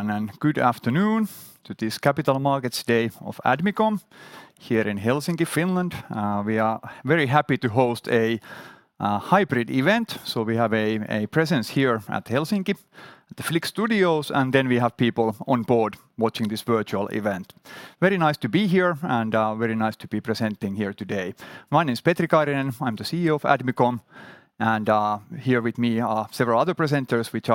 Hello everyone, and good afternoon to this Capital Markets Day of Admicom here in Helsinki, Finland. We are very happy to host a hybrid event, so we have a presence here at Helsinki at the Flik Studios, and then we have people on board watching this virtual event. Very nice to be here and very nice to be presenting here today. My name is Petri Kairinen. I'm the CEO of Admicom and here with me are several other presenters, which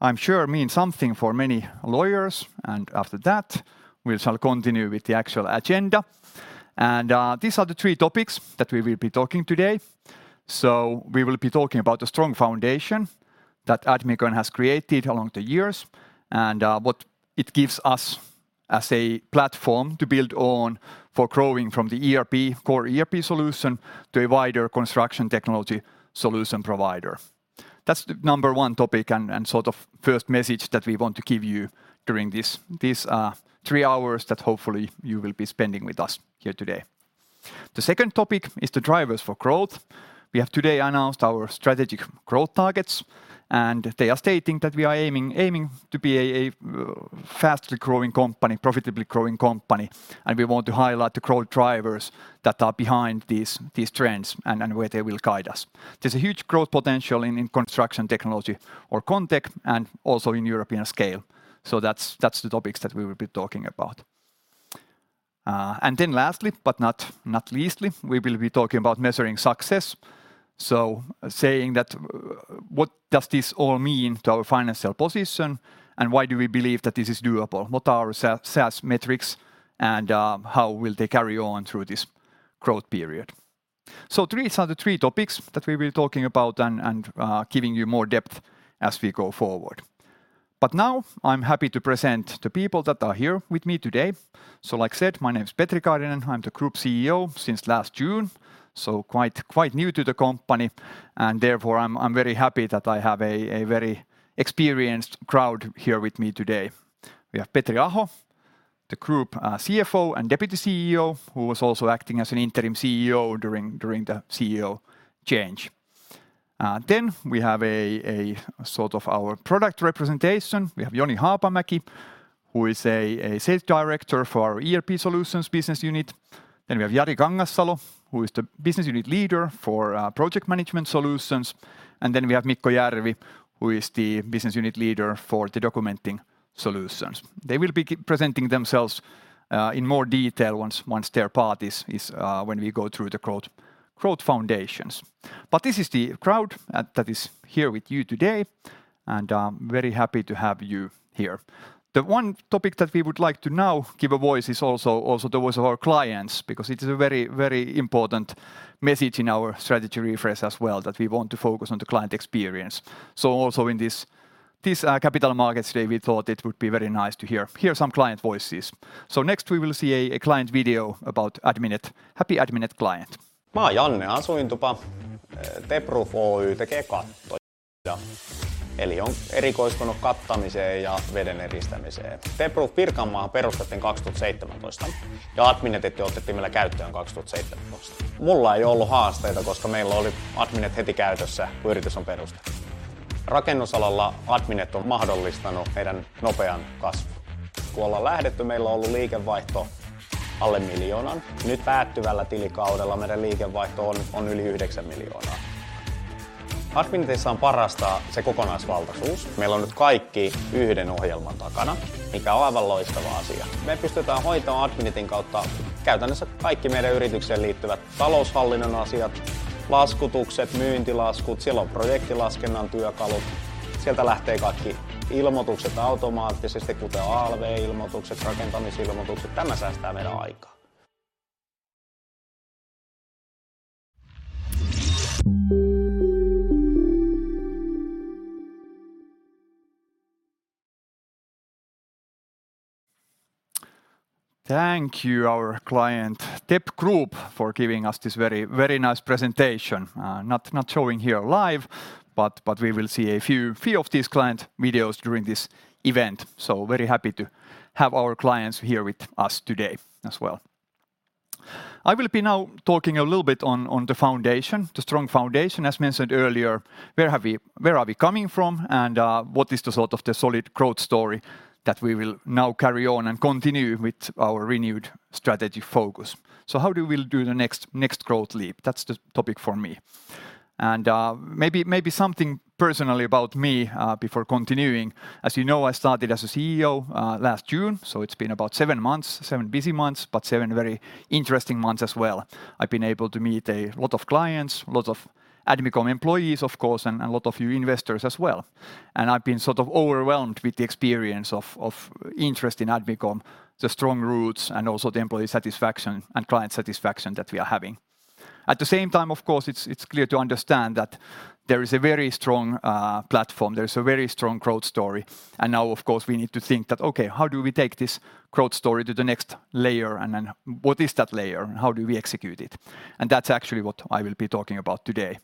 I'm sure mean something for many lawyers, and after that we shall continue with the actual agenda. These are the three topics that we will be talking today. We will be talking about the strong foundation that Admicom has created along the years and what it gives us as a platform to build on for growing from the core ERP solution to a wider construction technology solution provider. That's the number one topic and sort of first message that we want to give you during these three hours that hopefully you will be spending with us here today. The second topic is the drivers for growth. We have today announced our strategic growth targets, they are stating that we are aiming to be a fast-growing company, profitably growing company, and we want to highlight the growth drivers that are behind these trends and where they will guide us. There's a huge growth potential in construction technology or ConTech, also in European scale. That's the topics that we will be talking about. Lastly but not leastly, we will be talking about measuring success. Saying that what does this all mean to our financial position, and why do we believe that this is doable? What are SaaS metrics and, how will they carry on through this growth period? These are the three topics that we will be talking about and giving you more depth as we go forward. Now I'm happy to present the people that are here with me today. Like I said, my name is Petri Kairinen. I'm the Group CEO since last June, quite new to the company. Therefore I'm very happy that I have a very experienced crowd here with me today. We have Petri Aho, the group CFO and Deputy CEO, who was also acting as an interim CEO during the CEO change. We have a sort of our product representation. We have Joni Haapamäki, who is a Sales Director for our ERP Solutions business unit. We have Jari Kangassalo, who is the Business Unit Leader for project management solutions. We have Mikko Järvi, who is the Business Unit Leader for the documenting solutions. They will be presenting themselves in more detail once their part is when we go through the growth foundations. This is the crowd that is here with you today, and I'm very happy to have you here. The one topic that we would like to now give a voice is also the voice of our clients because it is a very important message in our strategy refresh as well that we want to focus on the client experience. Also in this Capital Markets Day, we thought it would be very nice to hear some client voices. Next we will see a client video about Adminet. Happy Adminet client. Thank you, our client TEP Group, for giving us this very nice presentation. Not showing here live, but we will see a few of these client videos during this event. Very happy to have our clients here with us today as well. I will be now talking a little bit on the foundation, the strong foundation. As mentioned earlier, where are we coming from, what is the sort of the solid growth story that we will now carry on and continue with our renewed strategy focus? How do we'll do the next growth leap? That's the topic for me. Maybe something personally about me before continuing. As you know, I started as a CEO last June, it's been about seven months, seven busy months, seven very interesting months as well. I've been able to meet a lot of clients, lots of Admicom employees, of course, and a lot of you investors as well. I've been sort of overwhelmed with the experience of interest in Admicom, the strong roots, and also the employee satisfaction and client satisfaction that we are having. At the same time, of course, it's clear to understand that there is a very strong platform, there is a very strong growth story. Now of course we need to think that, okay, how do we take this growth story to the next layer? What is that layer and how do we execute it? That's actually what I will be talking about today.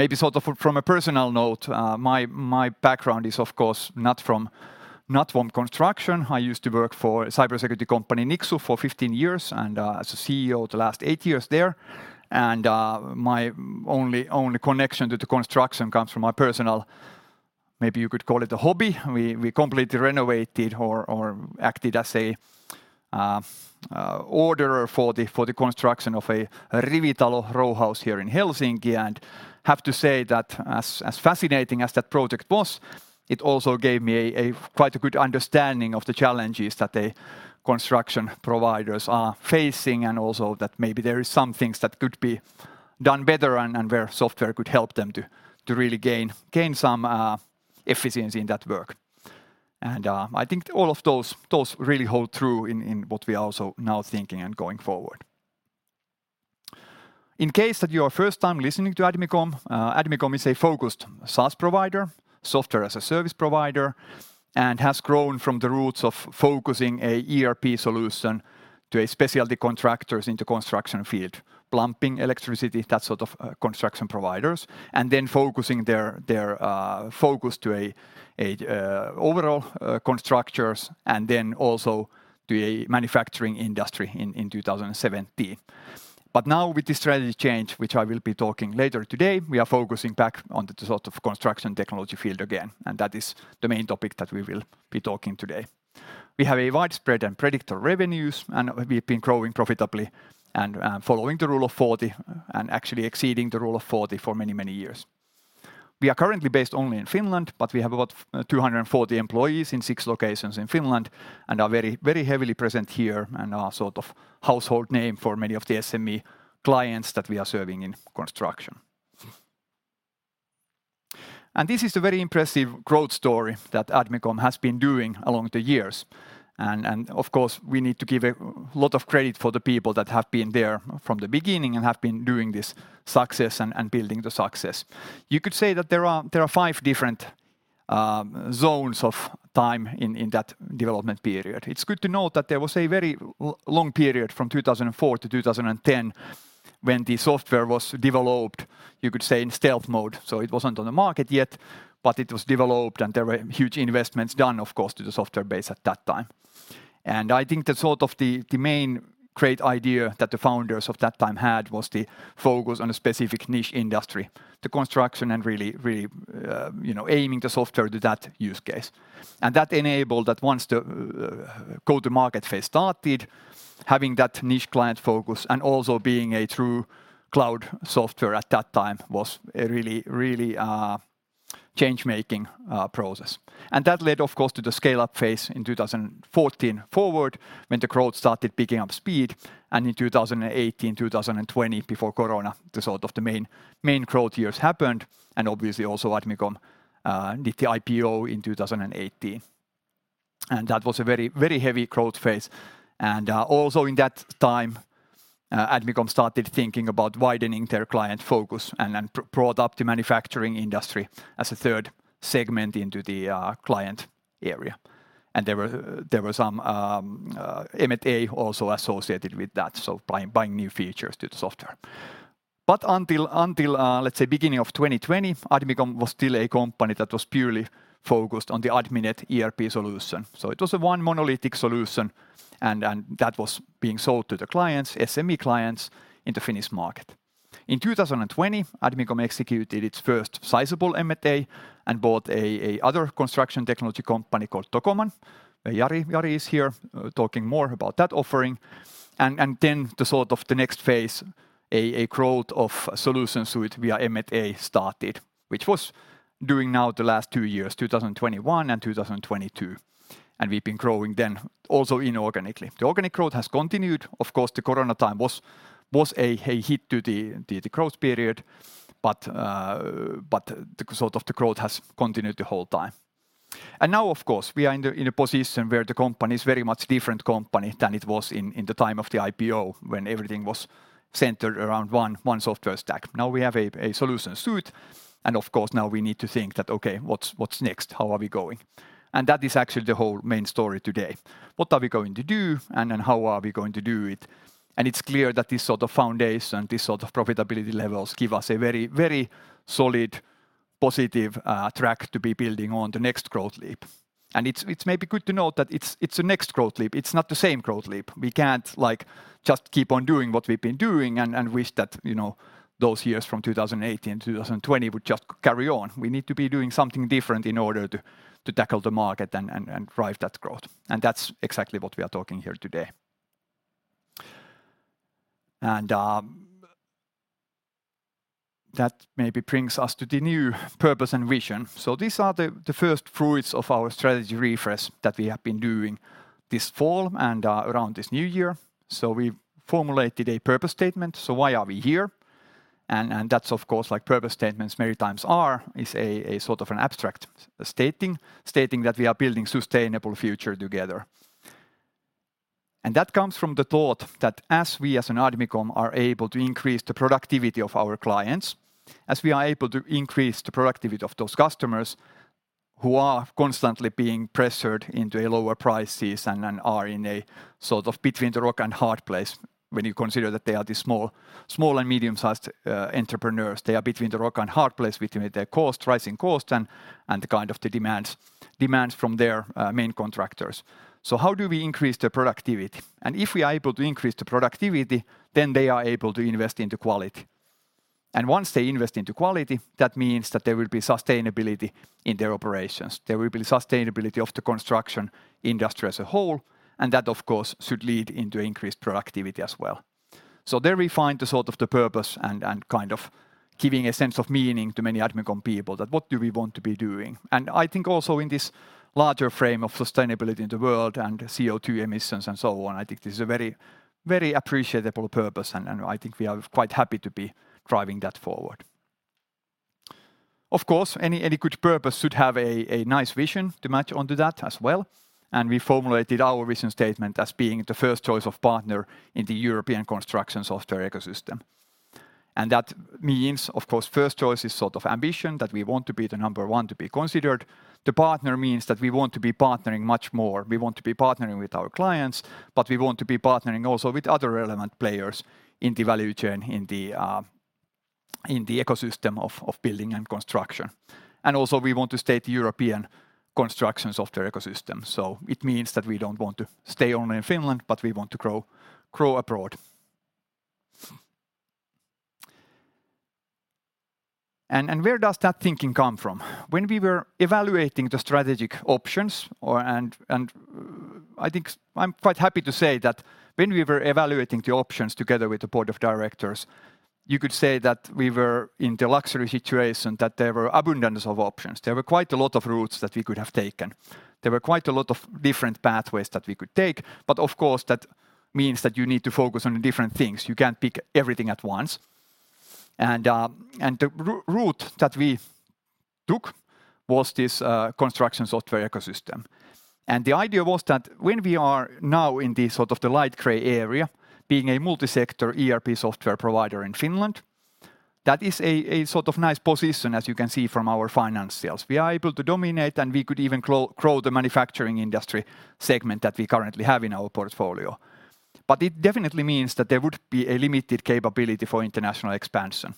Maybe sort of from a personal note, my background is of course not from, not from construction. I used to work for a cybersecurity company, Nixu, for 15 years, as a CEO the last eight years there. My only connection to the construction comes from my personal, maybe you could call it a hobby. We completely renovated or acted as a orderer for the construction of a rivitalo row house here in Helsinki. Have to say that as fascinating as that project was, it also gave me a quite a good understanding of the challenges that the construction providers are facing and also that maybe there is some things that could be done better and where software could help them to really gain some efficiency in that work. I think all of those really hold true in what we are also now thinking and going forward. In case that you are first-time listening to Admicom is a focused SaaS provider, software as a service provider, and has grown from the roots of focusing an ERP solution to specialty contractors in the construction field. Plumbing, electricity, that sort of construction providers, focusing their focus to an overall constructors and also to a manufacturing industry in 2017. Now with the strategy change, which I will be talking later today, we are focusing back on the sort of construction technology field again, and that is the main topic that we will be talking today. We have a widespread and predictor revenues, we've been growing profitably and following the Rule of Forty and actually exceeding the Rule of Forty for many, many years. We are currently based only in Finland, but we have about 240 employees in six locations in Finland and are very, very heavily present here and are sort of household name for many of the SME clients that we are serving in construction. This is a very impressive growth story that Admicom has been doing along the years. Of course, we need to give a lot of credit for the people that have been there from the beginning and have been doing this success and building the success. You could say that there are five different zones of time in that development period. It's good to note that there was a very long period from 2004 to 2010 when the software was developed, you could say, in stealth mode. It wasn't on the market yet, but it was developed and there were huge investments done, of course, to the software base at that time. I think the sort of the main great idea that the founders of that time had was the focus on a specific niche industry, the construction, and really, really, you know, aiming the software to that use case. That enabled that once the go-to-market phase started, having that niche client focus and also being a true cloud software at that time was a really, really, change-making process. That led, of course, to the scale-up phase in 2014 forward, when the growth started picking up speed. In 2018, 2020, before corona, the sort of the main growth years happened, and obviously also Admicom did the IPO in 2018. That was a very heavy growth phase. Also in that time Admicom started thinking about widening their client focus and then brought up the manufacturing industry as a third segment into the client area. There were some M&A also associated with that, so buying new features to the software. Until, let's say, beginning of 2020, Admicom was still a company that was purely focused on the Adminet ERP solution. It was a one monolithic solution, and that was being sold to the clients, SME clients, in the Finnish market. In 2020, Admicom executed its first sizable M&A and bought a other construction technology company called Tocoman. Jari is here talking more about that offering. The sort of the next phase, a growth of solutions suite via M&A started, which was during now the last two years, 2021 and 2022. We've been growing then also inorganically. The organic growth has continued. Of course, the corona time was a hit to the growth period. The sort of the growth has continued the whole time. Now of course, we are in a position where the company is very much different company than it was in the time of the IPO when everything was centered around one software stack. Now we have a solution suite. Of course now we need to think that, okay, what's next? How are we going? That is actually the whole main story today. What are we going to do and then how are we going to do it? It's clear that this sort of foundation, this sort of profitability levels give us a very, very solid positive track to be building on the next growth leap. It's maybe good to note that it's a next growth leap. It's not the same growth leap. We can't like just keep on doing what we've been doing and wish that, you know, those years from 2018 to 2020 would just carry on. We need to be doing something different in order to tackle the market and drive that growth. That's exactly what we are talking here today. That maybe brings us to the new purpose and vision. These are the first fruits of our strategy refresh that we have been doing this fall and around this new year. We formulated a purpose statement, why are we here? That's of course like purpose statements many times are, is a sort of an abstract stating. Stating that we are building sustainable future together. That comes from the thought that as we as an Admicom are able to increase the productivity of our clients, as we are able to increase the productivity of those customers who are constantly being pressured into a lower prices and are in a sort of between the rock and hard place when you consider that they are the small and medium-sized entrepreneurs. They are between the rock and hard place between their cost, rising cost and the kind of the demands from their main contractors. How do we increase their productivity? If we are able to increase the productivity, then they are able to invest into quality. Once they invest into quality, that means that there will be sustainability in their operations. There will be sustainability of the construction industry as a whole, and that of course should lead into increased productivity as well. There we find the sort of the purpose and kind of giving a sense of meaning to many Admicom people that what do we want to be doing. I think also in this larger frame of sustainability in the world and CO2 emissions and so on, I think this is a very, very appreciable purpose, I think we are quite happy to be driving that forward. Of course, any good purpose should have a nice vision to match onto that as well, we formulated our vision statement as being the first choice of partner in the European construction software ecosystem. That means, of course, first choice is sort of ambition, that we want to be the number one to be considered. The partner means that we want to be partnering much more. We want to be partnering with our clients, we want to be partnering also with other relevant players in the value chain, in the ecosystem of building and construction. Also we want to state European construction software ecosystem, so it means that we don't want to stay only in Finland, but we want to grow abroad. Where does that thinking come from? When we were evaluating the strategic options or. I think I'm quite happy to say that when we were evaluating the options together with the board of directors, you could say that we were in the luxury situation that there were abundance of options. There were quite a lot of routes that we could have taken. There were quite a lot of different pathways that we could take. Of course, that means that you need to focus on different things. You can't pick everything at once. The route that we took was this construction software ecosystem. The idea was that when we are now in the sort of the light gray area, being a multi-sector ERP software provider in Finland, that is a sort of nice position as you can see from our finance sales. We are able to dominate, and we could even grow the manufacturing industry segment that we currently have in our portfolio. It definitely means that there would be a limited capability for international expansion.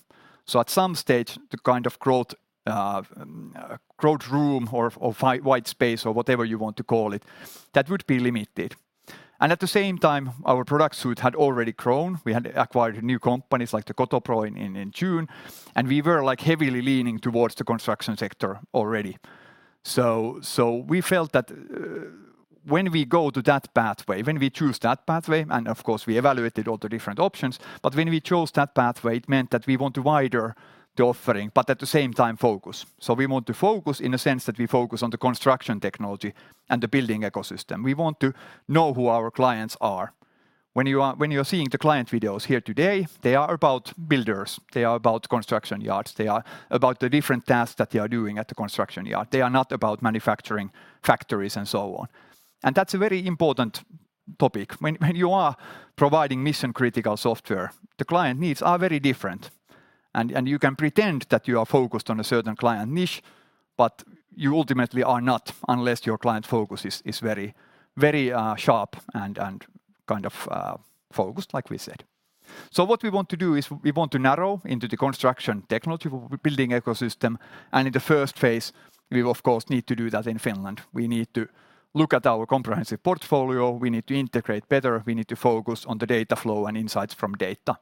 At some stage, the kind of growth room or white space or whatever you want to call it, that would be limited. At the same time, our product suite had already grown. We had acquired new companies like the Kotopro in June, and we were like heavily leaning towards the construction sector already. We felt that, when we go to that pathway, when we choose that pathway, and of course we evaluated all the different options, but when we chose that pathway, it meant that we want to wider the offering, but at the same time focus. We want to focus in a sense that we focus on the construction technology and the building ecosystem. We want to know who our clients are. When you are seeing the client videos here today, they are about builders. They are about construction yards. They are about the different tasks that they are doing at the construction yard. They are not about manufacturing factories and so on. That's a very important topic. When, when you are providing mission-critical software, the client needs are very different. You can pretend that you are focused on a certain client niche, but you ultimately are not unless your client focus is very, very sharp and kind of focused like we said. What we want to do is we want to narrow into the construction technology with building ecosystem, and in the first phase, we of course need to do that in Finland. We need to look at our comprehensive portfolio. We need to integrate better. We need to focus on the data flow and insights from data.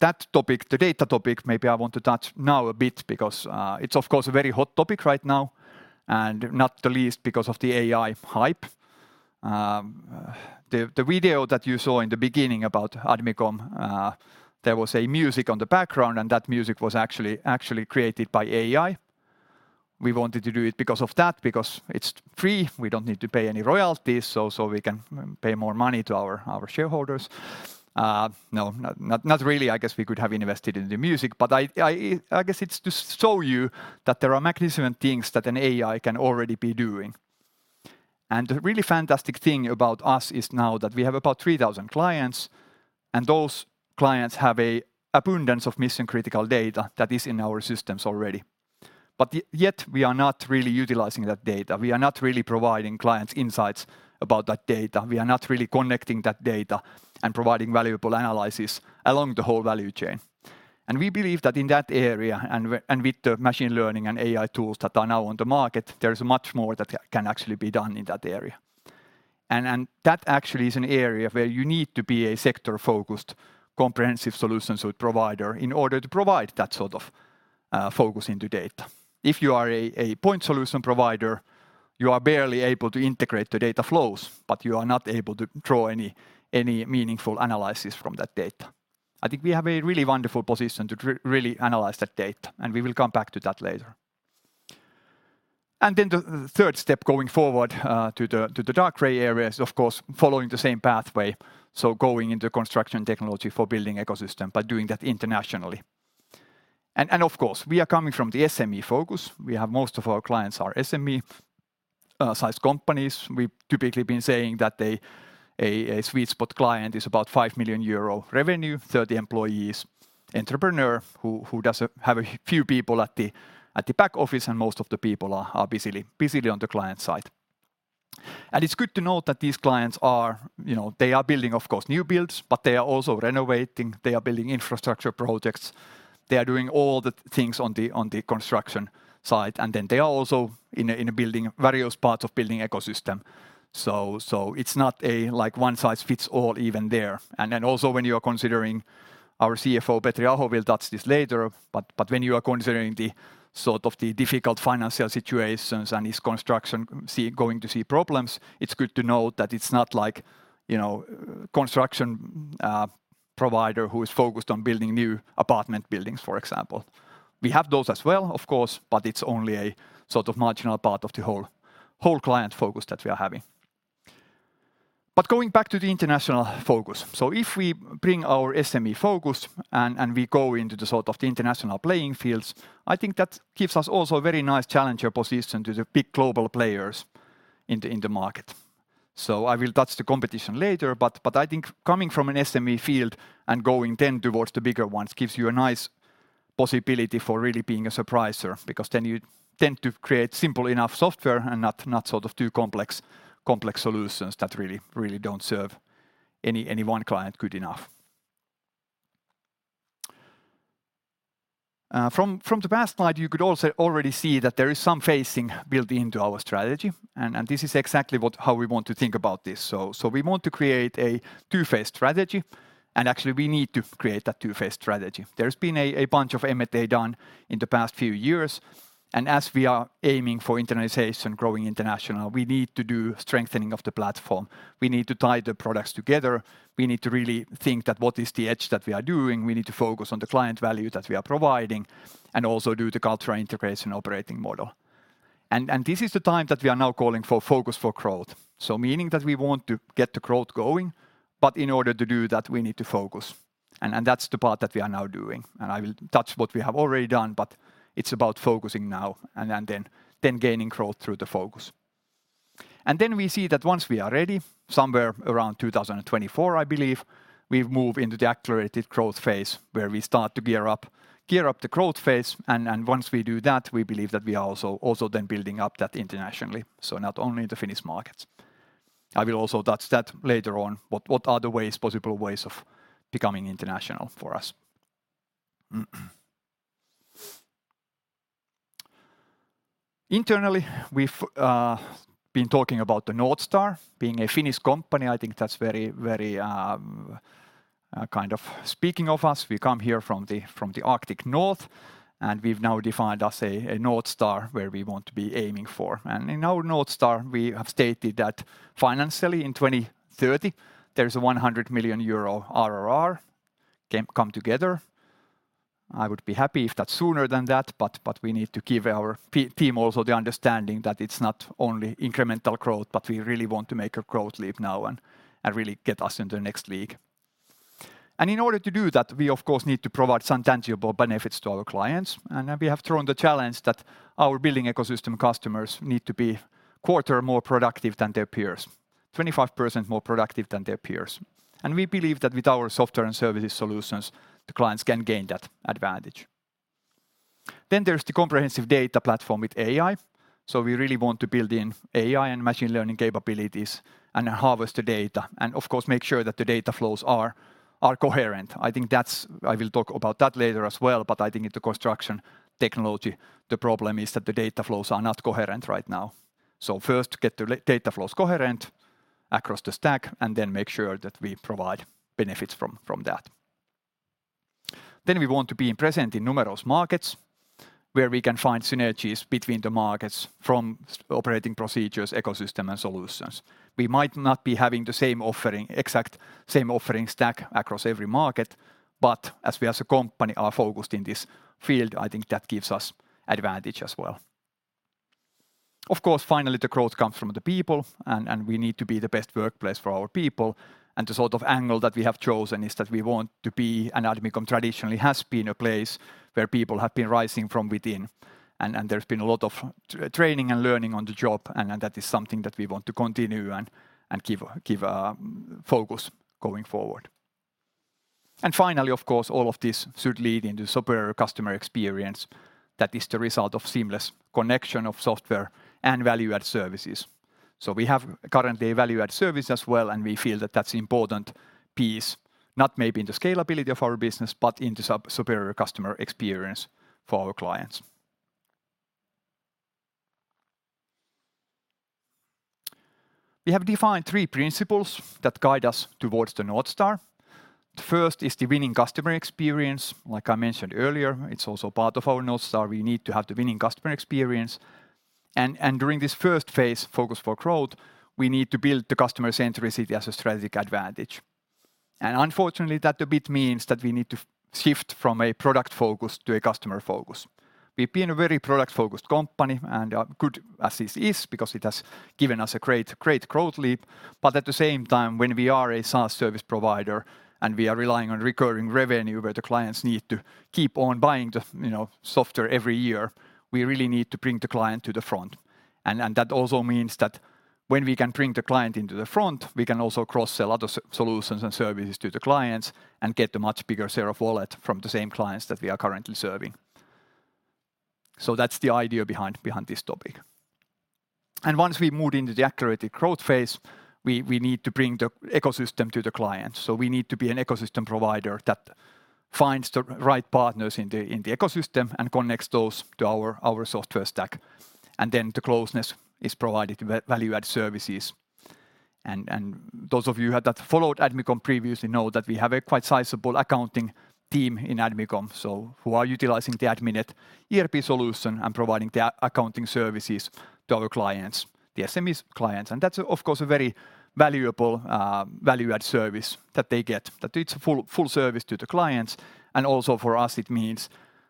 That topic, the data topic, maybe I want to touch now a bit because it's of course a very hot topic right now, and not the least because of the AI hype. The video that you saw in the beginning about Admicom, there was a music on the background, and that music was actually created by AI. We wanted to do it because of that, because it's free. We don't need to pay any royalties, so we can pay more money to our shareholders. No, not really. I guess we could have invested in the music. I guess it's to show you that there are magnificent things that an AI can already be doing. The really fantastic thing about us is now that we have about 3,000 clients, and those clients have a abundance of mission-critical data that is in our systems already. Yet we are not really utilizing that data. We are not really providing clients insights about that data. We are not really connecting that data and providing valuable analysis along the whole value chain. We believe that in that area, and with the machine learning and AI tools that are now on the market, there is much more that can actually be done in that area. That actually is an area where you need to be a sector-focused comprehensive solutions provider in order to provide that sort of focus into data. If you are a point solution provider, you are barely able to integrate the data flows, but you are not able to draw any meaningful analysis from that data. I think we have a really wonderful position to really analyze that data, and we will come back to that later. The third step going forward to the dark gray area is, of course, following the same pathway. Going into construction technology for building ecosystem, but doing that internationally. Of course, we are coming from the SME focus. We have most of our clients are SME size companies. We've typically been saying that a sweet spot client is about 5 million euro revenue, 30 employees, entrepreneur who does have a few people at the back office and most of the people are busily on the client side. It's good to note that these clients are, you know, they are building, of course, new builds, but they are also renovating. They are building infrastructure projects. They are doing all the things on the construction side. They are also in a various parts of building ecosystem. It's not a, like, one-size-fits-all even there. Also when you are considering our CFO, Petri Aho, will touch this later, but when you are considering the sort of the difficult financial situations and is construction going to see problems, it's good to know that it's not like, you know, construction provider who is focused on building new apartment buildings, for example. We have those as well, of course, but it's only a sort of marginal part of the whole client focus that we are having. Going back to the international focus. If we bring our SME focus and we go into the sort of the international playing fields, I think that gives us also a very nice challenger position to the big global players in the market. I will touch the competition later, but I think coming from an SME field and going then towards the bigger ones gives you a nice possibility for really being a surpriser because then you tend to create simple enough software and not sort of too complex solutions that really don't serve any one client good enough. From the past slide, you could also already see that there is some phasing built into our strategy and this is exactly how we want to think about this. We want to create a two-phase strategy. Actually, we need to create that two-phase strategy. There's been a bunch of M&A done in the past few years. As we are aiming for internationalization, growing international, we need to do strengthening of the platform. We need to tie the products together. We need to really think that what is the edge that we are doing. We need to focus on the client value that we are providing. Also do the cultural integration operating model. This is the time that we are now calling for focus for growth. Meaning that we want to get the growth going, but in order to do that, we need to focus. That's the part that we are now doing. I will touch what we have already done, but it's about focusing now and then gaining growth through the focus. We see that once we are ready, somewhere around 2024, I believe, we move into the accelerated growth phase where we start to gear up the growth phase and, once we do that, we believe that we are also then building up that internationally, so not only in the Finnish markets. I will also touch that later on, what are the ways, possible ways of becoming international for us. Internally, we've been talking about the North Star. Being a Finnish company, I think that's very, very kind of speaking of us. We come here from the Arctic North, we've now defined as a North Star where we want to be aiming for. In our North Star, we have stated that financially in 2030, there is a 100 million euro RR come together. I would be happy if that's sooner than that, but we need to give our team also the understanding that it's not only incremental growth, but we really want to make a growth leap now and really get us into the next league. In order to do that, we of course need to provide some tangible benefits to our clients. We have thrown the challenge that our building ecosystem customers need to be quarter more productive than their peers, 25% more productive than their peers. We believe that with our software and services solutions, the clients can gain that advantage. There's the comprehensive data platform with AI. We really want to build in AI and machine learning capabilities and harvest the data, and of course, make sure that the data flows are coherent. I think I will talk about that later as well, but I think in the construction technology, the problem is that the data flows are not coherent right now. First, get the data flows coherent across the stack, and then make sure that we provide benefits from that. We want to be present in numerous markets where we can find synergies between the markets from operating procedures, ecosystem and solutions. We might not be having the same offering, exact same offering stack across every market, but as we as a company are focused in this field, I think that gives us advantage as well. Of course, finally, the growth comes from the people and we need to be the best workplace for our people. The sort of angle that we have chosen is that we want to be, and Admicom traditionally has been a place where people have been rising from within and there's been a lot of training and learning on the job and that is something that we want to continue and keep focus going forward. Finally, of course, all of this should lead into superior customer experience that is the result of seamless connection of software and value-add services. We have currently value-add service as well, and we feel that that's important piece, not maybe in the scalability of our business, but in the superior customer experience for our clients. We have defined three principles that guide us towards the North Star. The first is the winning customer experience. Like I mentioned earlier, it's also part of our North Star. We need to have the winning customer experience. During this first phase, Focus for Growth, we need to build the customer centricity as a strategic advantage. Unfortunately, that a bit means that we need to shift from a product focus to a customer focus. We've been a very product-focused company, and good as this is because it has given us a great growth leap. At the same time, when we are a SaaS service provider and we are relying on recurring revenue where the clients need to keep on buying the, you know, software every year, we really need to bring the client to the front. That also means that when we can bring the client into the front, we can also cross a lot of solutions and services to the clients and get a much bigger share of wallet from the same clients that we are currently serving. That's the idea behind this topic. Once we move into the Accelerated Growth phase, we need to bring the ecosystem to the client. We need to be an ecosystem provider that finds the right partners in the ecosystem and connects those to our software stack. Then the closeness is provided via value-add services. Those of you had that followed Admicom previously know that we have a quite sizable accounting team in Admicom, so who are utilizing the Adminet ERP solution and providing the accounting services to our clients, the SMEs clients. That's, of course, a very valuable value-add service that they get, that it's a full service to the clients. Also for us, it means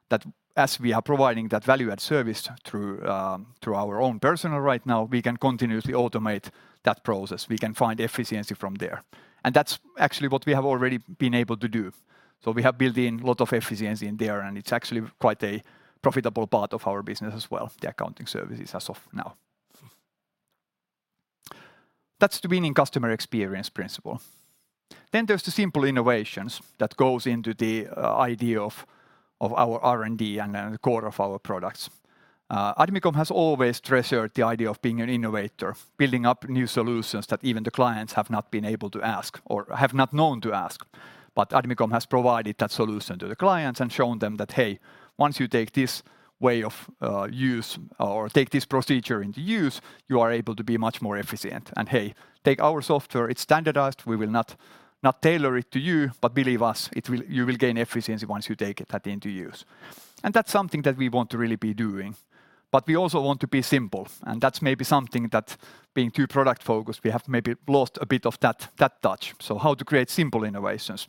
that as we are providing that value-add service through our own personnel right now, we can continuously automate that process. We can find efficiency from there. That's actually what we have already been able to do. We have built in a lot of efficiency in there, and it's actually quite a profitable part of our business as well, the accounting services as of now. That's the winning customer experience principle. There's the simple innovations that goes into the idea of our R&D and then the core of our products. Admicom has always treasured the idea of being an innovator, building up new solutions that even the clients have not been able to ask or have not known to ask. Admicom has provided that solution to the clients and shown them that, hey, once you take this way of use or take this procedure into use, you are able to be much more efficient. Hey, take our software, it's standardized. We will not tailor it to you, but believe us, you will gain efficiency once you take it that into use. That's something that we want to really be doing. We also want to be simple, and that's maybe something that being too product-focused, we have maybe lost a bit of that touch. How to create simple innovations?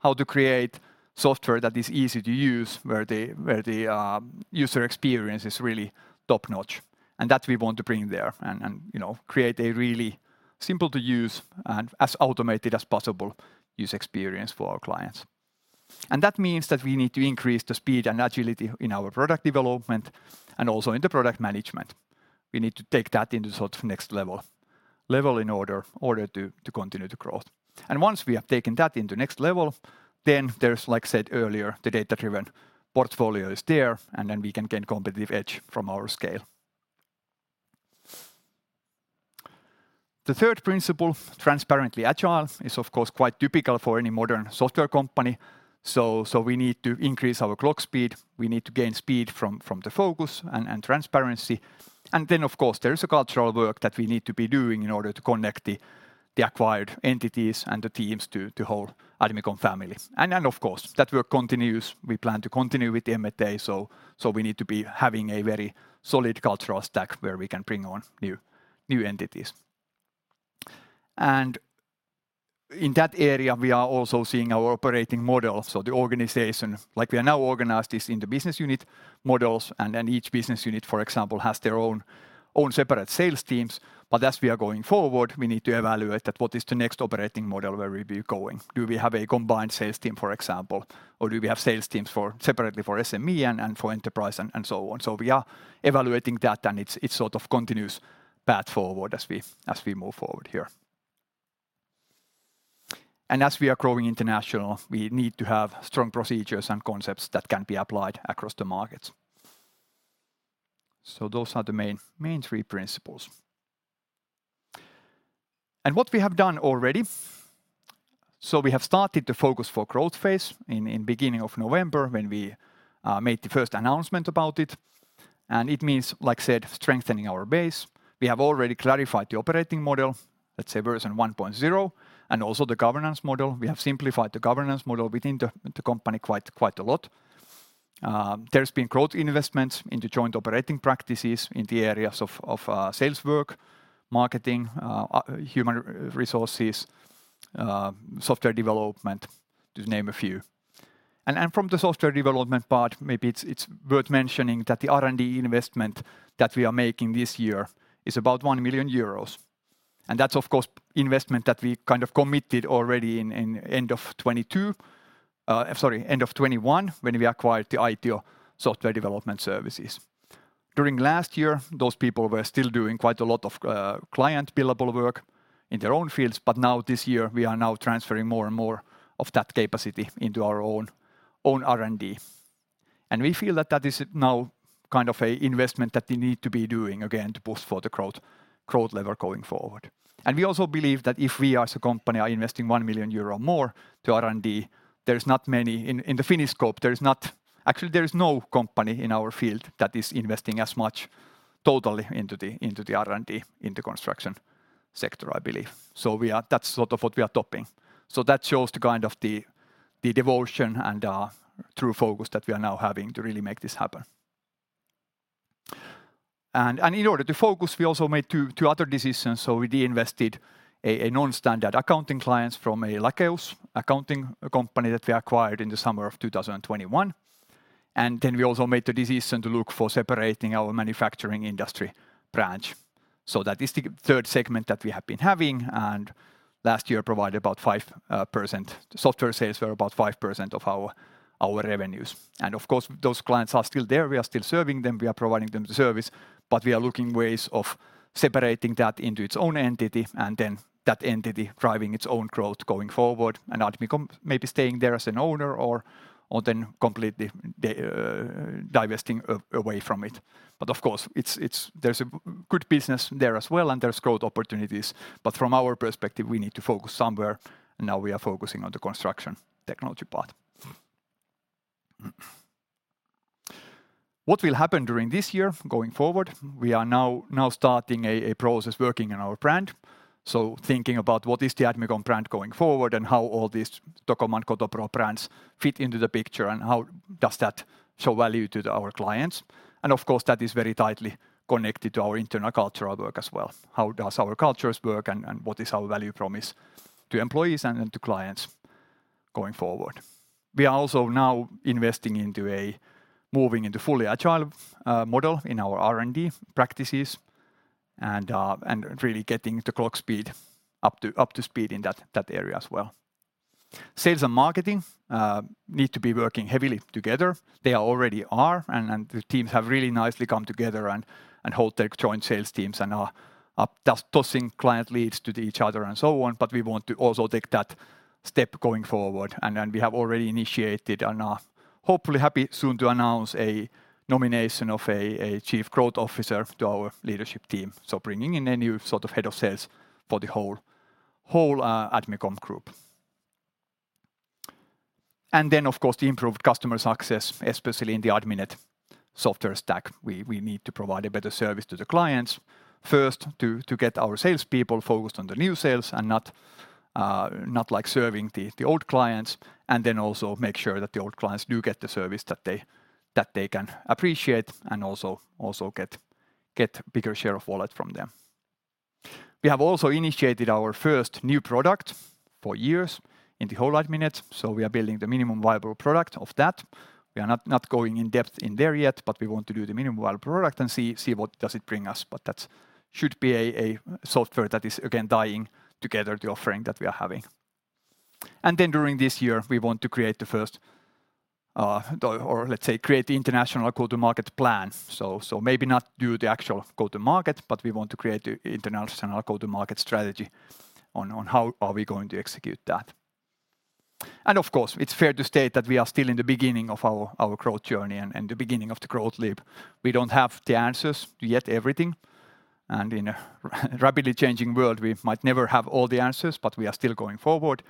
How to create software that is easy to use where the user experience is really top-notch? That we want to bring there and, you know, create a really simple to use and as automated as possible user experience for our clients. That means that we need to increase the speed and agility in our product development and also in the product management. We need to take that into sort of next level in order to continue to grow. Once we have taken that into next level, then there's, like I said earlier, the data-driven portfolio is there, and then we can gain competitive edge from our scale. The third principle, Transparently Agile, is of course, quite typical for any modern software company. we need to increase our clock speed. We need to gain speed from the focus and transparency. of course, there is a cultural work that we need to be doing in order to connect the acquired entities and the teams to whole Admicom family. of course, that work continues. We plan to continue with the M&A. we need to be having a very solid cultural stack where we can bring on new entities. in that area, we are also seeing our operating model. the organization, like we are now organized, is in the business unit models, and then each business unit, for example, has their own separate sales teams. As we are going forward, we need to evaluate that what is the next operating model where we'll be going. Do we have a combined sales team, for example? Do we have sales teams for separately for SME and for enterprise and so on. We are evaluating that, and it's sort of continuous path forward as we move forward here. As we are growing international, we need to have strong procedures and concepts that can be applied across the markets. Those are the main three principles. What we have done already. We have started the Focus for Growth phase in beginning of November when we made the first announcement about it. It means, like I said, strengthening our base. We have already clarified the operating model. Let's say version 1.0. Also the governance model. We have simplified the governance model within the company quite a lot. There's been growth investments in the joint operating practices in the areas of sales work, marketing, human resources, software development, to name a few. From the software development part, maybe it's worth mentioning that the R&D investment that we are making this year is about 1 million euros. That's of course, investment that we kind of committed already in end of 2022, sorry, end of 2021 when we acquired the Aitio Software Development Services. During last year, those people were still doing quite a lot of client billable work in their own fields, but now this year we are now transferring more and more of that capacity into our own R&D. We feel that that is now kind of a investment that they need to be doing again to push for the growth lever going forward. We also believe that if we as a company are investing 1 million euro more to R&D, there's not many. In the Finnish scope, actually, there is no company in our field that is investing as much totally into the R&D in the construction sector, I believe. That's sort of what we are topping. That shows the kind of the devotion and true focus that we are now having to really make this happen. In order to focus, we also made two other decisions. We de-invested a non-standard accounting clients from a Lakeus accounting company that we acquired in the summer of 2021. Then we also made the decision to look for separating our manufacturing industry branch. That is the third segment that we have been having, and last year provided about 5%. The software sales were about 5% of our revenues. Of course, those clients are still there. We are still serving them. We are providing them the service, but we are looking ways of separating that into its own entity and then that entity driving its own growth going forward. Admicom maybe staying there as an owner or then completely divesting away from it. Of course it's—there's a good business there as well, and there's growth opportunities. From our perspective, we need to focus somewhere, and now we are focusing on the construction technology part. What will happen during this year going forward? We are now starting a process working on our brand. Thinking about what is the Admicom brand going forward and how all these Tocoman, Kotopro brands fit into the picture and how does that show value to our clients. Of course, that is very tightly connected to our internal cultural work as well. How does our cultures work and what is our value promise to employees and then to clients going forward? We are also now investing into moving into fully agile model in our R&D practices and really getting the clock speed up to speed in that area as well. Sales and marketing need to be working heavily together. They already are and the teams have really nicely come together and hold their joint sales teams and are toss-tossing client leads to each other and so on, but we want to also take that step going forward. We have already initiated and are hopefully happy soon to announce a nomination of a chief growth officer to our leadership team. Bringing in a new sort of head of sales for the whole Admicom Group. Of course, the improved customer success, especially in the Adminet software stack. We need to provide a better service to the clients. First to get our salespeople focused on the new sales and not like serving the old clients, also make sure that the old clients do get the service that they can appreciate and also get bigger share of wallet from them. We have also initiated our first new product for years in the whole Adminet. We are building the minimum viable product of that. We are not going in depth in there yet. We want to do the minimum viable product and see what does it bring us. That should be a software that is again tying together the offering that we are having. During this year we want to create the first, or let's say create the international go-to-market plan. Maybe not do the actual go-to-market, but we want to create the international go-to-market strategy on how are we going to execute that. Of course, it's fair to state that we are still in the beginning of our growth journey and the beginning of the growth leap. We don't have the answers yet, everything. In a rapidly changing world, we might never have all the answers, but we are still going forward.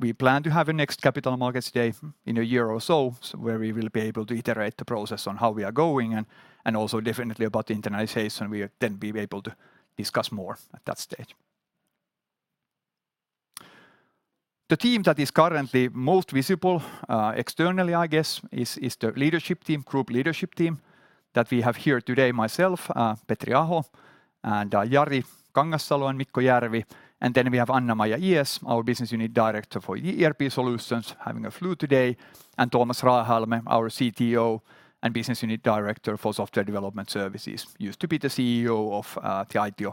We plan to have a next Capital Markets Day in a year or so, where we will be able to iterate the process on how we are going and also definitely about the internationalization. We'll then be able to discuss more at that stage. The team that is currently most visible, externally, I guess, is the leadership team, group leadership team that we have here today, myself, Petri Aho, and Jari Kangassalo, and Mikko Järvi. Then we have Anna-Maija Ijäs, our Business Unit Director for ERP Solutions, having a flu today. Tuomas Raahelma, our CTO and Business Unit Director for Software Development Services. Used to be the CEO of the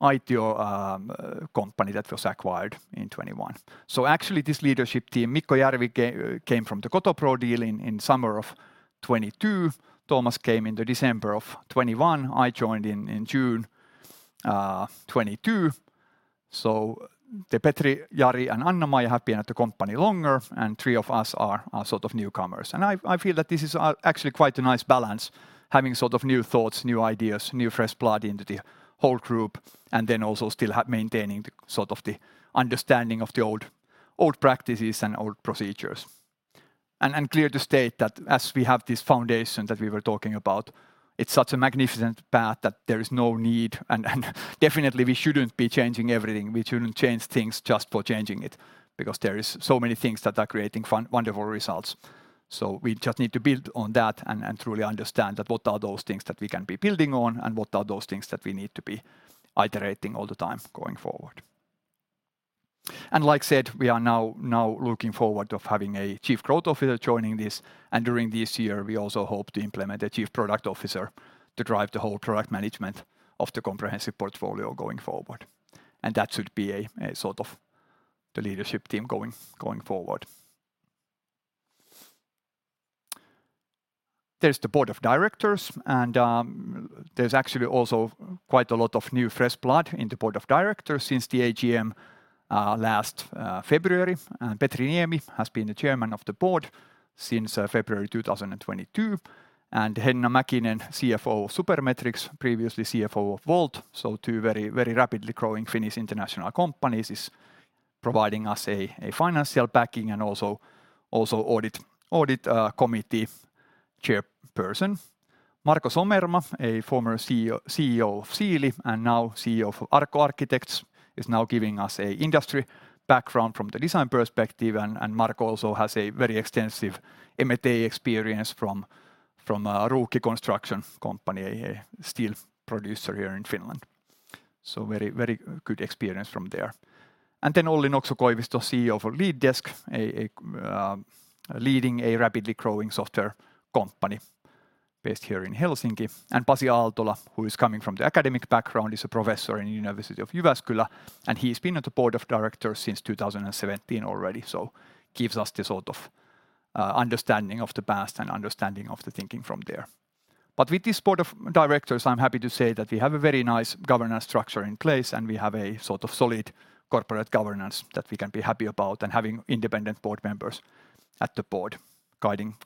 Aitio company that was acquired in 2021. Actually this leadership team, Mikko Järvi came from the Kotopro deal in summer of 2022. Tuomas came in December of 2021. I joined in June 2022. The Petri, Jari and Anna-Maija have been at the company longer, and three of us are sort of newcomers. I feel that this is actually quite a nice balance, having sort of new thoughts, new ideas, new fresh blood into the whole group, and then also still maintaining the, sort of the understanding of the old practices and old procedures. Clear to state that as we have this foundation that we were talking about, it's such a magnificent path that there is no need and definitely we shouldn't be changing everything. We shouldn't change things just for changing it because there is so many things that are creating fun-wonderful results. We just need to build on that and truly understand that what are those things that we can be building on and what are those things that we need to be iterating all the time going forward. Like said, we are now looking forward of having a chief growth officer joining this. During this year we also hope to implement a chief product officer to drive the whole product management of the comprehensive portfolio going forward. That should be a sort of the leadership team going forward. There's the board of directors and there's actually also quite a lot of new fresh blood in the board of directors since the AGM last February. Petri Niemi has been the chairman of the board since February 2022. Henna Mäkinen, CFO of Supermetrics, previously CFO of Wolt, so two very, very rapidly growing Finnish international companies, is providing us a financial backing and also audit committee chairperson. Marko Somerma, a former CEO of Siili and now CEO for ARKO Architects, is now giving us a industry background from the design perspective and Marko also has a very extensive M&A experience from Ruukki Construction Company, a steel producer here in Finland. Very good experience from there. Olli Nokso-Koivisto, CEO for LeadDesk, a leading a rapidly growing software company based here in Helsinki. Pasi Aaltola, who is coming from the academic background, is a professor in University of Jyväskylä, and he's been at the board of directors since 2017 already, gives us the sort of understanding of the past and understanding of the thinking from there. With this board of directors, I'm happy to say that we have a very nice governance structure in place, and we have a sort of solid corporate governance that we can be happy about and having independent board members at the board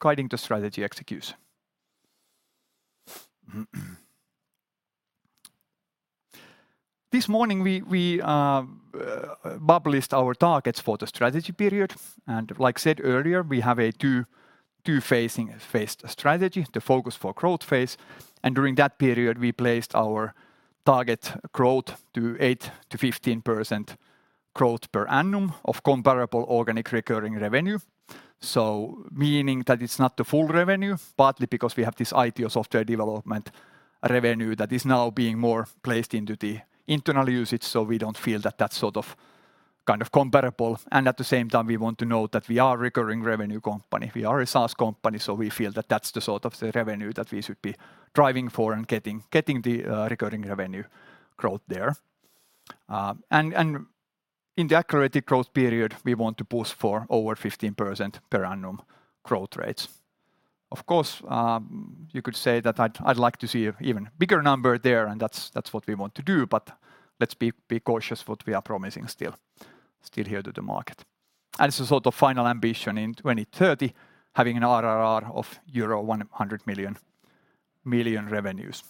guiding the strategy execution. This morning we published our targets for the strategy period, like said earlier, we have a two-phased strategy, the Focus for Growth phase. During that period, we placed our target growth to 8%-15% growth per annum of comparable organic recurring revenue, so meaning that it's not the full revenue, partly because we have this IT or software development revenue that is now being more placed into the internal usage, so we don't feel that that's sort of kind of comparable. At the same time, we want to note that we are a recurring revenue company. We are a SaaS company, we feel that that's the sort of the revenue that we should be driving for and getting the recurring revenue growth there. In the Accelerated Growth period, we want to push for over 15% per annum growth rates. Of course, you could say that I'd like to see an even bigger number there, and that's what we want to do, but let's be cautious what we are promising still here to the market. Sort of final ambition in 2030, having an ARR of euro 100 million revenues.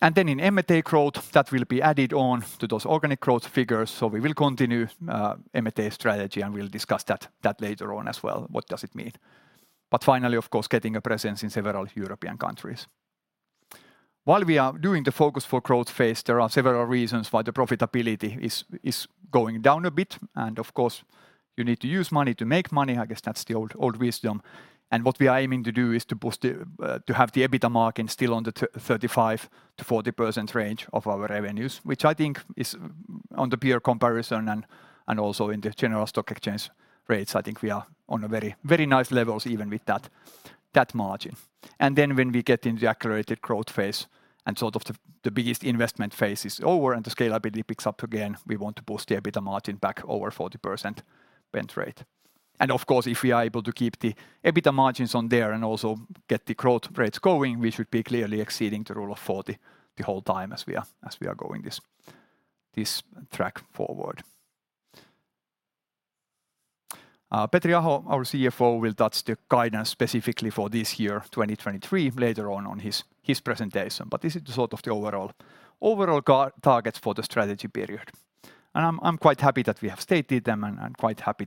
In M&A growth, that will be added on to those organic growth figures, so we will continue M&A strategy and we'll discuss that later on as well, what does it mean? Finally, of course, getting a presence in several European countries. While we are doing the Focus for Growth phase, there are several reasons why the profitability is going down a bit. Of course, you need to use money to make money. I guess that's the old wisdom. What we are aiming to do is to boost to have the EBITDA margin still on the 35%-40% range of our revenues, which I think is on the peer comparison and also in the general stock exchange rates, I think we are on a very, very nice levels even with that margin. When we get into Accelerated Growth phase and sort of the biggest investment phase is over and the scalability picks up again, we want to boost the EBITDA margin back over 40% band rate. Of course, if we are able to keep the EBITDA margins on there and also get the growth rates going, we should be clearly exceeding the Rule of Forty the whole time as we are going this track forward. Petri Aho, our CFO, will touch the guidance specifically for this year, 2023, later on his presentation. This is the sort of the overall go-targets for the strategy period. I'm quite happy that we have stated them and quite happy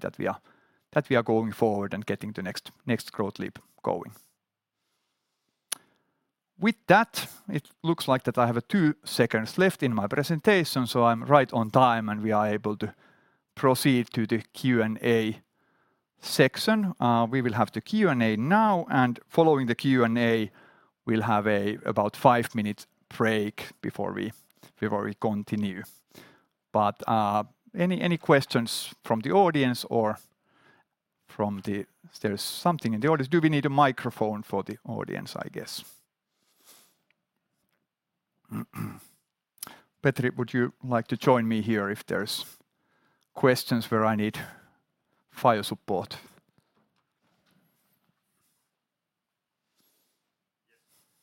that we are going forward and getting the next growth leap going. With that, it looks like that I have two seconds left in my presentation, so I'm right on time, and we are able to proceed to the Q&A section. We will have the Q&A now, and following the Q&A we'll have about five-minute break before we continue. Any questions from the audience? There's something in the audience. Do we need a microphone for the audience, I guess? Petri, would you like to join me here if there's questions where I need fire support? Yes.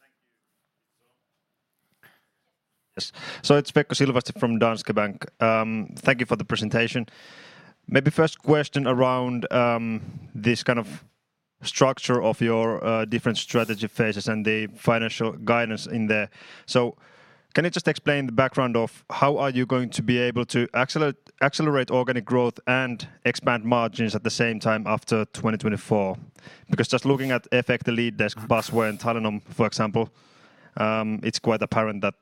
Thank you. It's on? Yes. It's Veikka-Pekka Silvasti from Danske Bank. Thank you for the presentation. Maybe first question around this kind of structure of your different strategy phases and the financial guidance in there. Can you just explain the background of how are you going to be able to accelerate organic growth and expand margins at the same time after 2024? Just looking at Efecte, the LeadDesk, Basware, and Talenom, for example, it's quite apparent that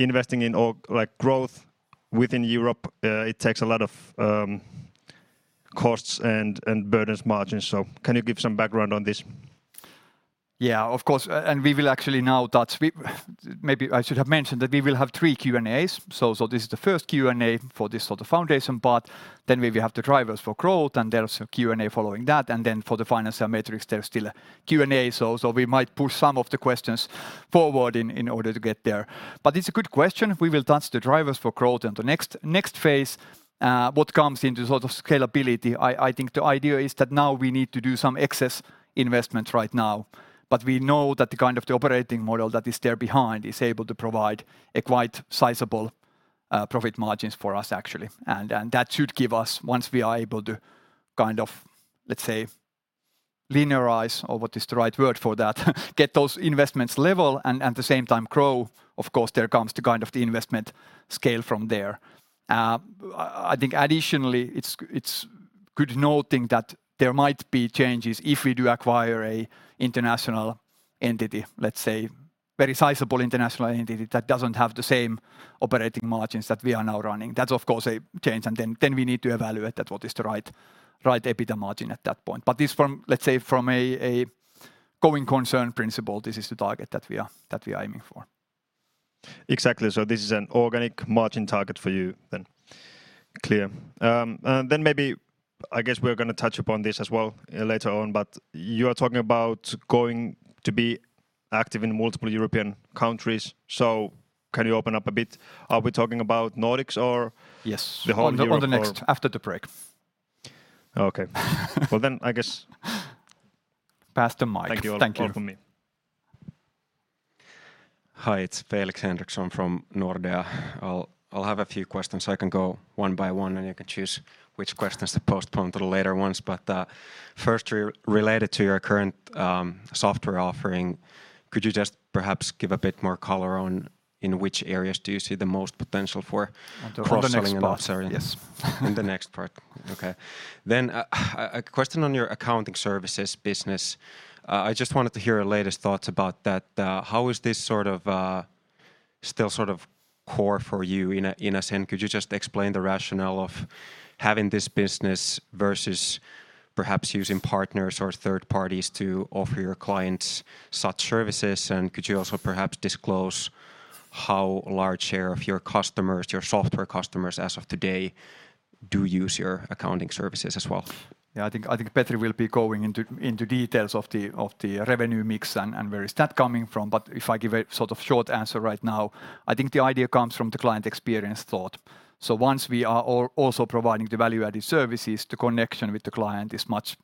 investing in like, growth within Europe, it takes a lot of costs and burdens margins. Can you give some background on this? Yeah, of course. We will actually now touch. Maybe I should have mentioned that we will have three Q&As. So, this is the first Q&A for this sort of foundation part. We will have the drivers for growth, there's a Q&A following that. For the financial metrics, there's still a Q&A. So, we might push some of the questions forward in order to get there. It's a good question. We will touch the drivers for growth in the next phase, what comes into sort of scalability. I think the idea is that now we need to do some excess investment right now, but we know that the kind of the operating model that is there behind is able to provide a quite sizable profit margins for us actually. That should give us, once we are able to kind of, let's say, linearize, or what is the right word for that, get those investments level and at the same time grow, of course, there comes the kind of the investment scale from there. I think additionally, it's good noting that there might be changes if we do acquire an international entity. Let's say very sizable international entity that doesn't have the same operating margins that we are now running. That's of course a change, and then we need to evaluate that what is the right EBITDA margin at that point. This from, let's say, from a going concern principle, this is the target that we are aiming for. Exactly. This is an organic margin target for you then. Clear. Maybe, I guess we're gonna touch upon this as well later on, but you are talking about going to be active in multiple European countries. Can you open up a bit? Are we talking about Nordics or the whole of Europe. Yes. On the next, after the break. Okay. Pass the mic. Thank you. Thank you, that's all for me. Hi, it's Felix Henriksson from Nordea. I'll have a few questions. I can go one by one, and you can choose which questions to postpone to the later ones. First, related to your current software offering, could you just perhaps give a bit more color on in which areas do you see the most potential for- On the next part. cross-selling and upselling? Yes. In the next part. Okay. A question on your accounting services business. I just wanted to hear your latest thoughts about that. How is this sort of, still sort of core for you in a, in a sense? Could you just explain the rationale of having this business versus perhaps using partners or third parties to offer your clients such services? Could you also perhaps disclose how large share of your customers, your software customers as of today do use your accounting services as well? Yeah. I think Petri will be going into details of the revenue mix and where is that coming from. If I give a sort of short answer right now, I think the idea comes from the client experience thought. Once we are also providing the value-added services, the connection with the client is much,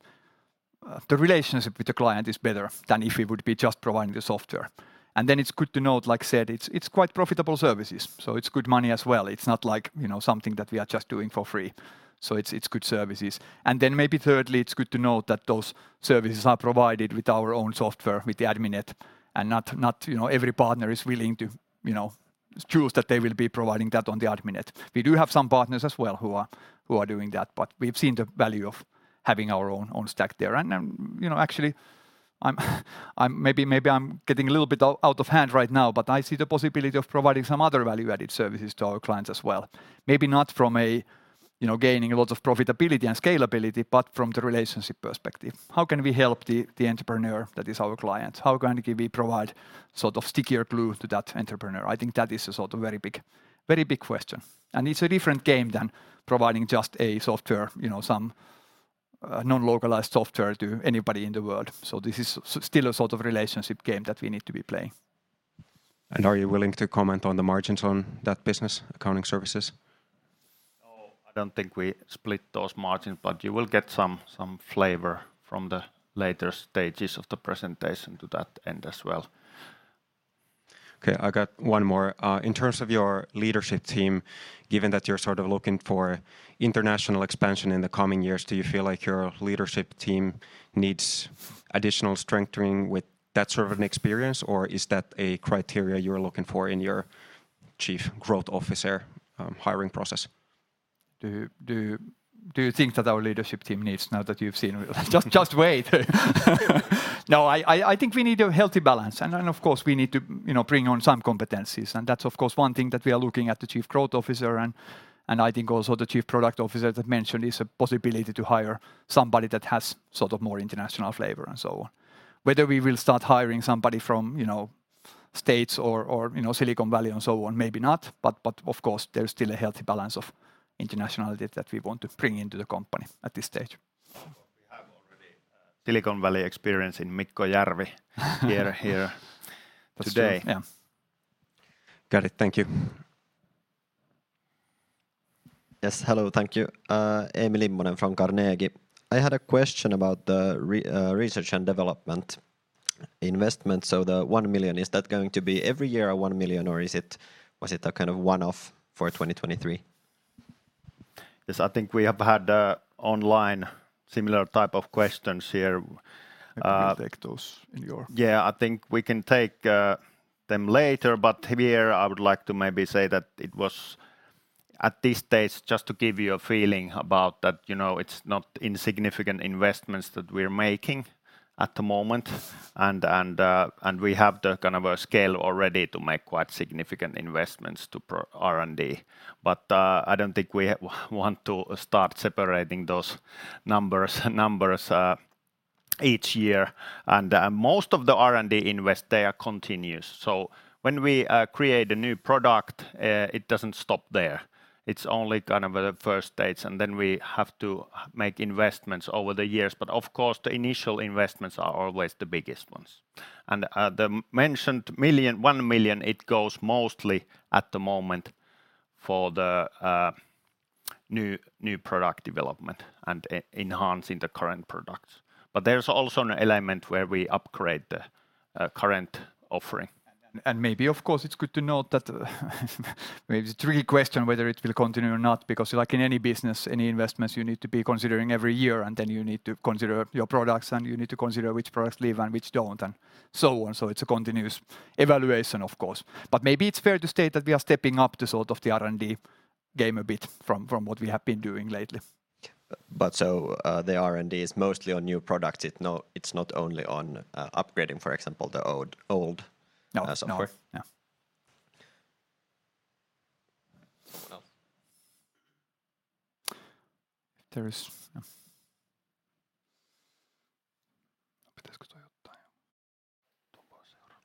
the relationship with the client is better than if we would be just providing the software. Then it's good to note, like I said, it's quite profitable services, so it's good money as well. It's not like, you know, something that we are just doing for free. It's good services. Maybe thirdly, it's good to note that those services are provided with our own software, with the Adminet, and not, you know, every partner is willing to, you know, choose that they will be providing that on the Adminet. We do have some partners as well who are doing that, but we've seen the value of having our own stack there. You know, actually I'm maybe I'm getting a little bit out of hand right now, but I see the possibility of providing some other value-added services to our clients as well. Maybe not from a, you know, gaining lots of profitability and scalability, but from the relationship perspective. How can we help the entrepreneur that is our client? How can we provide sort of stickier glue to that entrepreneur? I think that is a sort of very big, very big question. It's a different game than providing just a software, you know, some non-localized software to anybody in the world. This is still a sort of relationship game that we need to be playing. Are you willing to comment on the margins on that business, accounting services? I don't think we split those margins, but you will get some flavor from the later stages of the presentation to that end as well. Okay. I got one more. In terms of your leadership team, given that you're sort of looking for international expansion in the coming years, do you feel like your leadership team needs additional strengthening with that sort of an experience, or is that a criteria you're looking for in your chief growth officer, hiring process? Do you think that our leadership team needs now that you've seen, just wait. No, I think we need a healthy balance and of course, we need to, you know, bring on some competencies, and that's of course one thing that we are looking at the chief growth officer and I think also the chief product officer that mentioned is a possibility to hire somebody that has sort of more international flavor and so on. Whether we will start hiring somebody from, you know, States or, you know, Silicon Valley and so on, maybe not, but of course there's still a healthy balance of internationality that we want to bring into the company at this stage. We have already, Silicon Valley experience in Mikko Järvi here today. That's true. Yeah. Got it. Thank you. Yes. Hello, thank you. Emil Immonen from Carnegie. I had a question about the research and development investment. The 1 million, is that going to be every year 1 million or is it, was it a kind of one-off for 2023? Yes. I think we have had, online similar type of questions here. We take those in New York. Yeah. I think we can take them later, but here I would like to maybe say that it was at this stage just to give you a feeling about that, you know, it's not insignificant investments that we're making at the moment, and we have the kind of a scale already to make quite significant investments to R&D. I don't think we want to start separating those numbers each year and most of the R&D invest there continues. When we create a new product, it doesn't stop there. It's only kind of the first stage, and then we have to make investments over the years. Of course, the initial investments are always the biggest ones. The mentioned 1 million, it goes mostly at the moment for the new product development and enhancing the current products. There's also an element where we upgrade the current offering. Maybe of course it's good to note that maybe it's a tricky question whether it will continue or not, because like in any business, any investments you need to be considering every year, and then you need to consider your products, and you need to consider which products live and which don't and so on. It's a continuous evaluation of course. Maybe it's fair to state that we are stepping up the sort of the R&D game a bit from what we have been doing lately. The R&D is mostly on new products. It's not only on upgrading, for example, the old. No. -software? No. Yeah. Someone else? There is, yeah.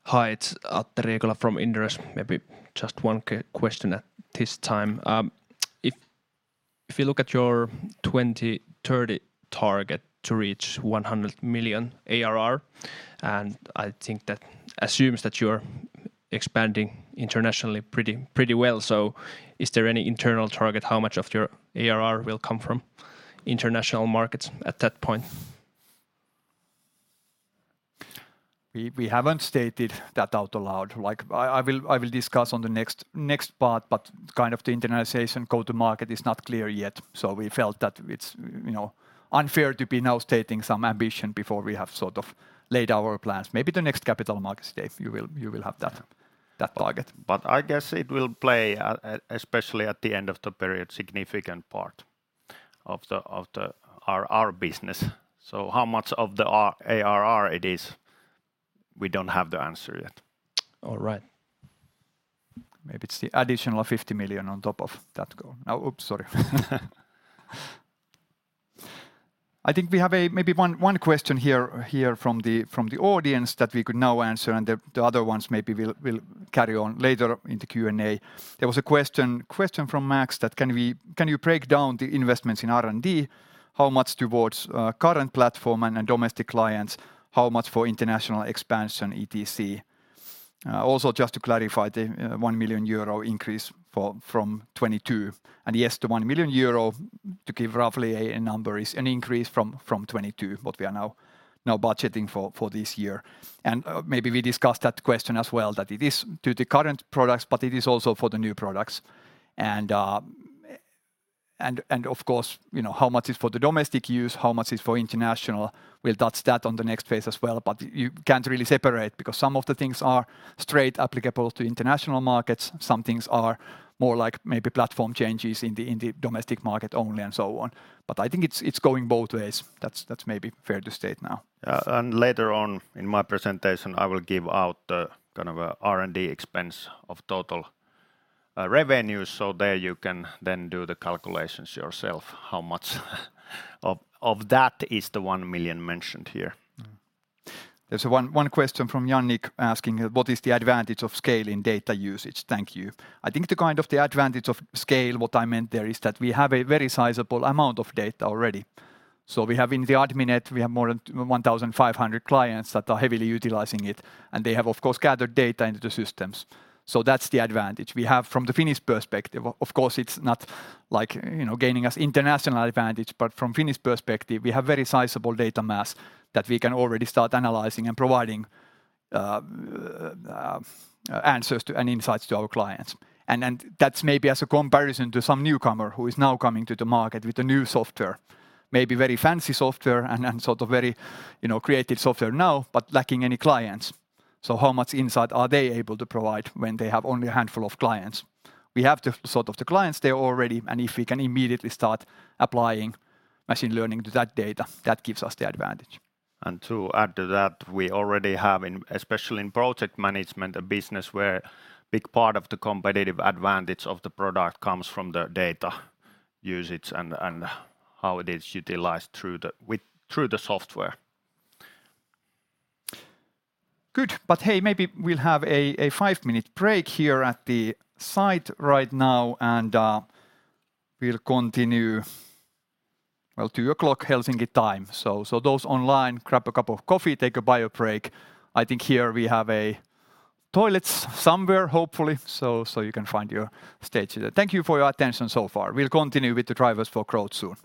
Hi, it's Atte Riikola from Inderes. Maybe just one question at this time. If you look at your 2030 target to reach 100 million ARR, I think that assumes that you're expanding internationally pretty well. Is there any internal target how much of your ARR will come from international markets at that point? We haven't stated that out loud. Like I will discuss on the next part, kind of the internationalization go-to-market is not clear yet. We felt that it's, you know, unfair to be now stating some ambition before we have sort of laid our plans. Maybe the next capital market stage you will have that target. I guess it will play especially at the end of the period, significant part of the RR business. How much of the ARR it is, we don't have the answer yet. All right. Maybe it's the additional 50 million on top of that goal. Oops, sorry. I think we have a maybe one question here from the audience that we could now answer, and the other ones maybe we'll carry on later in the Q&A. There was a question from Max that can we, "Can you break down the investments in R&D, how much towards current platform and domestic clients, how much for international expansion, etc.?" Also just to clarify the 1 million euro increase from 2022. Yes, the 1 million euro, to give roughly a number, is an increase from 2022, what we are now budgeting for this year. Maybe we discussed that question as well, that it is to the current products, but it is also for the new products. Of course, you know, how much is for the domestic use, how much is for international, we'll touch that on the next phase as well. You can't really separate, because some of the things are straight applicable to international markets, some things are more like maybe platform changes in the, in the domestic market only and so on. I think it's going both ways. That's, that's maybe fair to state now. Yeah. Later on in my presentation, I will give out the kind of R&D expense of total revenue. There you can then do the calculations yourself, how much of that is the 1 million mentioned here. There's one question from Janne asking, "What is the advantage of scale in data usage? Thank you." I think the kind of the advantage of scale, what I meant there is that we have a very sizable amount of data already. We have in the Adminet, we have more than 1,500 clients that are heavily utilizing it, and they have of course gathered data into the systems. That's the advantage. We have from the Finnish perspective, of course it's not like, you know, gaining us international advantage, but from Finnish perspective, we have very sizable data mass that we can already start analyzing and providing answers to and insights to our clients. Then that's maybe as a comparison to some newcomer who is now coming to the market with a new software, maybe very fancy software and then sort of very, you know, creative software now, but lacking any clients. How much insight are they able to provide when they have only a handful of clients? We have the sort of the clients there already, and if we can immediately start applying machine learning to that data, that gives us the advantage. To add to that, we already have especially in project management business where big part of the competitive advantage of the product comes from the data usage and how it is utilized through the software. Good. Hey, maybe we'll have a five minute break here at the site right now, and we'll continue, well, 2:00 P.M. Helsinki time. Those online, grab a cup of coffee, take a bio break. I think here we have toilets somewhere hopefully, so you can find your stage there. Thank you for your attention so far. We'll continue with the drivers for growth soon.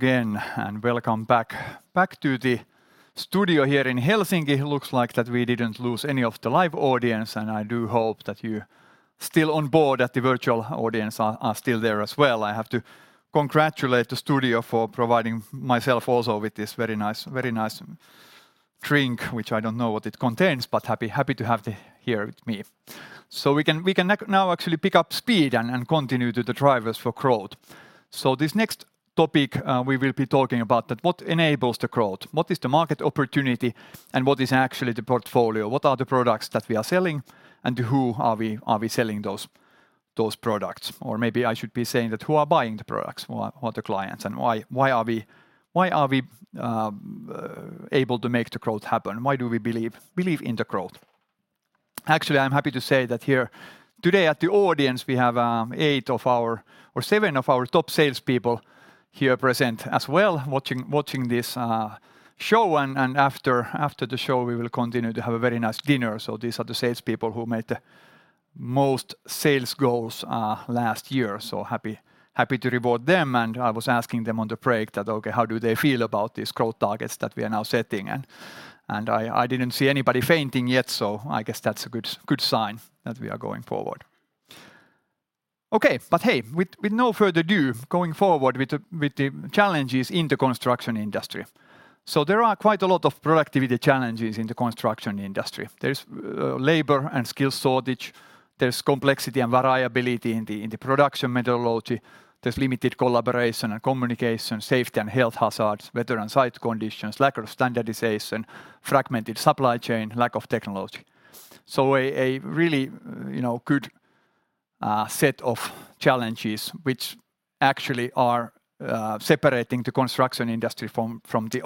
Hello again and welcome back. Back to the studio here in Helsinki. Looks like that we didn't lose any of the live audience, and I do hope that you're still on board, that the virtual audience are still there as well. I have to congratulate the studio for providing myself also with this very nice drink, which I don't know what it contains, but happy to have it here with me. We can now actually pick up speed and continue to the drivers for growth. This next topic, we will be talking about that what enables the growth, what is the market opportunity, and what is actually the portfolio, what are the products that we are selling, and to who are we selling those products? Or maybe I should be saying that who are buying the products? What the clients and why are we able to make the growth happen? Why do we believe in the growth? Actually, I'm happy to say that here today at the audience, we have eight of our or seven of our top sales people here present as well, watching this show. After the show, we will continue to have a very nice dinner. These are the sales people who made the most sales goals last year. Happy to reward them. I was asking them on the break that, okay, how do they feel about these growth targets that we are now setting, and I didn't see anybody fainting yet, so I guess that's a good sign that we are going forward. Okay. Hey, with no further ado, going forward with the challenges in the construction industry. There are quite a lot of productivity challenges in the construction industry. There is labor and skill shortage, there's complexity and variability in the production methodology, there's limited collaboration and communication, safety and health hazards, weather and site conditions, lack of standardization, fragmented supply chain, lack of technology. A really, you know, good set of challenges which actually are separating the construction industry from the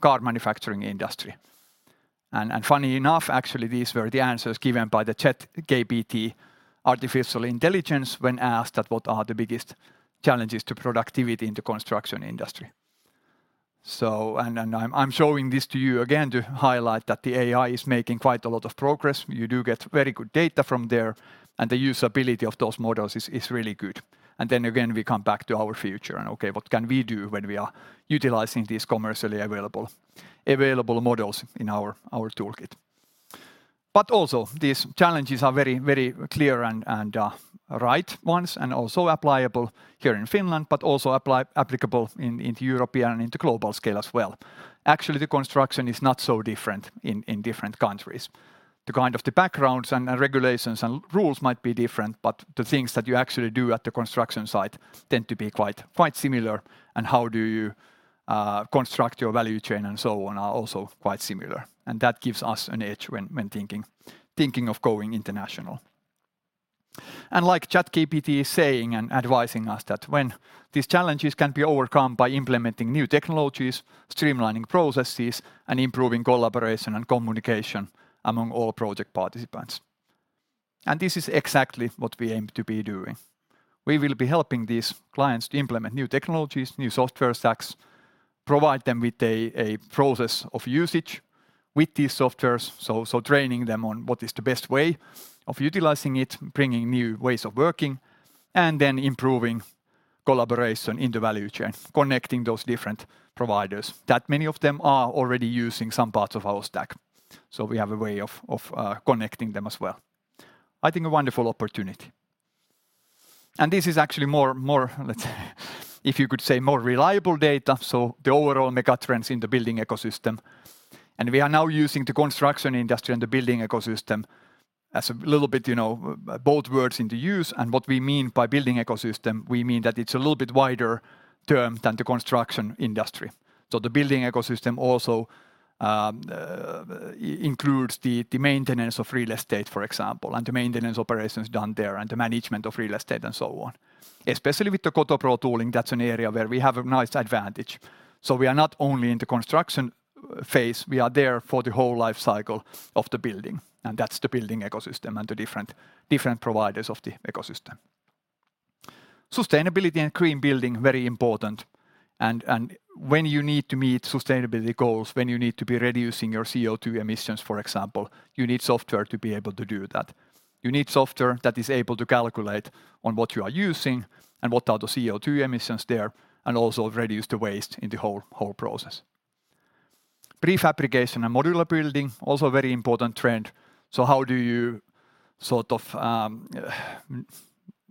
car manufacturing industry. Funny enough, actually, these were the answers given by the ChatGPT artificial intelligence when asked that what are the biggest challenges to productivity in the construction industry. I'm showing this to you again to highlight that the AI is making quite a lot of progress. You do get very good data from there, and the usability of those models is really good. Again, we come back to our future, and okay, what can we do when we are utilizing these commercially available models in our toolkit? Also these challenges are very clear and right ones, and also applicable here in Finland, but also applicable in the European and in the global scale as well. Actually, the construction is not so different in different countries. The kind of the backgrounds and the regulations and rules might be different, but the things that you actually do at the construction site tend to be quite similar, and how do you construct your value chain and so on are also quite similar. That gives us an edge when thinking of going international. Like ChatGPT is saying and advising us that when these challenges can be overcome by implementing new technologies, streamlining processes, and improving collaboration and communication among all project participants. This is exactly what we aim to be doing. We will be helping these clients to implement new technologies, new software stacks, provide them with a process of usage with these softwares, so training them on what is the best way of utilizing it, bringing new ways of working, and then improving collaboration in the value chain, connecting those different providers that many of them are already using some parts of our stack, so we have a way of connecting them as well. I think a wonderful opportunity. This is actually more, let's if you could say, more reliable data, so the overall megatrends in the building ecosystem. We are now using the construction industry and the building ecosystem as a little bit, you know, both words into use, and what we mean by building ecosystem, we mean that it's a little bit wider term than the construction industry. The building ecosystem also includes the maintenance of real estate, for example, and the maintenance operations done there, and the management of real estate and so on. Especially with the Kotopro tooling, that's an area where we have a nice advantage. We are not only in the construction phase, we are there for the whole life cycle of the building, and that's the building ecosystem and the different providers of the ecosystem. Sustainability and green building, very important, and when you need to meet sustainability goals, when you need to be reducing your CO2 emissions, for example, you need software to be able to do that. You need software that is able to calculate on what you are using and what are the CO2 emissions there, and also reduce the waste in the whole process. Prefabrication and modular building, also a very important trend. How do you sort of,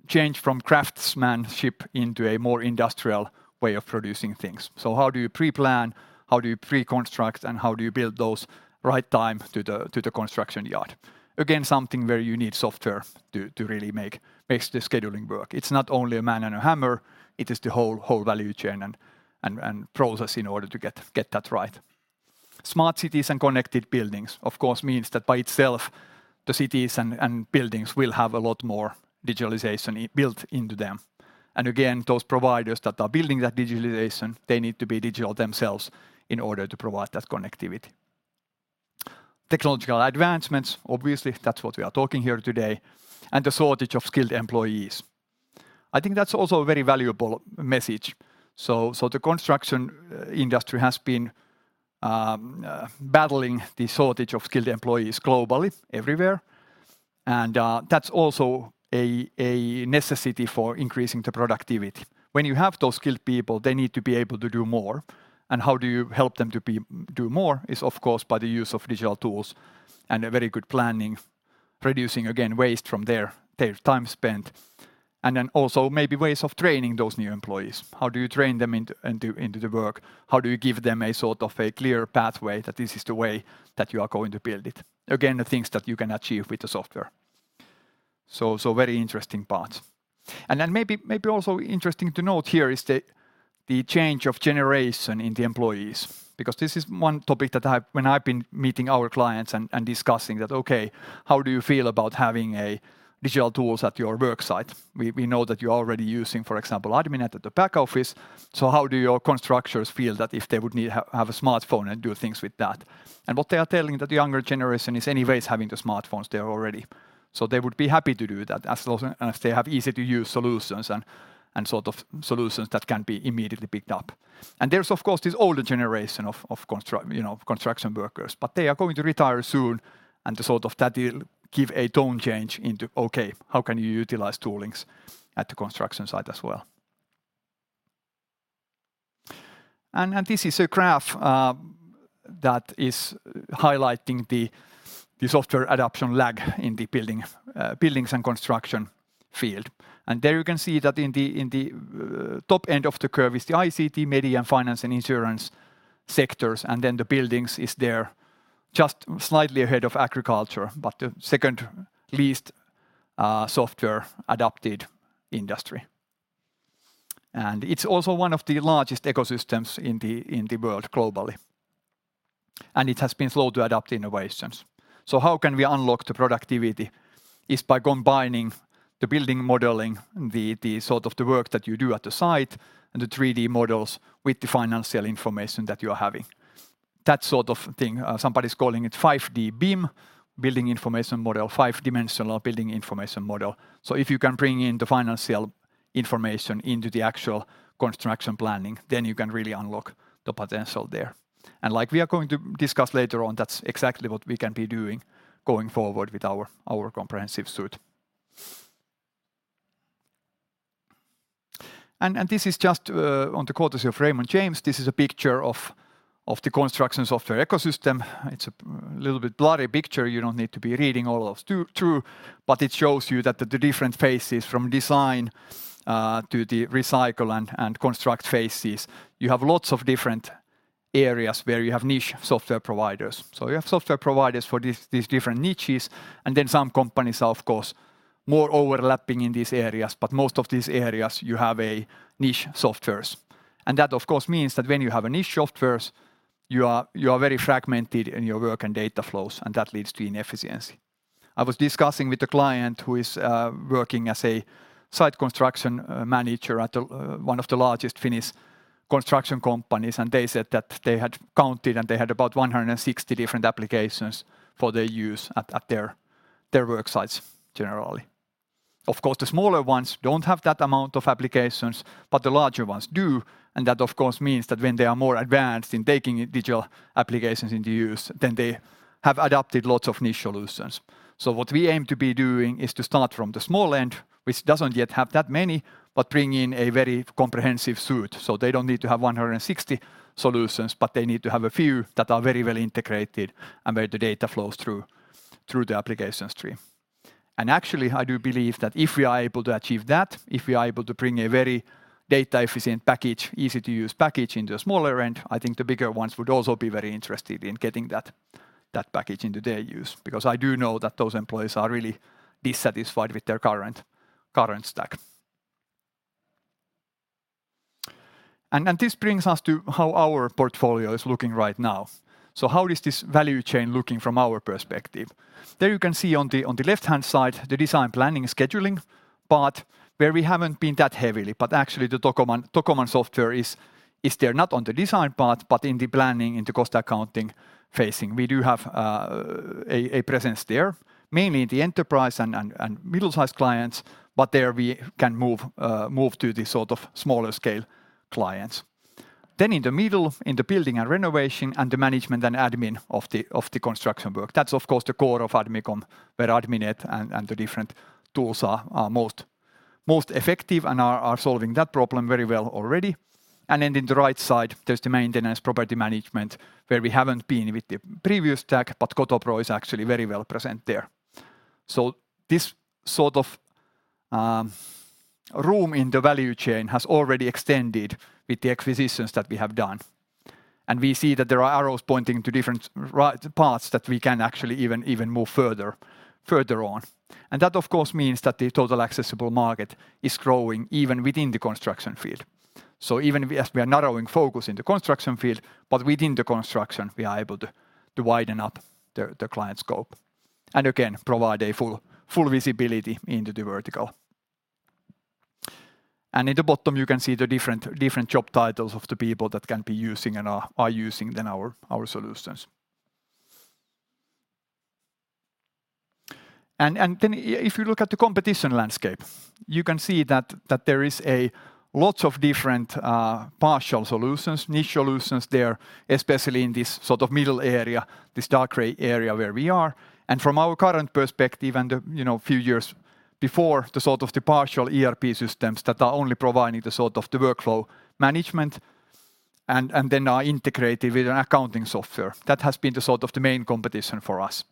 change from craftsmanship into a more industrial way of producing things? How do you pre-plan, how do you pre-construct, and how do you build those right time to the construction yard? Again, something where you need software to really makes the scheduling work. It's not only a man and a hammer, it is the whole value chain and process in order to get that right. Smart cities and connected buildings of course means that by itself, the cities and buildings will have a lot more digitalization built into them. Again, those providers that are building that digitalization, they need to be digital themselves in order to provide that connectivity. Technological advancements, obviously, that's what we are talking here today, and the shortage of skilled employees. I think that's also a very valuable message. The construction industry has been battling the shortage of skilled employees globally, everywhere, and that's also a necessity for increasing the productivity. When you have those skilled people, they need to be able to do more. How do you help them to do more is, of course, by the use of digital tools and a very good planning, reducing, again, waste from their time spent, and then also maybe ways of training those new employees. How do you train them into the work? How do you give them a sort of a clear pathway that this is the way that you are going to build it? Again, the things that you can achieve with the software. Very interesting parts. Then maybe also interesting to note here is the change of generation in the employees, because this is one topic that when I've been meeting our clients and discussing that, okay, how do you feel about having a digital tools at your work site? We know that you're already using, for example, Adminet at the back office, so how do your constructors feel that if they would have a smartphone and do things with that? What they are telling that the younger generation is anyways having the smartphones there already, so they would be happy to do that as long as they have easy-to-use solutions and sort of solutions that can be immediately picked up. There's of course this older generation of you know, construction workers, but they are going to retire soon, and the sort of that will give a tone change into, okay, how can you utilize toolings at the construction site as well? This is a graph that is highlighting the software adoption lag in the building, buildings and construction field. There you can see that in the top end of the curve is the ICT, media, and finance and insurance sectors, and then the buildings is there just slightly ahead of agriculture, but the second least software-adopted industry. It's also one of the largest ecosystems in the world globally, and it has been slow to adopt innovations. How can we unlock the productivity? Is by combining the building modeling, the sort of the work that you do at the site, and the 3D models with the financial information that you are having. That sort of thing, somebody's calling it 5D BIM, Building Information Model, 5-dimensional Building Information Model. If you can bring in the financial information into the actual construction planning, then you can really unlock the potential there. Like we are going to discuss later on, that's exactly what we can be doing going forward with our comprehensive suite. This is just on the courtesy of Raymond James. This is a picture of the construction software ecosystem. It's a little bit blurry picture. You don't need to be reading all of too, but it shows you that the different phases from design to the recycle and construct phases, you have lots of different areas where you have niche software providers. You have software providers for these different niches. Some companies are of course more overlapping in these areas. Most of these areas you have a niche softwares. That of course means that when you have a niche softwares, you are very fragmented in your work and data flows, and that leads to inefficiency. I was discussing with a client who is working as a site construction manager at one of the largest Finnish construction companies, and they said that they had counted, and they had about 160 different applications for their use at their work sites generally. Of course, the smaller ones don't have that amount of applications, but the larger ones do. That of course means that when they are more advanced in taking digital applications into use, then they have adopted lots of niche solutions. What we aim to be doing is to start from the small end, which doesn't yet have that many, but bring in a very comprehensive suite. They don't need to have 160 solutions, but they need to have a few that are very well integrated and where the data flows through the application stream. Actually, I do believe that if we are able to achieve that, if we are able to bring a very data-efficient package, easy-to-use package into a smaller end, I think the bigger ones would also be very interested in getting that package into their use, because I do know that those employees are really dissatisfied with their current stack. This brings us to how our portfolio is looking right now. How is this value chain looking from our perspective? There you can see on the left-hand side the design planning scheduling part where we haven't been that heavily. Actually, the Tocoman software is there not on the design part but in the planning and the cost accounting phasing. We do have a presence there, mainly in the enterprise and middle-sized clients, but there we can move to the sort of smaller scale clients. In the middle, in the building and renovation, and the management and admin of the construction work, that's of course the core of Admicom, where Adminet and the different tools are most effective and are solving that problem very well already. In the right side, there's the maintenance property management, where we haven't been with the previous stack, but Kotopro is actually very well present there. This sort of room in the value chain has already extended with the acquisitions that we have done. We see that there are arrows pointing to different paths that we can actually even move further on. That of course means that the total accessible market is growing even within the construction field. Even as we are narrowing focus in the construction field, but within the construction, we are able to widen up the client scope and again provide a full visibility into the vertical. In the bottom, you can see the different job titles of the people that can be using and are using then our solutions. If you look at the competition landscape, you can see that there is a lots of different partial solutions, niche solutions there, especially in this sort of middle area, this dark gray area where we are. From our current perspective and, you know, few years before the sort of the partial ERP systems that are only providing the sort of the workflow management and, then are integrated with an accounting software, that has been the sort of the main competition for us.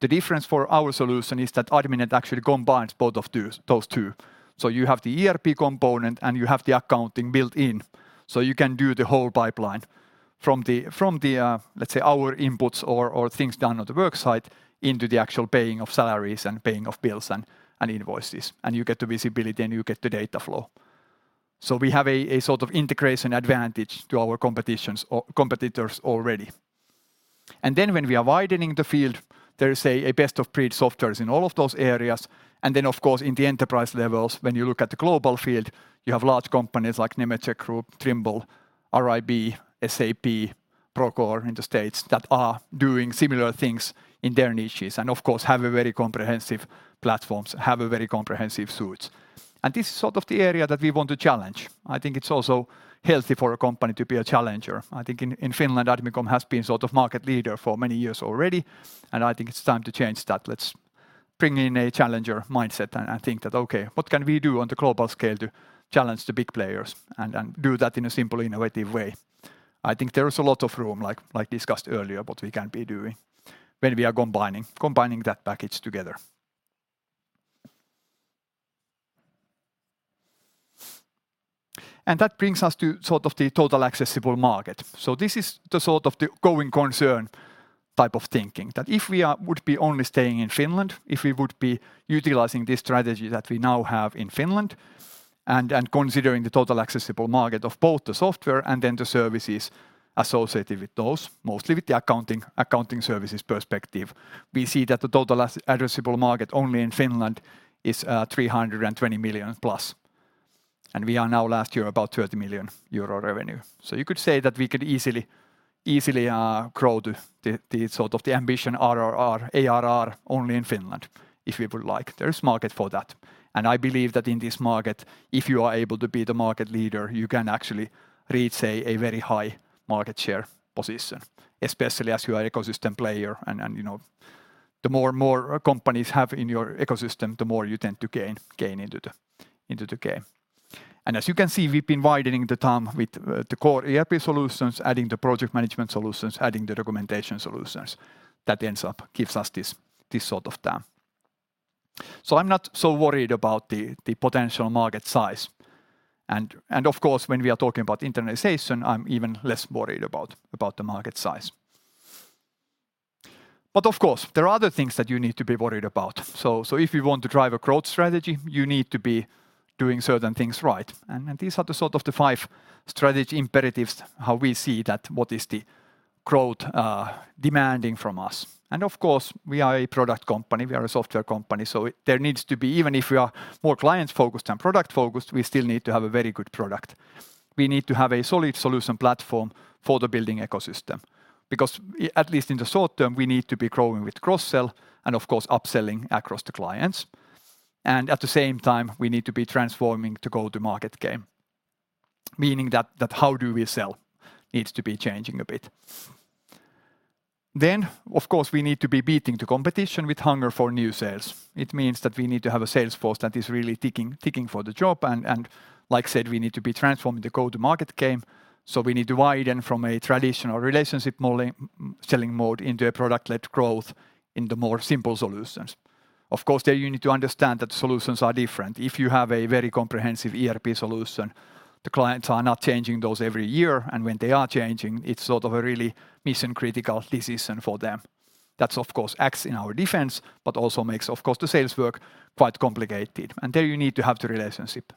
The difference for our solution is that Adminet actually combines both of those two. You have the ERP component, and you have the accounting built in, so you can do the whole pipeline. From the, let's say our inputs or, things done on the work site into the actual paying of salaries and paying of bills and invoices, and you get the visibility and you get the data flow. We have a sort of integration advantage to our competitions or competitors already. When we are widening the field, there is a best-of-breed softwares in all of those areas. Of course, in the enterprise levels, when you look at the global field, you have large companies like Nemetschek Group, Trimble, RIB, SAP, Procore in the States, that are doing similar things in their niches and of course have a very comprehensive platforms, have a very comprehensive suites. This is sort of the area that we want to challenge. I think it's also healthy for a company to be a challenger. I think in Finland, Admicom has been sort of market leader for many years already, and I think it's time to change that. Let's bring in a challenger mindset and think that, "Okay, what can we do on the global scale to challenge the big players and do that in a simple innovative way?" I think there is a lot of room, like discussed earlier, what we can be doing when we are combining that package together. That brings us to sort of the total accessible market. This is the sort of the going concern type of thinking, that if we would be only staying in Finland, if we would be utilizing this strategy that we now have in Finland and considering the total accessible market of both the software and then the services associated with those, mostly with the accounting services perspective, we see that the total addressable market only in Finland is 320 million+. We are now last year about 30 million euro revenue. You could say that we could easily grow to the sort of the ambition ARR only in Finland, if we would like. There is market for that. I believe that in this market, if you are able to be the market leader, you can actually reach, say, a very high market share position, especially as you are ecosystem player and, you know, the more and more companies have in your ecosystem, the more you tend to gain into the game. As you can see, we've been widening the TAM with the core ERP solutions, adding the project management solutions, adding the documentation solutions that ends up gives us this sort of TAM. I'm not so worried about the potential market size and of course, when we are talking about internationalization, I'm even less worried about the market size. Of course, there are other things that you need to be worried about. If you want to drive a growth strategy, you need to be doing certain things right. These are the sort of the five strategy imperatives, how we see that, what is the growth demanding from us. Of course, we are a product company, we are a software company. Even if we are more client-focused than product-focused, we still need to have a very good product. We need to have a solid solution platform for the building ecosystem because at least in the short term, we need to be growing with cross-sell and of course upselling across the clients. At the same time, we need to be transforming to go-to-market game, meaning that how do we sell needs to be changing a bit. Of course, we need to be beating the competition with hunger for new sales. It means that we need to have a sales force that is really ticking for the job and like I said, we need to be transforming the go-to-market game, so we need to widen from a traditional relationship modeling, selling mode into a product-led growth in the more simple solutions. Of course, there you need to understand that solutions are different. If you have a very comprehensive ERP solution, the clients are not changing those every year and when they are changing, it's sort of a really mission-critical decision for them. That's of course acts in our defense, but also makes of course the sales work quite complicated. There you need to have the relationship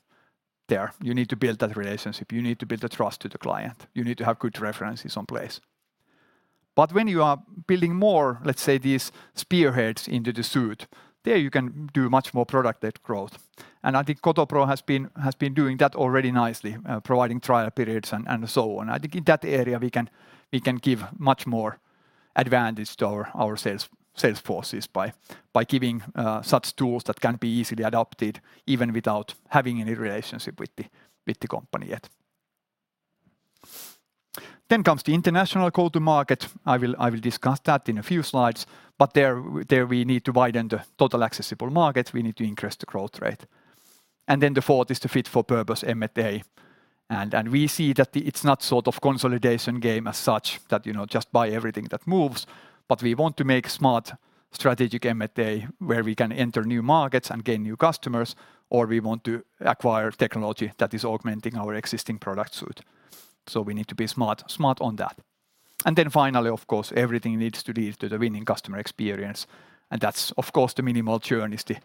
there. You need to build that relationship. You need to build the trust to the client. You need to have good references in place. When you are building more, let's say, these spearheads into the suite, there you can do much more product-led growth. I think Kotopro has been doing that already nicely, providing trial periods and so on. I think in that area we can give much more advantage to our sales forces by giving such tools that can be easily adopted even without having any relationship with the company yet. Comes the international go-to-market. I will discuss that in a few slides. There we need to widen the total accessible market. We need to increase the growth rate. The fourth is the fit for purpose M&A. We see that it's not sort of consolidation game as such that, you know, just buy everything that moves. We want to make smart strategic M&A where we can enter new markets and gain new customers, or we want to acquire technology that is augmenting our existing product suite. We need to be smart on that. Finally, of course, everything needs to lead to the winning customer experience, and that's of course, the minimal churn is the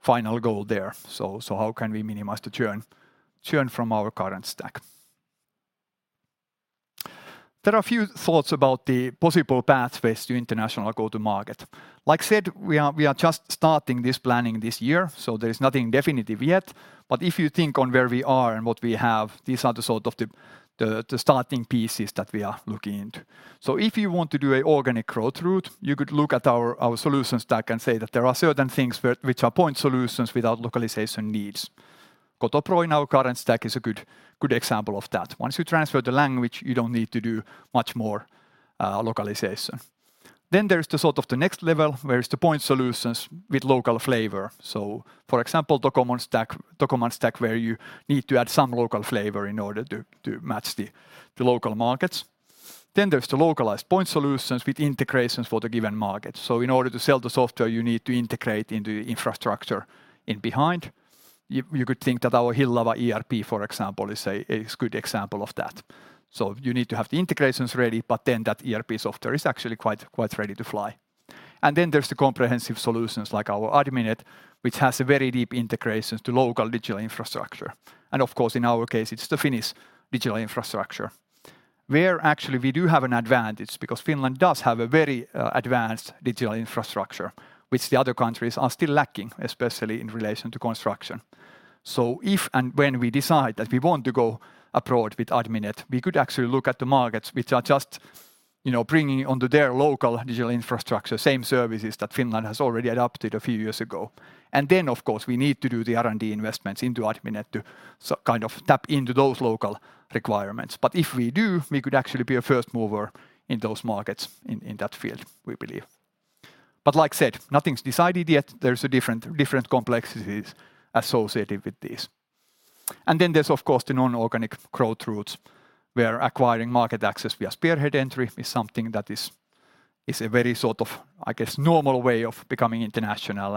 final goal there. How can we minimize the churn from our current stack? There are a few thoughts about the possible pathways to international go-to-market. Like I said, we are just starting this planning this year, so there is nothing definitive yet. If you think on where we are and what we have, these are the sort of the starting pieces that we are looking into. If you want to do a organic growth route, you could look at our solution stack and say that there are certain things which are point solutions without localization needs. Kotopro in our current stack is a good example of that. Once you transfer the language, you don't need to do much more localization. There's the sort of the next level, where is the point solutions with local flavor. For example, Tocoman stack, where you need to add some local flavor in order to match the local markets. There's the localized point solutions with integrations for the given market. In order to sell the software, you need to integrate in the infrastructure in behind. You could think that our Hillava ERP, for example, is a good example of that. You need to have the integrations ready, that ERP software is actually quite ready to fly. There's the comprehensive solutions like our Adminet, which has a very deep integrations to local digital infrastructure. Of course, in our case, it's the Finnish digital infrastructure where actually we do have an advantage because Finland does have a very advanced digital infrastructure which the other countries are still lacking, especially in relation to construction. If and when we decide that we want to go abroad with Adminet, we could actually look at the markets which are just, you know, bringing onto their local digital infrastructure same services that Finland has already adopted a few years ago. Of course, we need to do the R&D investments into Adminet to kind of tap into those local requirements. If we do, we could actually be a first mover in those markets in that field, we believe. Like said, nothing's decided yet. There's a different complexities associated with this. Then there's of course the non-organic growth routes where acquiring market access via spearhead entry is something that is a very sort of, I guess, normal way of becoming international.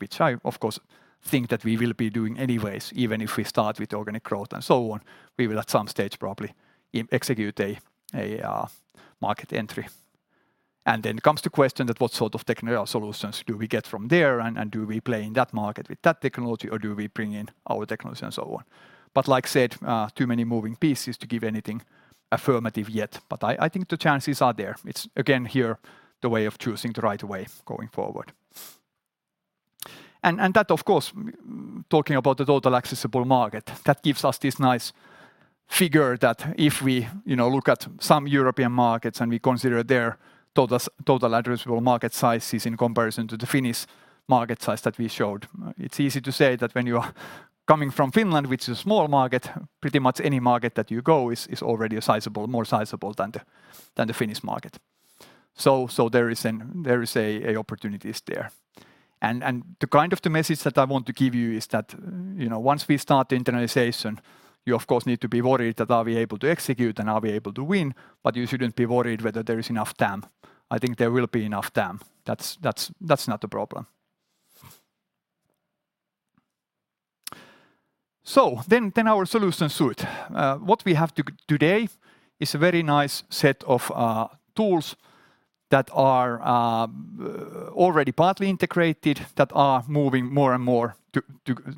Which I, of course, think that we will be doing anyways, even if we start with organic growth and so on. We will at some stage probably execute a market entry. Then comes to question that what sort of technical solutions do we get from there and do we play in that market with that technology or do we bring in our technology and so on? Like I said, too many moving pieces to give anything affirmative yet. I think the chances are there. It's again here the way of choosing the right way going forward. That of course, talking about the total accessible market, that gives us this nice figure that if we, you know, look at some European markets and we consider their total addressable market sizes in comparison to the Finnish market size that we showed, it's easy to say that when you are coming from Finland, which is a small market, pretty much any market that you go is already a sizable, more sizable than the Finnish market. There is an, there is a opportunities there. The kind of the message that I want to give you is that, you know, once we start internationalization, you of course need to be worried that are we able to execute and are we able to win, but you shouldn't be worried whether there is enough TAM. I think there will be enough TAM. That's not the problem. Our solution suite. What we have today is a very nice set of tools that are already partly integrated, that are moving more and more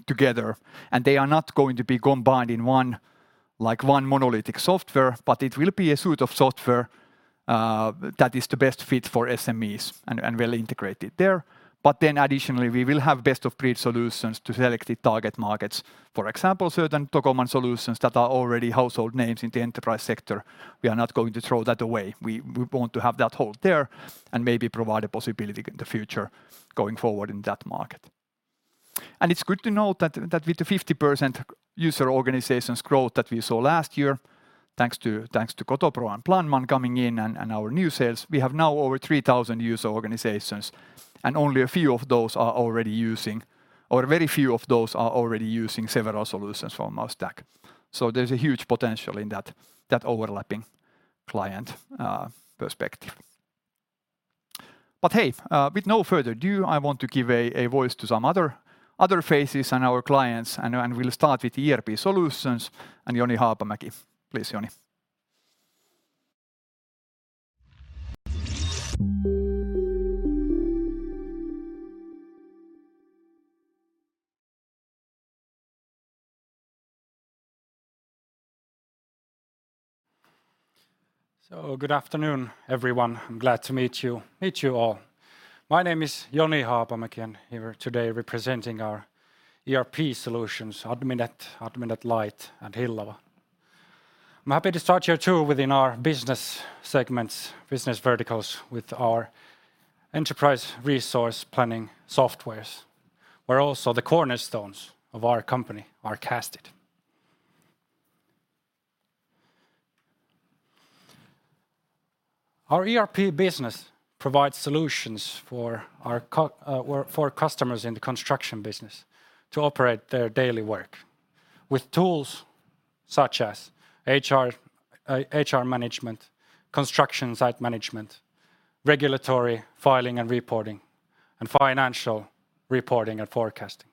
together, and they are not going to be combined in one, like one monolithic software, but it will be a suite of software that is the best fit for SMEs and well integrated there. Additionally we will have best of breed solutions to selected target markets. For example, certain Tocoman solutions that are already household names in the enterprise sector, we are not going to throw that away. We want to have that hold there and maybe provide a possibility in the future going forward in that market. It's good to note that with the 50% user organizations growth that we saw last year, thanks to, thanks to Kotopro and PlanMan coming in and our new sales, we have now over 3,000 user organizations and only a few of those are already using, or very few of those are already using several solutions from our stack. There's a huge potential in that overlapping client perspective. Hey, with no further ado, I want to give a voice to some other faces and our clients and we'll start with ERP solutions and Joni Haapamäki. Please, Joni. Good afternoon, everyone. I'm glad to meet you all. My name is Joni Haapamäki, and here today representing our ERP solutions, Adminet Lite, and Hillava. I'm happy to start here too within our business segments, business verticals with our enterprise resource planning softwares, where also the cornerstones of our company are cast. Our ERP business provides solutions for our customers in the construction business to operate their daily work with tools such as HR management, construction site management, regulatory filing and reporting, and financial reporting and forecasting.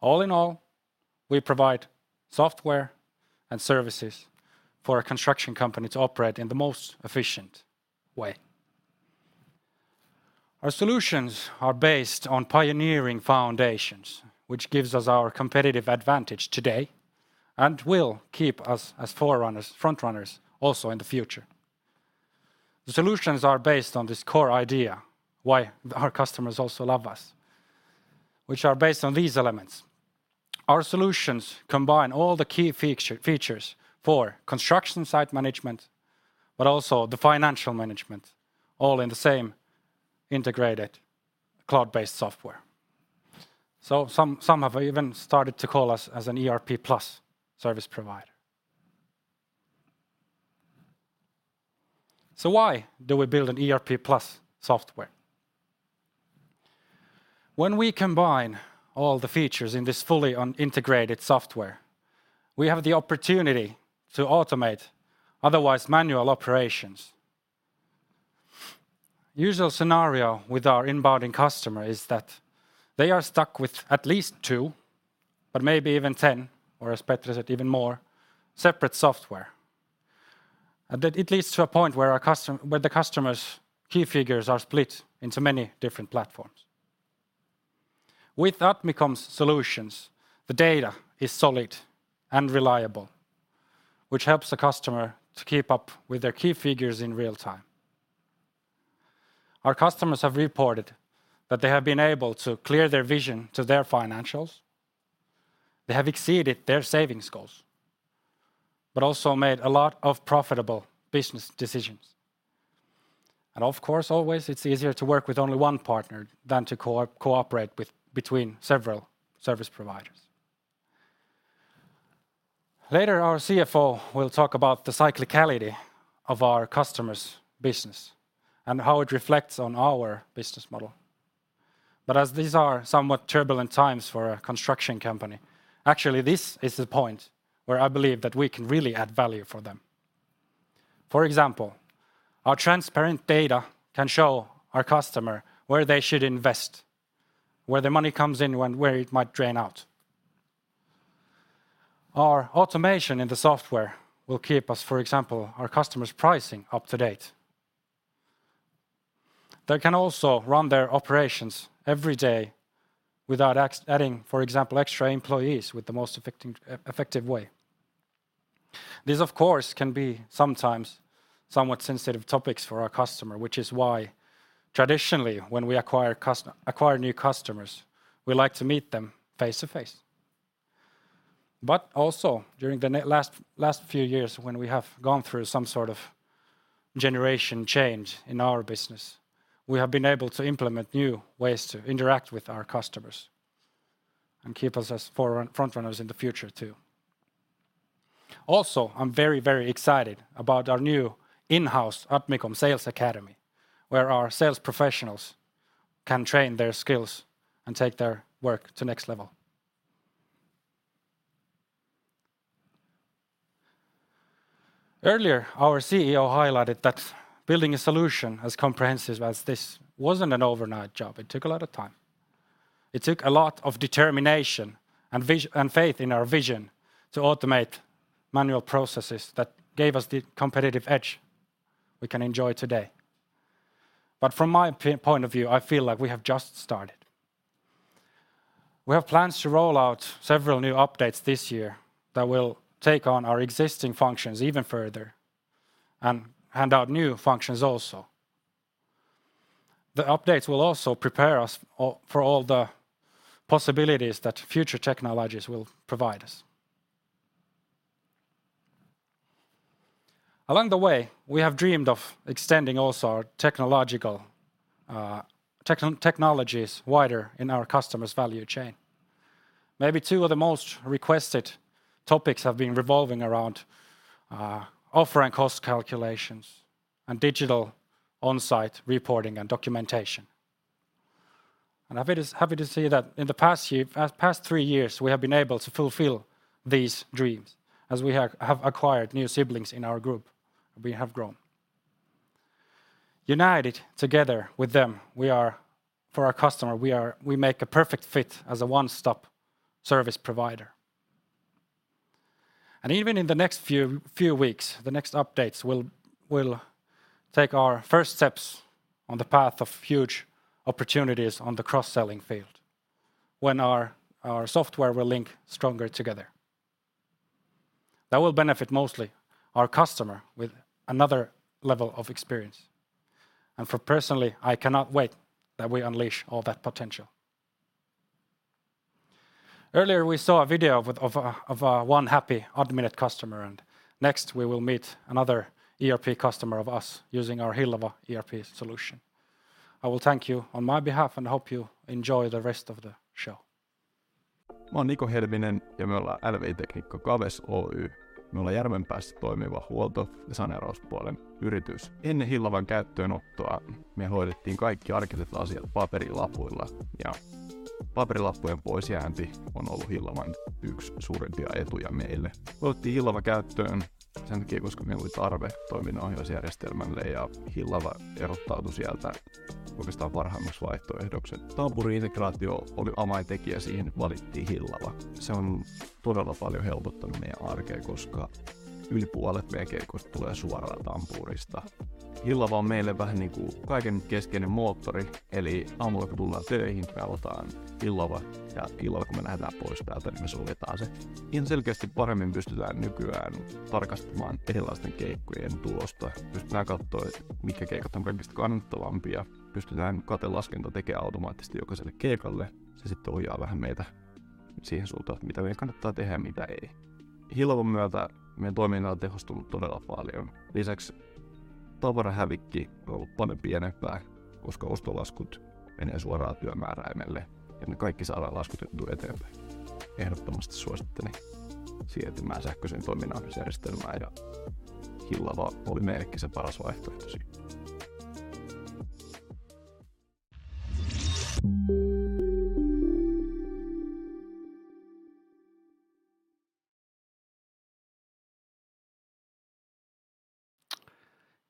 All in all, we provide software and services for a construction company to operate in the most efficient way. Our solutions are based on pioneering foundations, which gives us our competitive advantage today and will keep us as forerunners, front runners also in the future. The solutions are based on this core idea why our customers also love us, which are based on these elements. Our solutions combine all the key features for construction site management, but also the financial management all in the same integrated cloud-based software. Some have even started to call us as an ERP plus service provider. Why do we build an ERP plus software? When we combine all the features in this fully integrated software, we have the opportunity to automate otherwise manual operations. Usual scenario with our inbound customer is that they are stuck with at least two, but maybe even 10, or as Petri said even more, separate software. That it leads to a point where our customer, where the customer's key figures are split into many different platforms. With Admicom's solutions, the data is solid and reliable, which helps the customer to keep up with their key figures in real time. Our customers have reported that they have been able to clear their vision to their financials. They have exceeded their savings goals, but also made a lot of profitable business decisions. Of course, always it's easier to work with only one partner than to cooperate with between several service providers. Later, our CFO will talk about the cyclicality of our customers' business and how it reflects on our business model. As these are somewhat turbulent times for a construction company, actually, this is the point where I believe that we can really add value for them. For example, our transparent data can show our customer where they should invest, where their money comes in, when, where it might drain out. Our automation in the software will keep us, for example, our customers' pricing up to date. They can also run their operations every day without adding, for example, extra employees with the most effective way. These, of course, can be sometimes somewhat sensitive topics for our customer, which is why traditionally, when we acquire new customers, we like to meet them face to face. Also, during the last few years, when we have gone through some sort of generation change in our business, we have been able to implement new ways to interact with our customers and keep us as frontrunners in the future too. I'm very excited about our new in-house Admicom Sales Academy, where our sales professionals can train their skills and take their work to next level. Earlier, our CEO highlighted that building a solution as comprehensive as this wasn't an overnight job. It took a lot of time. It took a lot of determination and faith in our vision to automate manual processes that gave us the competitive edge we can enjoy today. From my point of view, I feel like we have just started. We have plans to roll out several new updates this year that will take on our existing functions even further and hand out new functions also. The updates will also prepare us all, for all the possibilities that future technologies will provide us. Along the way, we have dreamed of extending also our technological technologies wider in our customer's value chain. Maybe two of the most requested topics have been revolving around offer and cost calculations and digital on-site reporting and documentation. I bit is happy to see that in the past year, past three years, we have acquired new siblings in our group. We have grown. United together with them, we are, for our customer, we are, we make a perfect fit as a one-stop service provider. Even in the next few weeks, the next updates will take our first steps on the path of huge opportunities on the cross-selling field when our software will link stronger together. That will benefit mostly our customer with another level of experience. For personally, I cannot wait that we unleash all that potential. Earlier, we saw a video of one happy Adminet customer, and next, we will meet another ERP customer of us using our Hillava ERP solution.I will thank you on my behalf and hope you enjoy the rest of the show.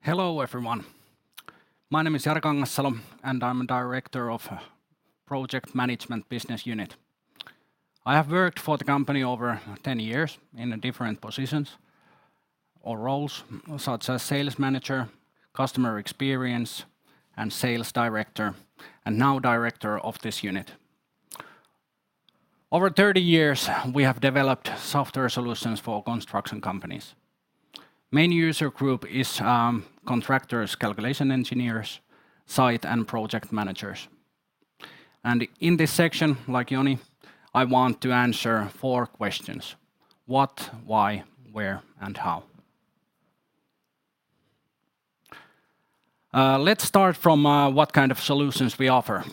Hello everyone. My name is Jari Kangassalo, I'm Director of Project Management Business Unit. I have worked for the company over 10 years in different positions or roles, such as Sales Manager, Customer Experience, and Sales Director, and now Director of this unit. Over 30 years, we have developed software solutions for construction companies. Main user group is contractors, calculation engineers, site and project managers. In this section, like Joni, I want to answer four questions: what, why, where, and how? Let's start from what kind of solutions we offer.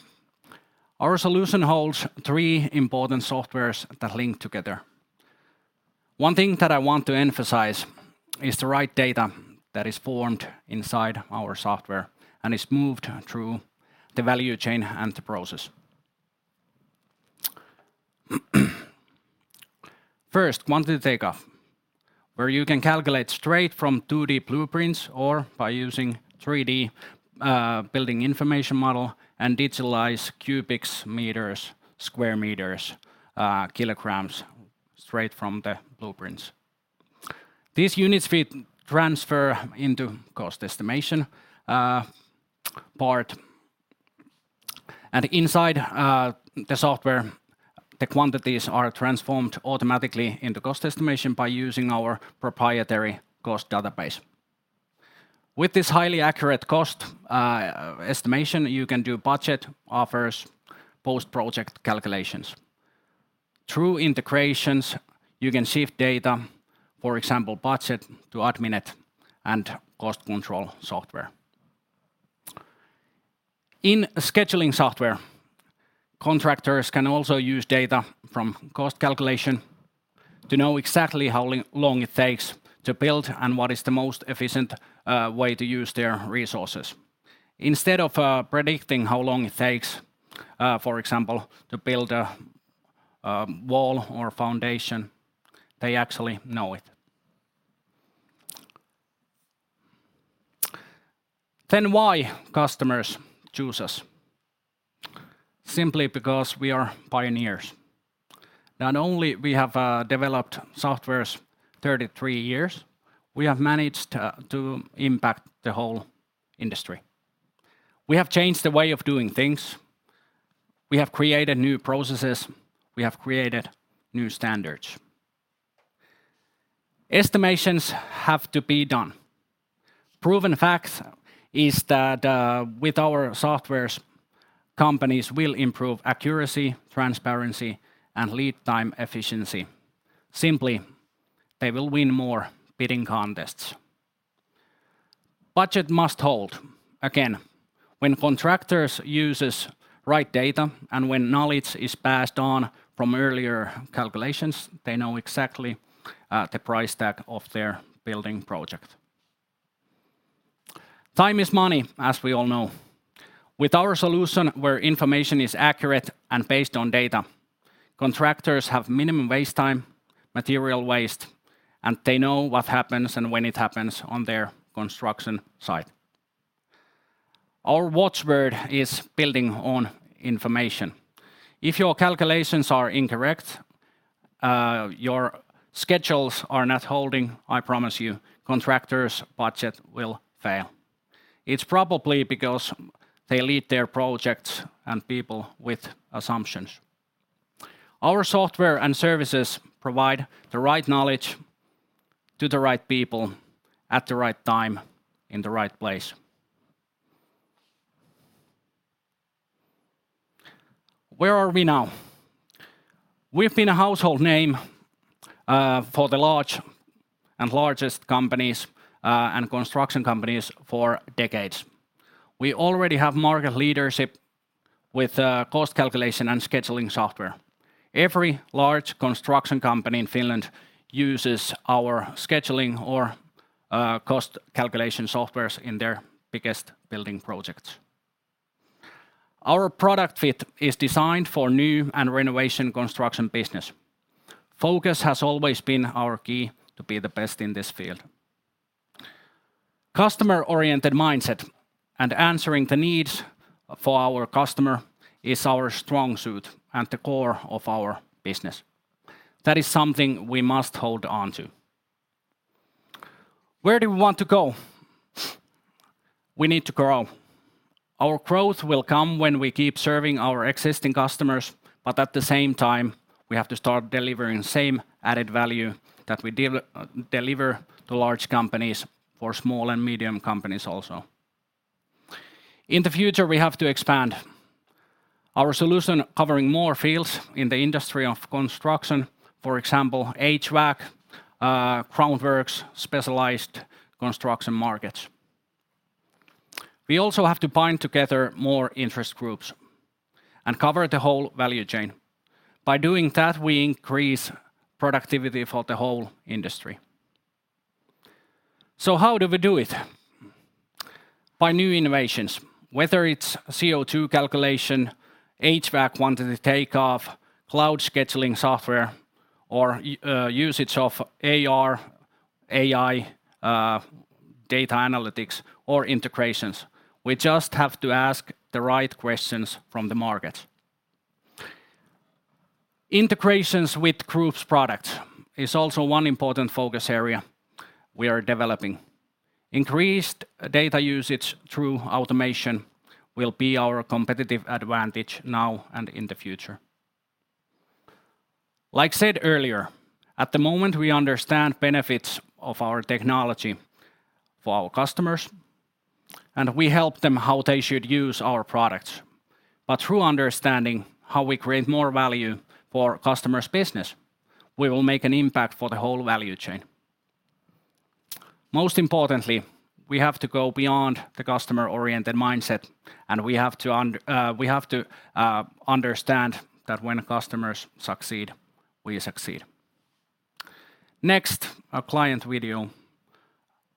Our solution holds three important softwares that link together. One thing that I want to emphasize is the right data that is formed inside our software and is moved through the value chain and the process. First, quantity takeoff, where you can calculate straight from 2D blueprints or by using 3D building information model and digitalize cubic meters, square meters, kilograms straight from the blueprints. These units we transfer into cost estimation part, and inside the software, the quantities are transformed automatically in the cost estimation by using our proprietary cost database. With this highly accurate cost estimation, you can do budget, offers, post-project calculations. Through integrations, you can shift data, for example budget to Adminet and cost control software. In scheduling software, contractors can also use data from cost calculation to know exactly how long it takes to build and what is the most efficient way to use their resources. Instead of predicting how long it takes, for example, to build a wall or foundation, they actually know it. Why customers choose us? Simply because we are pioneers. Not only we have developed softwares 33 years, we have managed to impact the whole industry. We have changed the way of doing things. We have created new processes. We have created new standards. Estimations have to be done. Proven fact is that with our softwares, companies will improve accuracy, transparency, and lead time efficiency. Simply, they will win more bidding contests. Budget must hold. Again, when contractors uses right data and when knowledge is passed on from earlier calculations, they know exactly the price tag of their building project. Time is money, as we all know. With our solution where information is accurate and based on data, contractors have minimum waste time, material waste, and they know what happens and when it happens on their construction site. Our watchword is building on information. If your calculations are incorrect, your schedules are not holding, I promise you, contractor's budget will fail. It's probably because they lead their projects and people with assumptions. Our software and services provide the right knowledge to the right people at the right time in the right place. Where are we now? We've been a household name for the large and largest companies and construction companies for decades. We already have market leadership with cost calculation and scheduling software. Every large construction company in Finland uses our scheduling or cost calculation softwares in their biggest building projects. Our product fit is designed for new and renovation construction business. Focus has always been our key to be the best in this field. Customer-oriented mindset and answering the needs for our customer is our strong suit and the core of our business. That is something we must hold on to. Where do we want to go? We need to grow. Our growth will come when we keep serving our existing customers. At the same time, we have to start delivering the same added value that we deliver to large companies for small and medium companies also. In the future, we have to expand our solution covering more fields in the industry of construction, for example, HVAC, crown works, specialized construction markets. We also have to bind together more interest groups and cover the whole value chain. By doing that, we increase productivity for the whole industry. How do we do it? By new innovations, whether it's CO₂ calculation, HVAC quantity takeoff, cloud scheduling software, or usage of AR, AI, data analytics, or integrations. We just have to ask the right questions from the market. Integrations with group's products is also one important focus area we are developing. Increased data usage through automation will be our competitive advantage now and in the future. Like said earlier, at the moment, we understand benefits of our technology for our customers, and we help them how they should use our products. Through understanding how we create more value for customers' business, we will make an impact for the whole value chain. Most importantly, we have to go beyond the customer-oriented mindset, and we have to understand that when customers succeed, we succeed. Next, a client video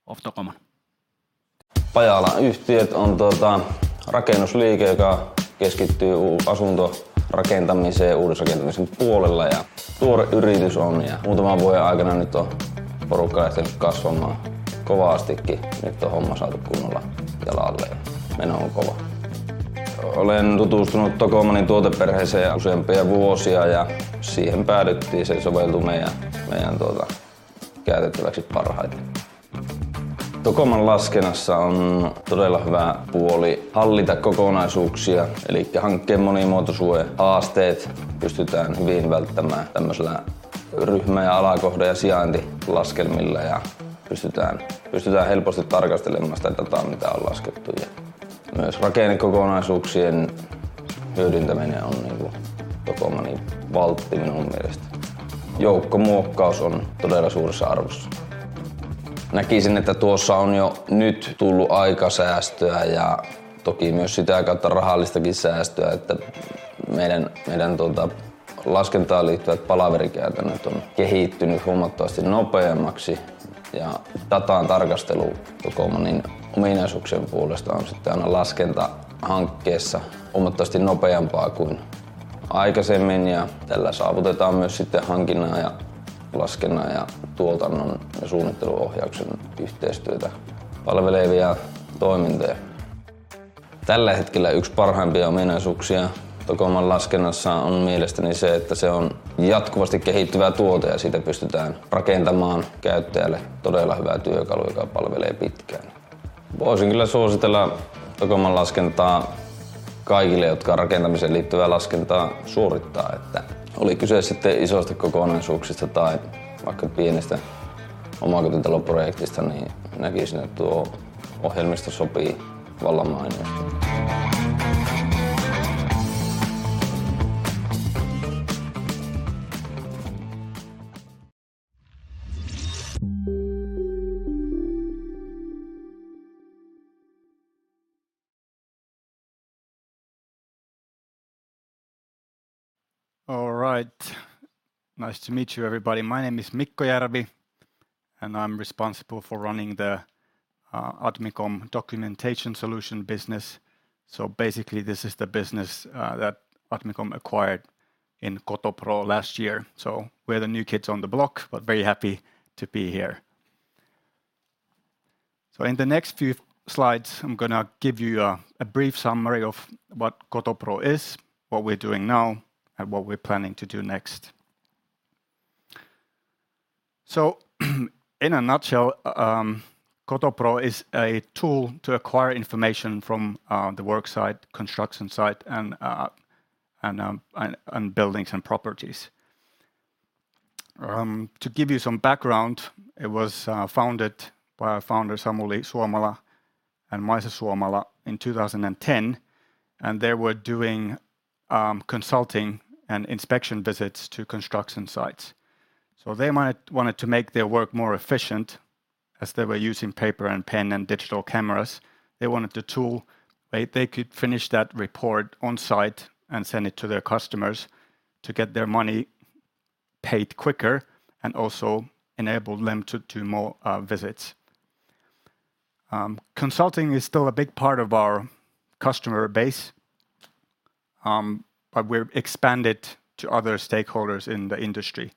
of Tocoman. Pajala Yhtiöt on, tota, rakennusliike, joka keskittyy asuntorakentamiseen uudisrakentamisen puolella. Tuore yritys on, ja muutaman vuoden aikana nyt on porukka ehtinyt kasvamaan kovastikin. Nyt on homma saatu kunnolla jalalleen. Meno on kova. Olen tutustunut Tocomanin tuoteperheeseen useampia vuosia, ja siihen päädyttiin. Se soveltui meidän, tuota, käytettäväksi parhaiten. Tocoman laskennassa on todella hyvä puoli hallita kokonaisuuksia. Elikkä hankkeen monimuotoisuuden haasteet pystytään hyvin välttämään tämmösillä ryhmä- ja alakohde- ja sijaintilaskelmilla, ja pystytään helposti tarkastelemaan sitä dataa, mitä on laskettu. Myös rakennekokonaisuuksien hyödyntäminen on, niinku, Tocomanin valtti minun mielestä. Joukkomuokkaus on todella suuressa arvossa. Näkisin, että tuossa on jo nyt tullut aika säästöä ja toki myös sitä kautta rahallistakin säästöä, että meidän, tuota, laskentaan liittyvät palaverikäytännöt on kehittynyt huomattavasti nopeammaksi. Datan tarkastelu Tocomanin ominaisuuksien puolesta on sitten aina laskentahankkeessa huomattavasti nopeampaa kuin aikaisemmin, ja tällä saavutetaan myös sitten hankinnan ja laskennan ja tuotannon ja suunnitteluohjauksen yhteistyötä palvelevia toimintoja. Tällä hetkellä yks parhaimpia ominaisuuksia Tocoman laskennassa on mielestäni se, että se on jatkuvasti kehittyvä tuote ja siitä pystytään rakentamaan käyttäjälle todella hyvä työkalu, joka palvelee pitkään. Voisin kyllä suositella Tocoman laskentaa kaikille, jotka rakentamiseen liittyvää laskentaa suorittaa. Oli kyse sitten isoista kokonaisuuksista tai vaikka pienestä omakotitaloprojektista, niin näkisin, että tuo ohjelmisto sopii vallan mainiosti. All right. Nice to meet you, everybody. My name is Mikko Järvi, and I'm responsible for running the Admicom documentation solution business. Basically, this is the business that Admicom acquired in Kotopro last year. We're the new kids on the block, but very happy to be here. In the next few slides, I'm gonna give you a brief summary of what Kotopro is, what we're doing now, and what we're planning to do next. In a nutshell, Kotopro is a tool to acquire information from the work site, construction site, and buildings and properties. To give you some background, it was founded by our founder, Samuli Suomala and Maisa Suomala in 2010, and they were doing consulting and inspection visits to construction sites. They wanted to make their work more efficient, as they were using paper and pen and digital cameras. They wanted a tool they could finish that report on site and send it to their customers to get their money paid quicker, and also enabled them to do more visits. Consulting is still a big part of our customer base, but we've expanded to other stakeholders in the industry.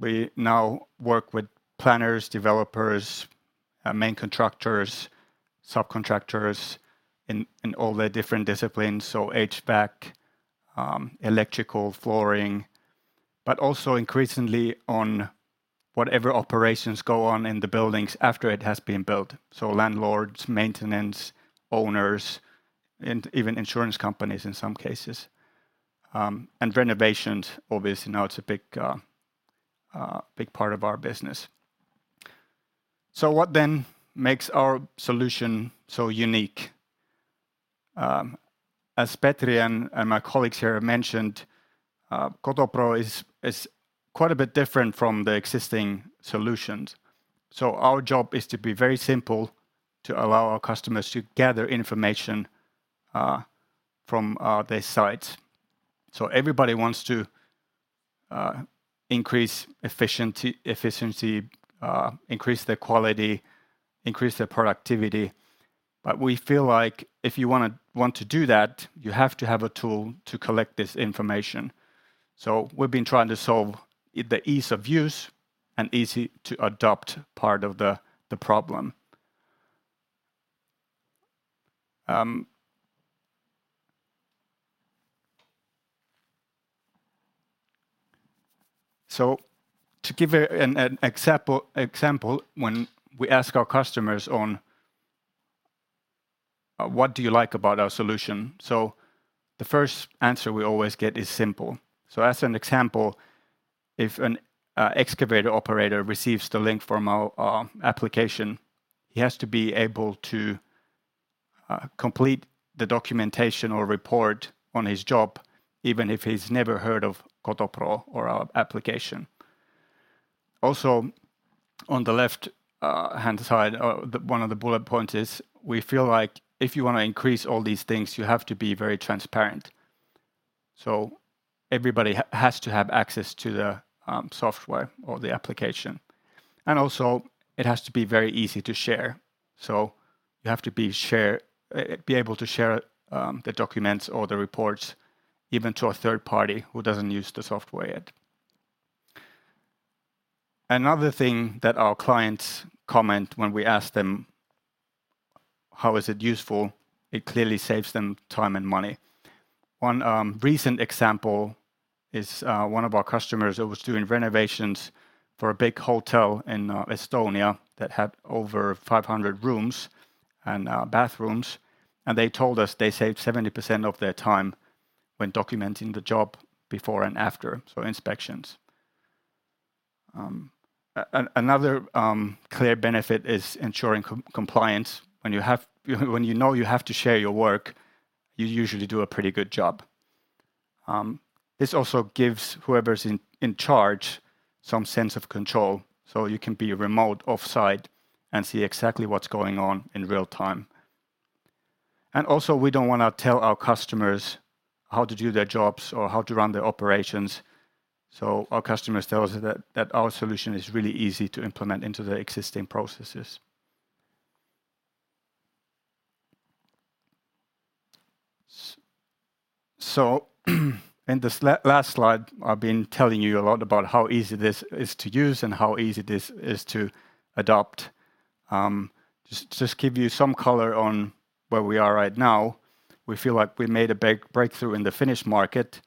We now work with planners, developers, main contractors, subcontractors in all the different disciplines, so HVAC, electrical, flooring, but also increasingly on whatever operations go on in the buildings after it has been built, so landlords, maintenance, owners, and even insurance companies in some cases. And renovations obviously now it's a big, big part of our business. What then makes our solution so unique? As Petri and my colleagues here mentioned, Kotopro is quite a bit different from the existing solutions. Our job is to be very simple to allow our customers to gather information from their sites. Everybody wants to increase efficiency, increase their quality, increase their productivity. We feel like if you wanna do that, you have to have a tool to collect this information. We've been trying to solve the ease of use and easy to adopt part of the problem. To give an example, when we ask our customers on what do you like about our solution? The first answer we always get is simple. As an example, if an excavator operator receives the link from our application, he has to be able to complete the documentation or report on his job, even if he's never heard of Kotopro or our application. On the left-hand side, one of the bullet points is we feel like if you wanna increase all these things, you have to be very transparent. Everybody has to have access to the software or the application. Also, it has to be very easy to share. You have to be able to share the documents or the reports even to a third party who doesn't use the software yet. Another thing that our clients comment when we ask them how is it useful, it clearly saves them time and money. One recent example is one of our customers that was doing renovations for a big hotel in Estonia that had over 500 rooms and bathrooms, and they told us they saved 70% of their time when documenting the job before and after, so inspections. Another clear benefit is ensuring co-compliance. When you know you have to share your work, you usually do a pretty good job. This also gives whoever's in charge some sense of control, so you can be remote offsite and see exactly what's going on in real-time. We don't wanna tell our customers how to do their jobs or how to run their operations, so our customers tell us that our solution is really easy to implement into their existing processes. In this last slide, I've been telling you a lot about how easy this is to use and how easy this is to adopt. Just give you some color on where we are right now. We feel like we made a big breakthrough in the Finnish market.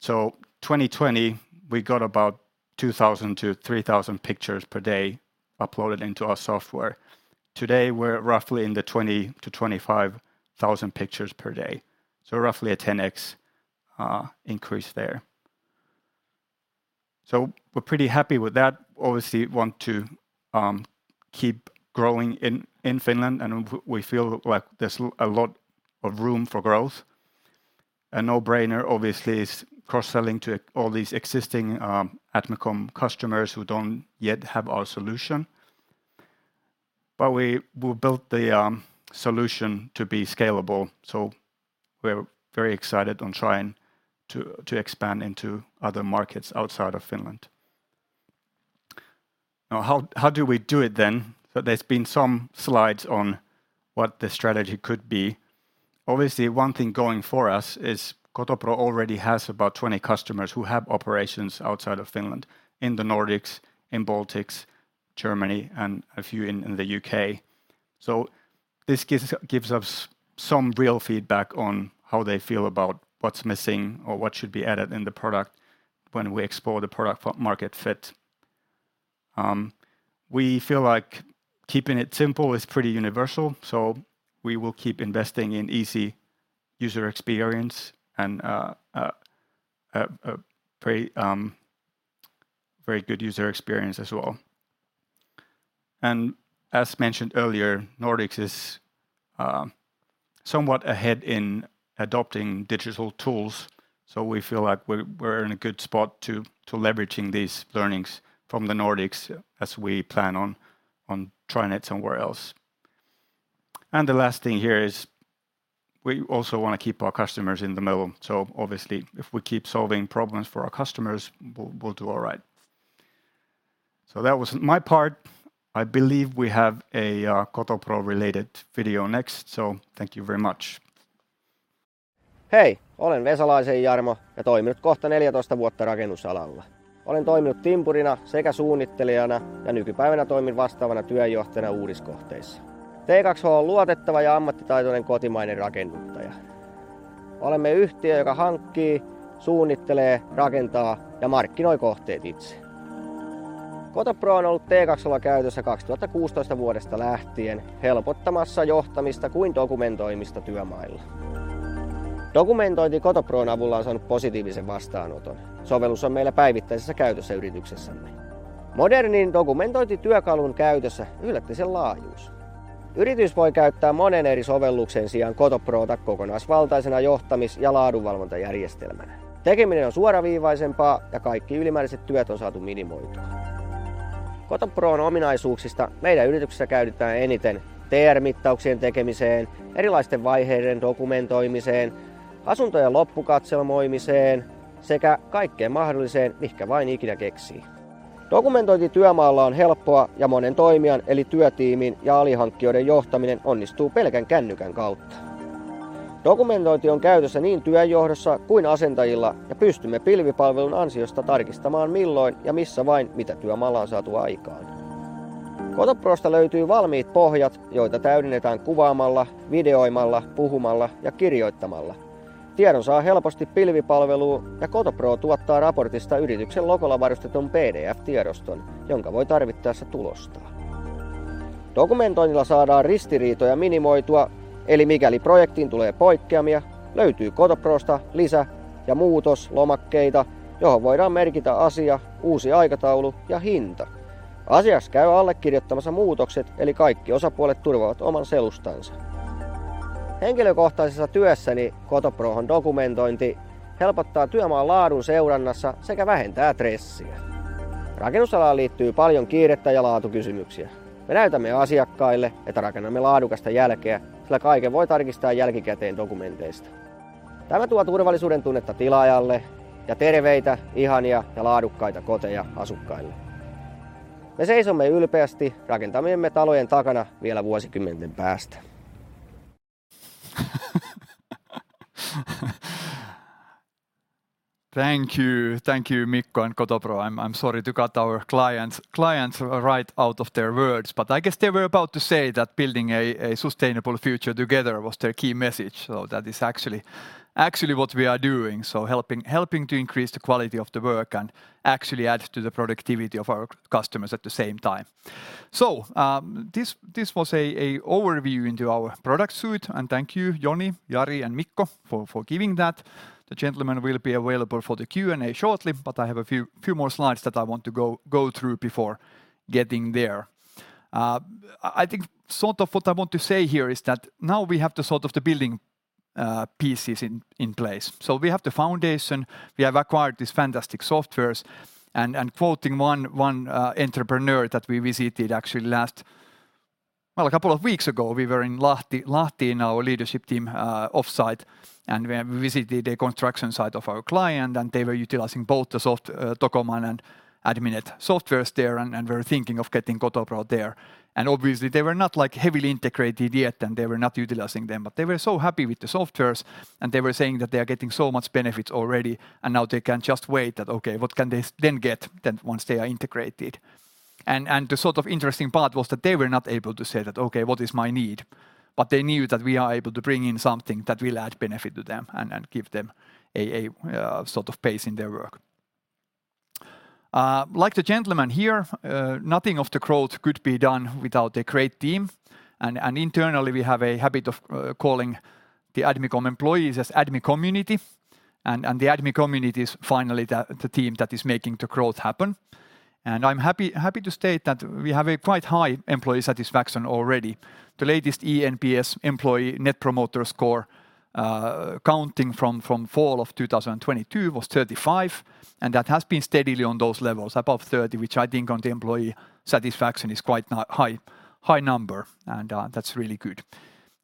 2020, we got about 2,000-3,000 pictures per day uploaded into our software. Today, we're roughly in the 20,000-25,000 pictures per day, so roughly a 10x increase there. We're pretty happy with that. Obviously want to keep growing in Finland, and we feel like there's a lot of room for growth. A no-brainer, obviously, is cross-selling to all these existing Admicom customers who don't yet have our solution. We built the solution to be scalable, so we're very excited on trying to expand into other markets outside of Finland. How do we do it then? There's been some slides on what the strategy could be. Obviously, one thing going for us is Kotopro already has about 20 customers who have operations outside of Finland, in the Nordics, in Baltics, Germany, and a few in the U.K. This gives us some real feedback on how they feel about what's missing or what should be added in the product when we explore the product-market fit. We feel like keeping it simple is pretty universal, so we will keep investing in easy user experience and a very good user experience as well. As mentioned earlier, Nordics is somewhat ahead in adopting digital tools, so we feel like we're in a good spot to leveraging these learnings from the Nordics as we plan on trying it somewhere else. The last thing here is we also wanna keep our customers in the middle. Obviously, if we keep solving problems for our customers, we'll do all right. That was my part. I believe we have a Kotopro related video next, so thank you very much. Kotopro's ominaisuuksista meidän yrityksessä käytetään eniten TR-mittauksien tekemiseen, erilaisten vaiheiden dokumentoimiseen, asuntojen loppukatselmoimiseen sekä kaikkeen mahdolliseen, mihinkä vain ikinä keksii. Dokumentointi työmaalla on helppoa ja monen toimijan eli työtiimin ja alihankkijoiden johtaminen onnistuu pelkän kännykän kautta. Dokumentointi on käytössä niin työnjohdossa kuin asentajilla, ja pystymme pilvipalvelun ansiosta tarkistamaan milloin ja missä vain, mitä työmaalla on saatu aikaan. Kotoprosta löytyy valmiit pohjat, joita täydennetään kuvaamalla, videoimalla, puhumalla ja kirjoittamalla. Tiedon saa helposti pilvipalveluun ja Kotopro tuottaa raportista yrityksen logolla varustetun PDF-tiedoston, jonka voi tarvittaessa tulostaa. Dokumentoinnilla saadaan ristiriitoja minimoitua, eli mikäli projektiin tulee poikkeamia, löytyy Kotoprosta lisä- ja muutoslomakkeita, johon voidaan merkitä asia, uusi aikataulu ja hinta. Asiakas käy allekirjoittamassa muutokset, eli kaikki osapuolet turvaavat oman selustansa. Henkilökohtaisessa työssäni Kotopro:n dokumentointi helpottaa työmaan laadun seurannassa sekä vähentää stressiä. Rakennusalaan liittyy paljon kiirettä ja laatukysymyksiä. Me näytämme asiakkaille, että rakennamme laadukasta jälkeä, sillä kaiken voi tarkistaa jälkikäteen dokumenteista. Tämä tuo turvallisuuden tunnetta tilaajalle ja terveitä, ihania ja laadukkaita koteja asukkaille. Me seisomme ylpeästi rakentamiemme talojen takana vielä vuosikymmenten päästä. Thank you. Thank you Mikko and Kotopro. I'm sorry to cut our clients right out of their words, I guess they were about to say that building a sustainable future together was their key message. That is actually what we are doing. Helping to increase the quality of the work and actually add to the productivity of our customers at the same time. This was a overview into our product suite and thank you Joni, Jari and Mikko for giving that. The gentlemen will be available for the Q&A shortly. I have a few more slides that I want to go through before getting there. I think sort of what I want to say here is that now we have the sort of the building pieces in place. We have the foundation, we have acquired these fantastic softwares and, quoting one entrepreneur that we visited a couple of weeks ago, we were in Lahti in our leadership team offsite, and we visited a construction site of our client, and they were utilizing both the Tocoman and Adminet softwares there and were thinking of getting Kotopro there. Obviously, they were not like heavily integrated yet, and they were not utilizing them, but they were so happy with the softwares and they were saying that they are getting so much benefits already and now they can just wait that, okay, what can they then get then once they are integrated. The sort of interesting part was that they were not able to say that, "Okay, what is my need?" They knew that we are able to bring in something that will add benefit to them and give them a sort of pace in their work. Like the gentlemen here, nothing of the growth could be done without a great team. Internally, we have a habit of calling the Admicom employees as Admi community. The Admi community is finally the team that is making the growth happen. I'm happy to state that we have a quite high employee satisfaction already. The latest ENPS, Employee Net Promoter Score, counting from fall of 2022 was 35, and that has been steadily on those levels above 30, which I think on the employee satisfaction is quite high number and, that's really good.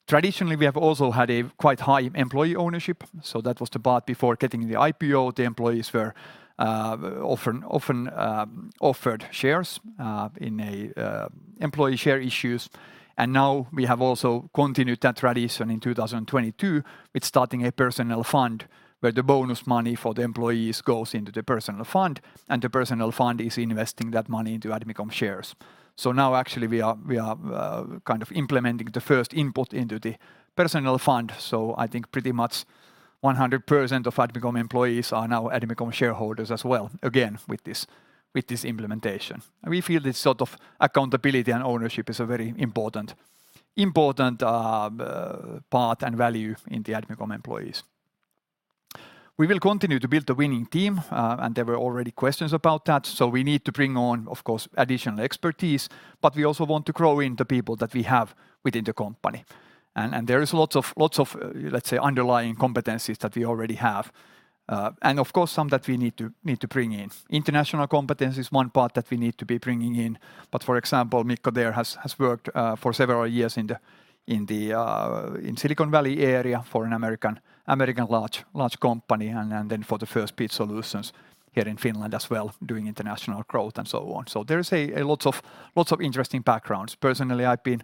Traditionally, we have also had a quite high employee ownership, so that was the part before getting the IPO. The employees were often offered shares in a employee share issues. Now we have also continued that tradition in 2022 with starting a personal fund where the bonus money for the employees goes into the personal fund, and the personal fund is investing that money into Admicom shares. Now actually we are kind of implementing the first input into the personal fund, I think pretty much 100% of Admicom employees are now Admicom shareholders as well, again, with this, with this implementation. We feel this sort of accountability and ownership is a very important part and value in the Admicom employees. We will continue to build the winning team, and there were already questions about that. We need to bring on, of course, additional expertise, but we also want to grow in the people that we have within the company. There is lots of underlying competencies that we already have. Of course, some that we need to bring in. International competence is one part that we need to be bringing in. For example, Mikko there has worked for several years in the, in the Silicon Valley area for an American large company and then for the Firstbeat here in Finland as well doing international growth and so on. There is a lots of interesting backgrounds. Personally, I've been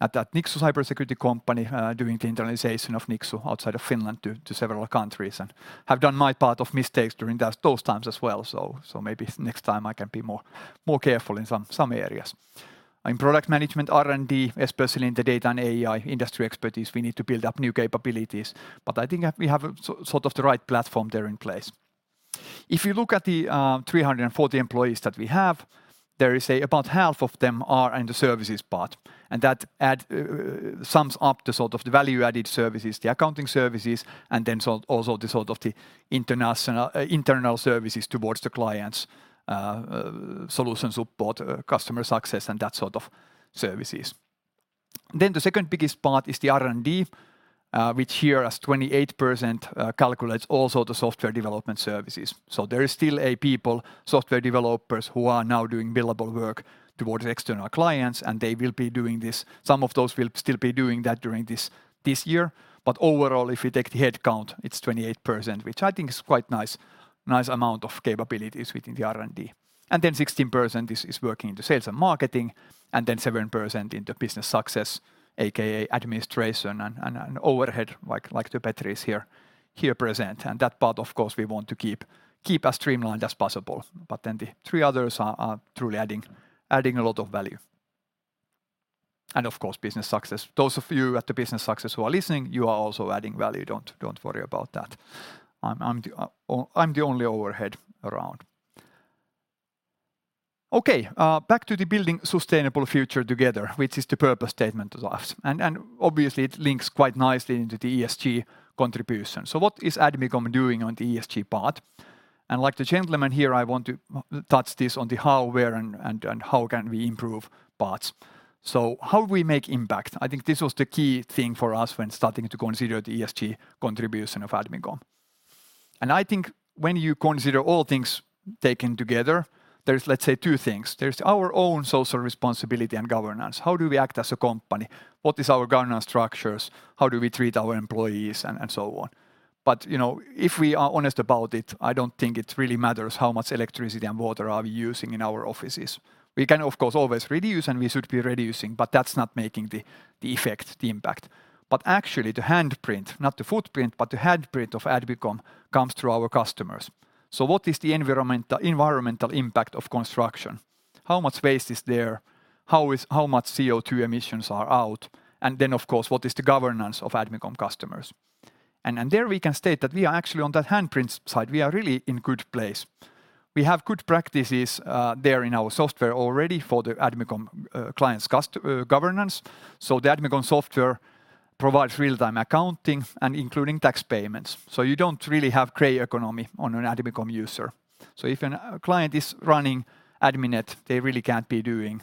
at that Nixu cybersecurity company doing the internationalization of Nixu outside of Finland to several countries and have done my part of mistakes during those times as well. Maybe next time I can be more careful in some areas. In product management, R&D, especially in the data and AI industry expertise, we need to build up new capabilities. I think we have sort of the right platform there in place. If you look at the 340 employees that we have, there is about half of them are in the services part, and that sums up the sort of the value-added services, the accounting services, and then so-also the sort of the international internal services towards the clients, solutions support, customer success and that sort of services. The second biggest part is the R&D, which here as 28%, calculates also the software development services. There is still a people, software developers, who are now doing billable work towards external clients, and they will be doing Some of those will still be doing that during this year. Overall, if we take the head count, it's 28%, which I think is quite nice amount of capabilities within the R&D. 16% is working in the sales and marketing, then 7% in the business success, aka administration and overhead, like the batteries here present. That part, of course, we want to keep as streamlined as possible. The three others are truly adding a lot of value. Of course, business success. Those of you at the business success who are listening, you are also adding value. Don't worry about that. I'm the only overhead around. Okay, back to the building sustainable future together, which is the purpose statement to us. Obviously it links quite nicely into the ESG contribution. What is Admicom doing on the ESG part? Like the gentleman here, I want to touch this on the how, where, and how can we improve parts. How we make impact? I think this was the key thing for us when starting to consider the ESG contribution of Admicom. I think when you consider all things taken together, there's, let's say, two things. There's our own social responsibility and governance. How do we act as a company? What is our governance structures? How do we treat our employees? So on. You know, if we are honest about it, I don't think it really matters how much electricity and water are we using in our offices. We can, of course, always reduce, and we should be reducing, but that's not making the effect, the impact. Actually the handprint, not the footprint, but the handprint of Admicom comes through our customers. What is the environmental impact of construction? How much waste is there? How much CO2 emissions are out? Then, of course, what is the governance of Admicom customers? There we can state that we are actually on that handprint side. We are really in good place. We have good practices there in our software already for the Admicom clients governance. The Admicom software provides real-time accounting and including tax payments. You don't really have gray economy on an Admicom user. If a client is running Adminet, they really can't be doing,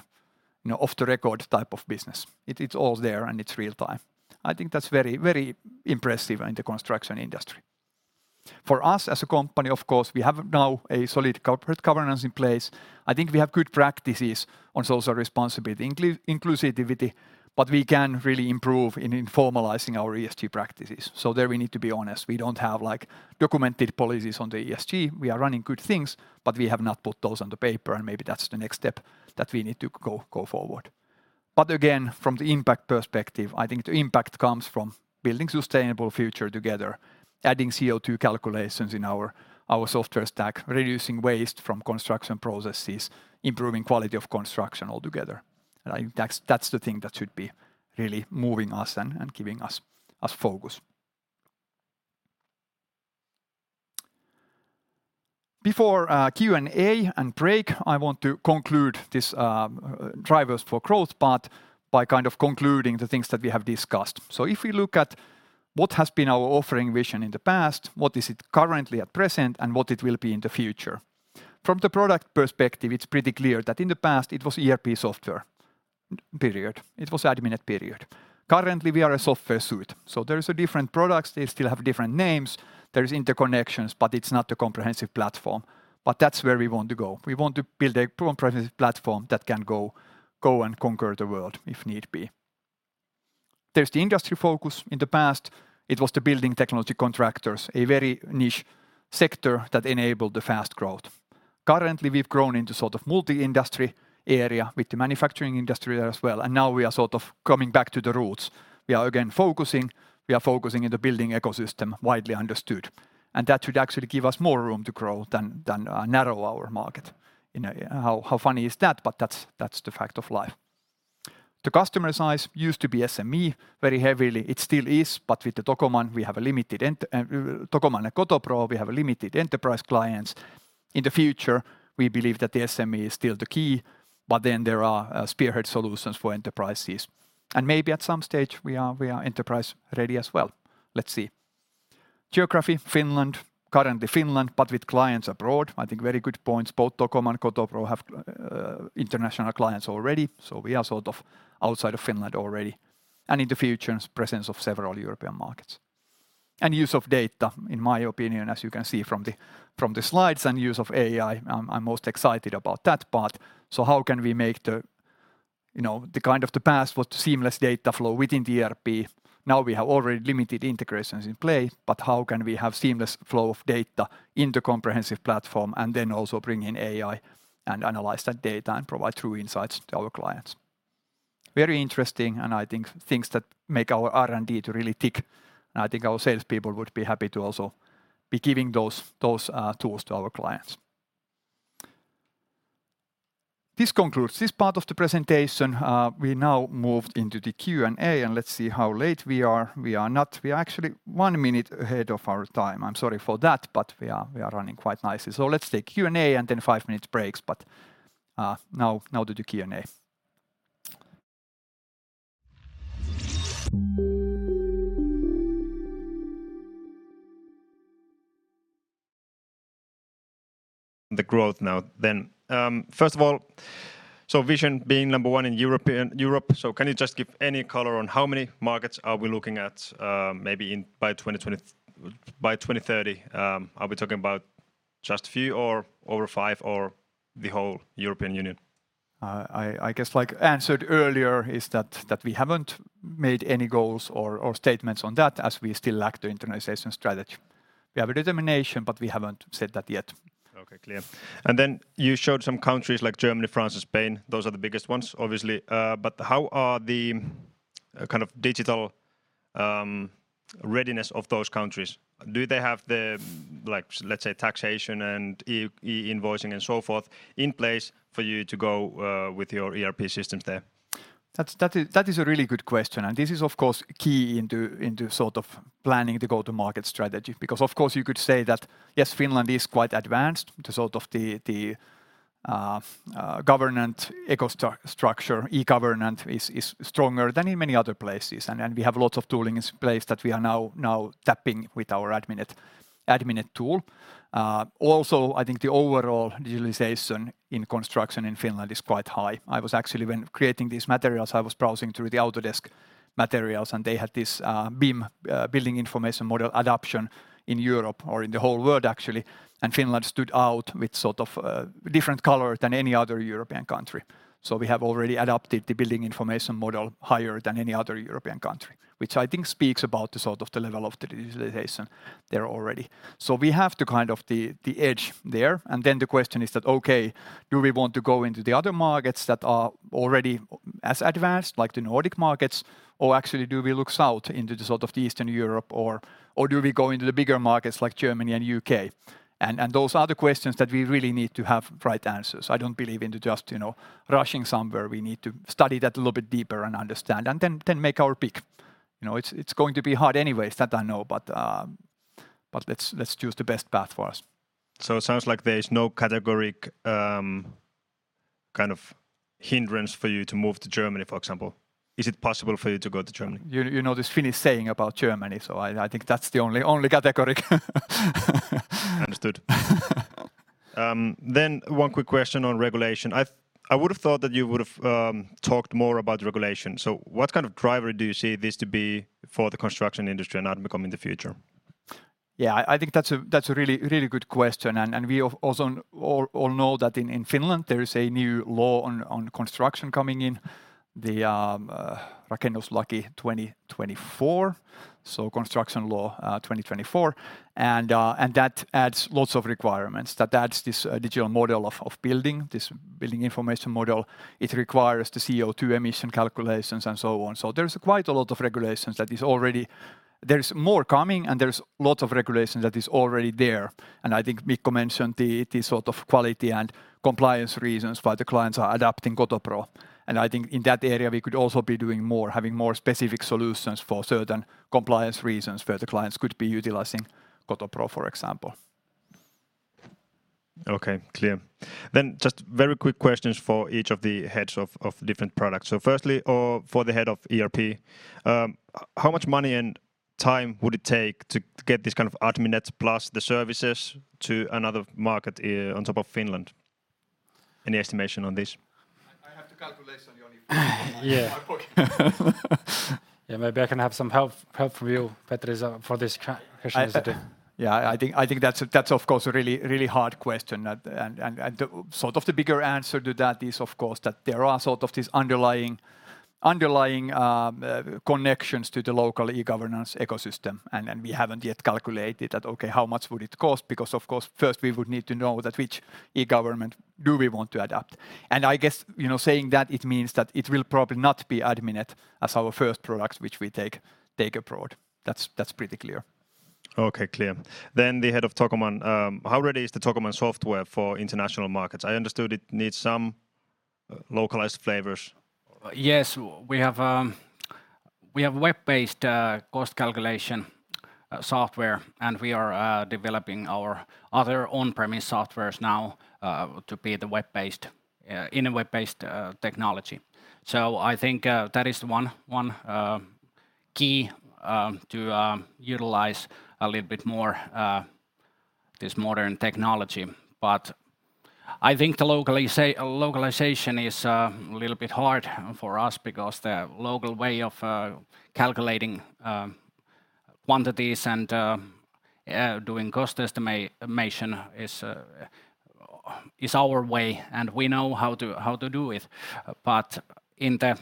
you know, off the record type of business. It's all there and it's real time. I think that's very, very impressive in the construction industry. For us as a company, of course, we have now a solid corporate governance in place. I think we have good practices on social responsibility, inclusivity, but we can really improve in formalizing our ESG practices. There we need to be honest. We don't have, like, documented policies on the ESG. We are running good things, but we have not put those on the paper, and maybe that's the next step that we need to go forward. Again, from the impact perspective, I think the impact comes from building sustainable future together, adding CO2 calculations in our software stack, reducing waste from construction processes, improving quality of construction altogether. I think that's the thing that should be really moving us and giving us focus. Before Q&A and break, I want to conclude this drivers for growth part by kind of concluding the things that we have discussed. If we look at what has been our offering vision in the past, what is it currently at present, and what it will be in the future. From the product perspective, it's pretty clear that in the past it was ERP software, period. It was Adminet, period. Currently, we are a software suite. There is a different products. They still have different names. There is interconnections, but it's not a comprehensive platform. That's where we want to go. We want to build a comprehensive platform that can go and conquer the world if need be. There's the industry focus. In the past, it was the building technology contractors, a very niche sector that enabled the fast growth. Currently, we've grown into sort of multi-industry area with the manufacturing industry as well. Now we are sort of coming back to the roots. We are again focusing. We are focusing in the building ecosystem, widely understood. That should actually give us more room to grow than narrow our market. You know, how funny is that? That's the fact of life. The customer size used to be SME very heavily. It still is, but with the Tocoman we have a limited Tocoman and Kotopro, we have a limited enterprise clients. In the future, we believe that the SME is still the key, but there are spearhead solutions for enterprises. Maybe at some stage, we are enterprise ready as well. Let's see. Geography, Finland. Currently Finland, but with clients abroad. I think very good points. Both Tocoman and Kotopro have international clients already. We are sort of outside of Finland already. In the future, presence of several European markets. Use of data, in my opinion, as you can see from the, from the slides, and use of AI, I'm most excited about that part. How can we make the, you know, the kind of the past was seamless data flow within the ERP. Now we have already limited integrations in play, but how can we have seamless flow of data in the comprehensive platform, and then also bring in AI and analyze that data and provide true insights to our clients? Very interesting, I think things that make our R&D to really tick. I think our sales people would be happy to also be giving those tools to our clients. This concludes this part of the presentation. We now move into the Q&A. Let's see how late we are. We are not. We are actually one minute ahead of our time. I'm sorry for that. We are running quite nicely. Let's take Q&A and then five minutes breaks. Now to the Q&A. The growth now. First of all, vision being number one in Europe, so can you just give any color on how many markets are we looking at, maybe in by 2030? Are we talking about just a few or over five, or the whole European Union? I guess, like answered earlier is that we haven't made any goals or statements on that as we still lack the internationalization strategy. We have a determination, but we haven't said that yet. Okay. Clear. Then you showed some countries like Germany, France, and Spain. Those are the biggest ones, obviously. How are the kind of digital readiness of those countries? Do they have the, like, let's say, taxation and e-invoicing and so forth in place for you to go with your ERP systems there? That is a really good question. This is of course key into sort of planning the go-to-market strategy. Of course you could say that, yes, Finland is quite advanced. The sort of the government eco structure, e-government is stronger than in many other places. Then we have lots of tooling in place that we are now tapping with our Adminet tool. I think the overall digitalization in construction in Finland is quite high. I was actually when creating these materials, I was browsing through the Autodesk materials, and they had this BIM, Building Information Model adoption in Europe or in the whole world actually, and Finland stood out with sort of different color than any other European country. We have already adopted the building information model higher than any other European country, which I think speaks about the sort of the level of the digitalization there already. We have to kind of the edge there, and then the question is that, okay, do we want to go into the other markets that are already as advanced, like the Nordic markets, or actually do we look south into the sort of the Eastern Europe, or do we go into the bigger markets like Germany and U.K.? Those are the questions that we really need to have right answers. I don't believe in the just, you know, rushing somewhere. We need to study that a little bit deeper and understand, and then make our pick. You know, it's going to be hard anyways, that I know. But let's choose the best path for us. It sounds like there is no categoric, kind of hindrance for you to move to Germany, for example. Is it possible for you to go to Germany? You know this Finnish saying about Germany, I think that's the only categoric. Understood. One quick question on regulation. I would have thought that you would have talked more about regulation. What kind of driver do you see this to be for the construction industry and Admicom in the future? I think that's a really, really good question. We also all know that in Finland there is a new law on construction coming in, the Rakennuslaki 2024, so Construction Law 2024. That adds lots of requirements. That adds this digital model of building, this building information model. It requires the CO2 emission calculations and so on. There's quite a lot of regulations that is already. There's more coming and there's lots of regulation that is already there. I think Mikko mentioned the sort of quality and compliance reasons why the clients are adapting Kotopro. I think in that area we could also be doing more, having more specific solutions for certain compliance reasons where the clients could be utilizing Kotopro, for example. Okay. Clear. Just very quick questions for each of the heads of different products. Firstly, or for the head of ERP, how much money and time would it take to get this kind of Adminet plus the services to another market, on top of Finland? Any estimation on this? Yeah. I'm working. Yeah, maybe I can have some help from you, Petri, for this question. I see. Yeah. I think, I think that's of course a really, really hard question. Sort of the bigger answer to that is of course that there are sort of these underlying connections to the local e-governance ecosystem, We haven't yet calculated that, okay, how much would it cost? Because of course, first we would need to know that which e-government do we want to adapt. I guess, you know, saying that it means that it will probably not be Adminet as our first product which we take abroad. That's, that's pretty clear. Okay. Clear. The head of Tocoman, how ready is the Tocoman software for international markets? I understood it needs some localized flavors. Yes. We have web-based cost calculation software, and we are developing our other on-premise softwares now to be the web-based in a web-based technology. I think that is one key to utilize a little bit more this modern technology. I think the localization is a little bit hard for us because the local way of calculating quantities and doing cost estimation is our way and we know how to, how to do it. In the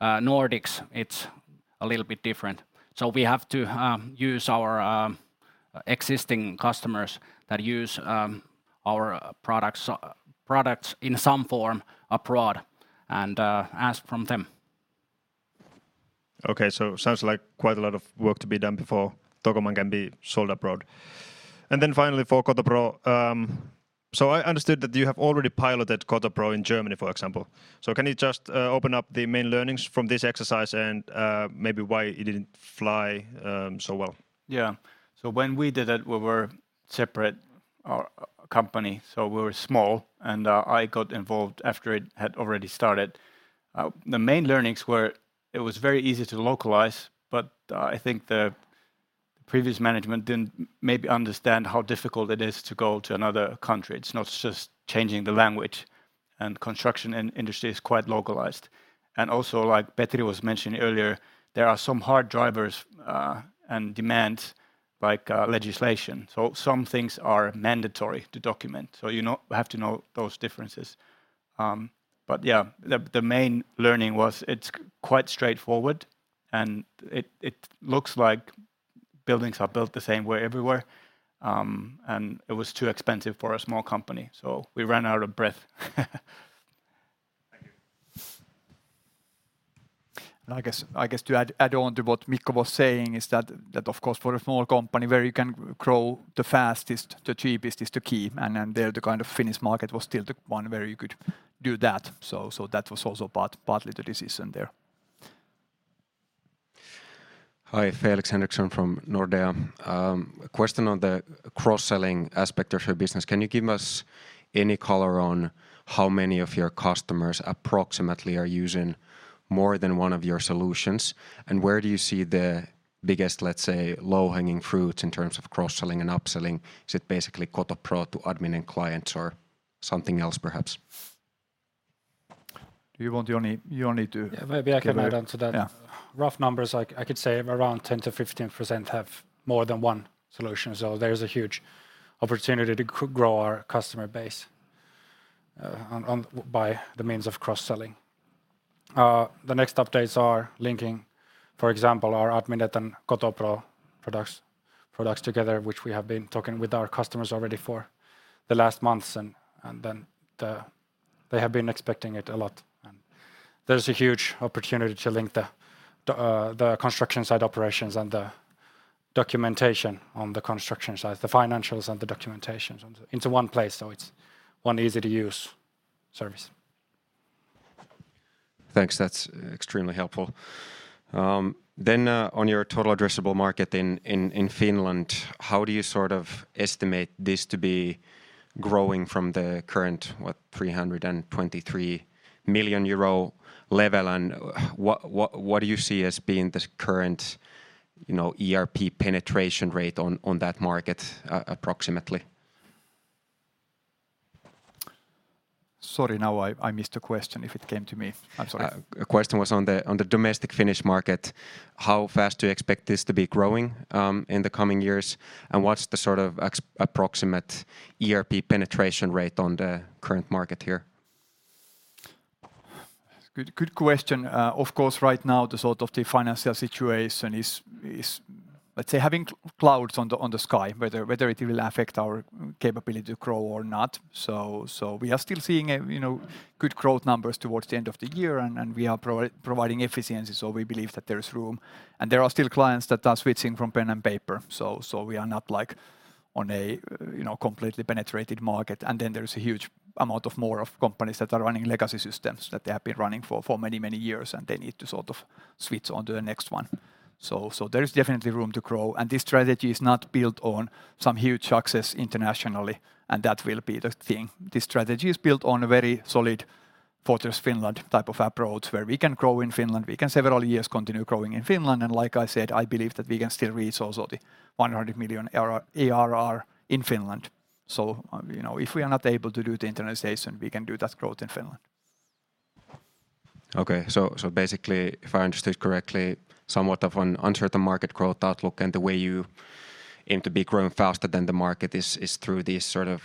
Nordics, it's a little bit different. We have to use our existing customers that use our products in some form abroad and ask from them. Okay. Sounds like quite a lot of work to be done before Tocoman can be sold abroad. Finally for Kotopro, I understood that you have already piloted Kotopro in Germany, for example. Can you just open up the main learnings from this exercise and maybe why it didn't fly well? Yeah. When we did it, we were separate company, so we were small and I got involved after it had already started. The main learnings were it was very easy to localize, but I think the previous management didn't maybe understand how difficult it is to go to another country. It's not just changing the language, and construction industry is quite localized. Also, like Petri was mentioning earlier, there are some hard drivers and demands, like legislation. Some things are mandatory to document. You know, have to know those differences. Yeah, the main learning was it's quite straightforward, and it looks like buildings are built the same way everywhere. It was too expensive for a small company, so we ran out of breath. Thank you. I guess to add on to what Mikko was saying is that of course for a small company where you can grow the fastest, the cheapest is the key. There, the kind of Finnish market was still the one where you could do that. That was also partly the decision there. Hi. Felix Henriksson from Nordea. A question on the cross-selling aspect of your business. Can you give us any color on how many of your customers approximately are using more than one of your solutions? Where do you see the biggest, let's say, low-hanging fruits in terms of cross-selling and upselling? Is it basically Kotopro to Adminet and clients or something else perhaps? Do you want Joni? Yeah. Maybe I can add on to that. Yeah. Rough numbers, I could say around 10%-15% have more than one solution. There's a huge opportunity to grow our customer base on by the means of cross-selling. The next updates are linking, for example, our Adminet and Kotopro products together, which we have been talking with our customers already for the last months, and then They have been expecting it a lot. There's a huge opportunity to link the construction site operations and the documentation on the construction site, the financials and the documentations into one place so it's one easy-to-use service. Thanks. That's extremely helpful. On your total addressable market in Finland, how do you sort of estimate this to be growing from the current, what, 323 million euro level, and what do you see as being the current, you know, ERP penetration rate on that market approximately? Sorry. Now I missed the question if it came to me. I'm sorry. The question was on the, on the domestic Finnish market, how fast do you expect this to be growing in the coming years, and what's the sort of approximate ERP penetration rate on the current market here? Good, good question. Of course, right now the sort of the financial situation is let's say having clouds on the sky, whether it will affect our capability to grow or not. We are still seeing, you know, good growth numbers towards the end of the year, and we are providing efficiency, so we believe that there's room. There are still clients that are switching from pen and paper, so we are not, like, on a, you know, completely penetrated market. There's a huge amount of more of companies that are running legacy systems that they have been running for many, many years, and they need to sort of switch on to the next one. There is definitely room to grow. This strategy is not built on some huge success internationally, and that will be the thing. This strategy is built on a very solid fortress Finland type of approach where we can grow in Finland. We can several years continue growing in Finland. Like I said, I believe that we can still reach also the 100 million RR-ARR in Finland. You know, if we are not able to do the internationalization, we can do that growth in Finland. Okay. Basically, if I understood correctly, somewhat of an uncertain market growth outlook, and the way you aim to be growing faster than the market is through these sort of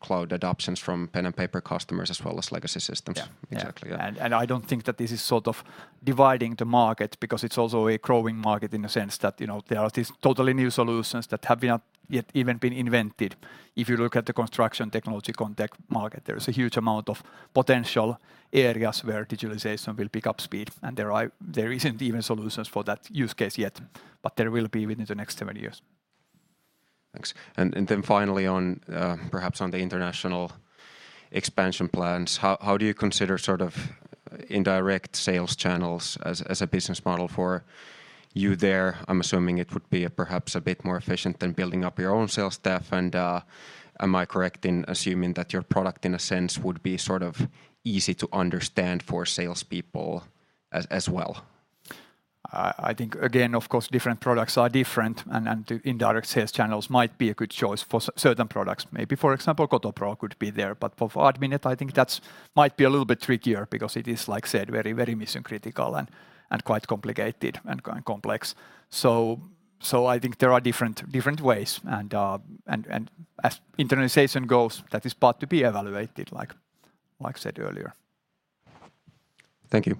cloud adoptions from pen and paper customers as well as legacy systems. Yeah. Yeah. Exactly, yeah. I don't think that this is sort of dividing the market because it's also a growing market in the sense that, you know, there are these totally new solutions that have not yet even been invented. If you look at the construction technology ConTech market, there is a huge amount of potential areas where digitalization will pick up speed, and there isn't even solutions for that use case yet, but there will be within the next 10 years. Thanks. Then finally on perhaps on the international expansion plans, how do you consider sort of indirect sales channels as a business model for you there? I'm assuming it would be perhaps a bit more efficient than building up your own sales staff. Am I correct in assuming that your product in a sense would be sort of easy to understand for salespeople as well? I think again, of course, different products are different, and the indirect sales channels might be a good choice for certain products. Maybe, for example, Kotopro could be there. For Adminet, I think that's might be a little bit trickier because it is, like I said, very mission-critical and quite complicated and kind of complex. I think there are different ways. As internationalization goes, that is part to be evaluated like I said earlier. Thank you.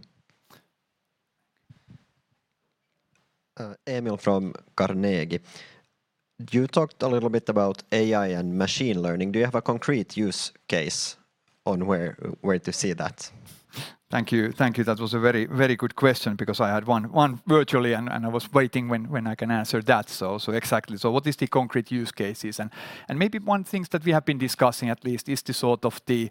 Emil from Carnegie. You talked a little bit about AI and machine learning. Do you have a concrete use case on where to see that? Thank you. Thank you. That was a very, very good question because I had one virtually, and I was waiting when I can answer that. Exactly. What is the concrete use cases? Maybe one things that we have been discussing at least is the sort of the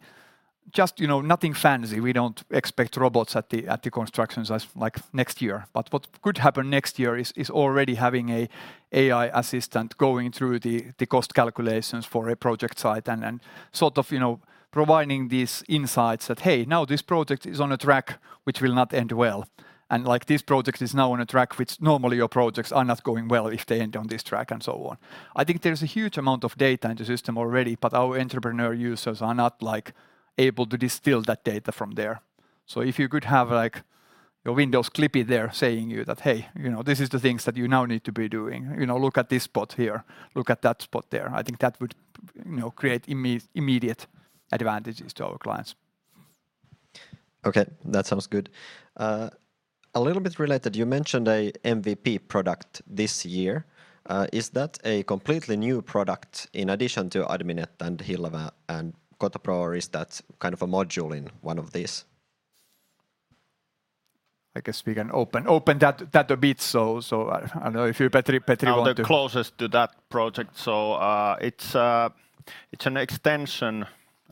Just, you know, nothing fancy. We don't expect robots at the constructions as, like, next year. What could happen next year is already having a AI assistant going through the cost calculations for a project site and then sort of, you know, providing these insights that, "Hey, now this project is on a track which will not end well," and, like, "This project is now on a track which normally your projects are not going well if they end on this track," and so on. I think there's a huge amount of data in the system already, but our entrepreneur users are not, like, able to distill that data from there. If you could have, like, your Windows Clippy there saying you that, "Hey, you know, this is the things that you now need to be doing," you know, "Look at this spot here. Look at that spot there," I think that would, you know, create immediate advantages to our clients. Okay. That sounds good. A little bit related, you mentioned a MVP product this year, is that a completely new product in addition to Adminet and Hillava and Kotopro, or is that kind of a module in one of these? I guess we can open that a bit so, I don't know if you, Petri. I'm the closest to that project, it's an extension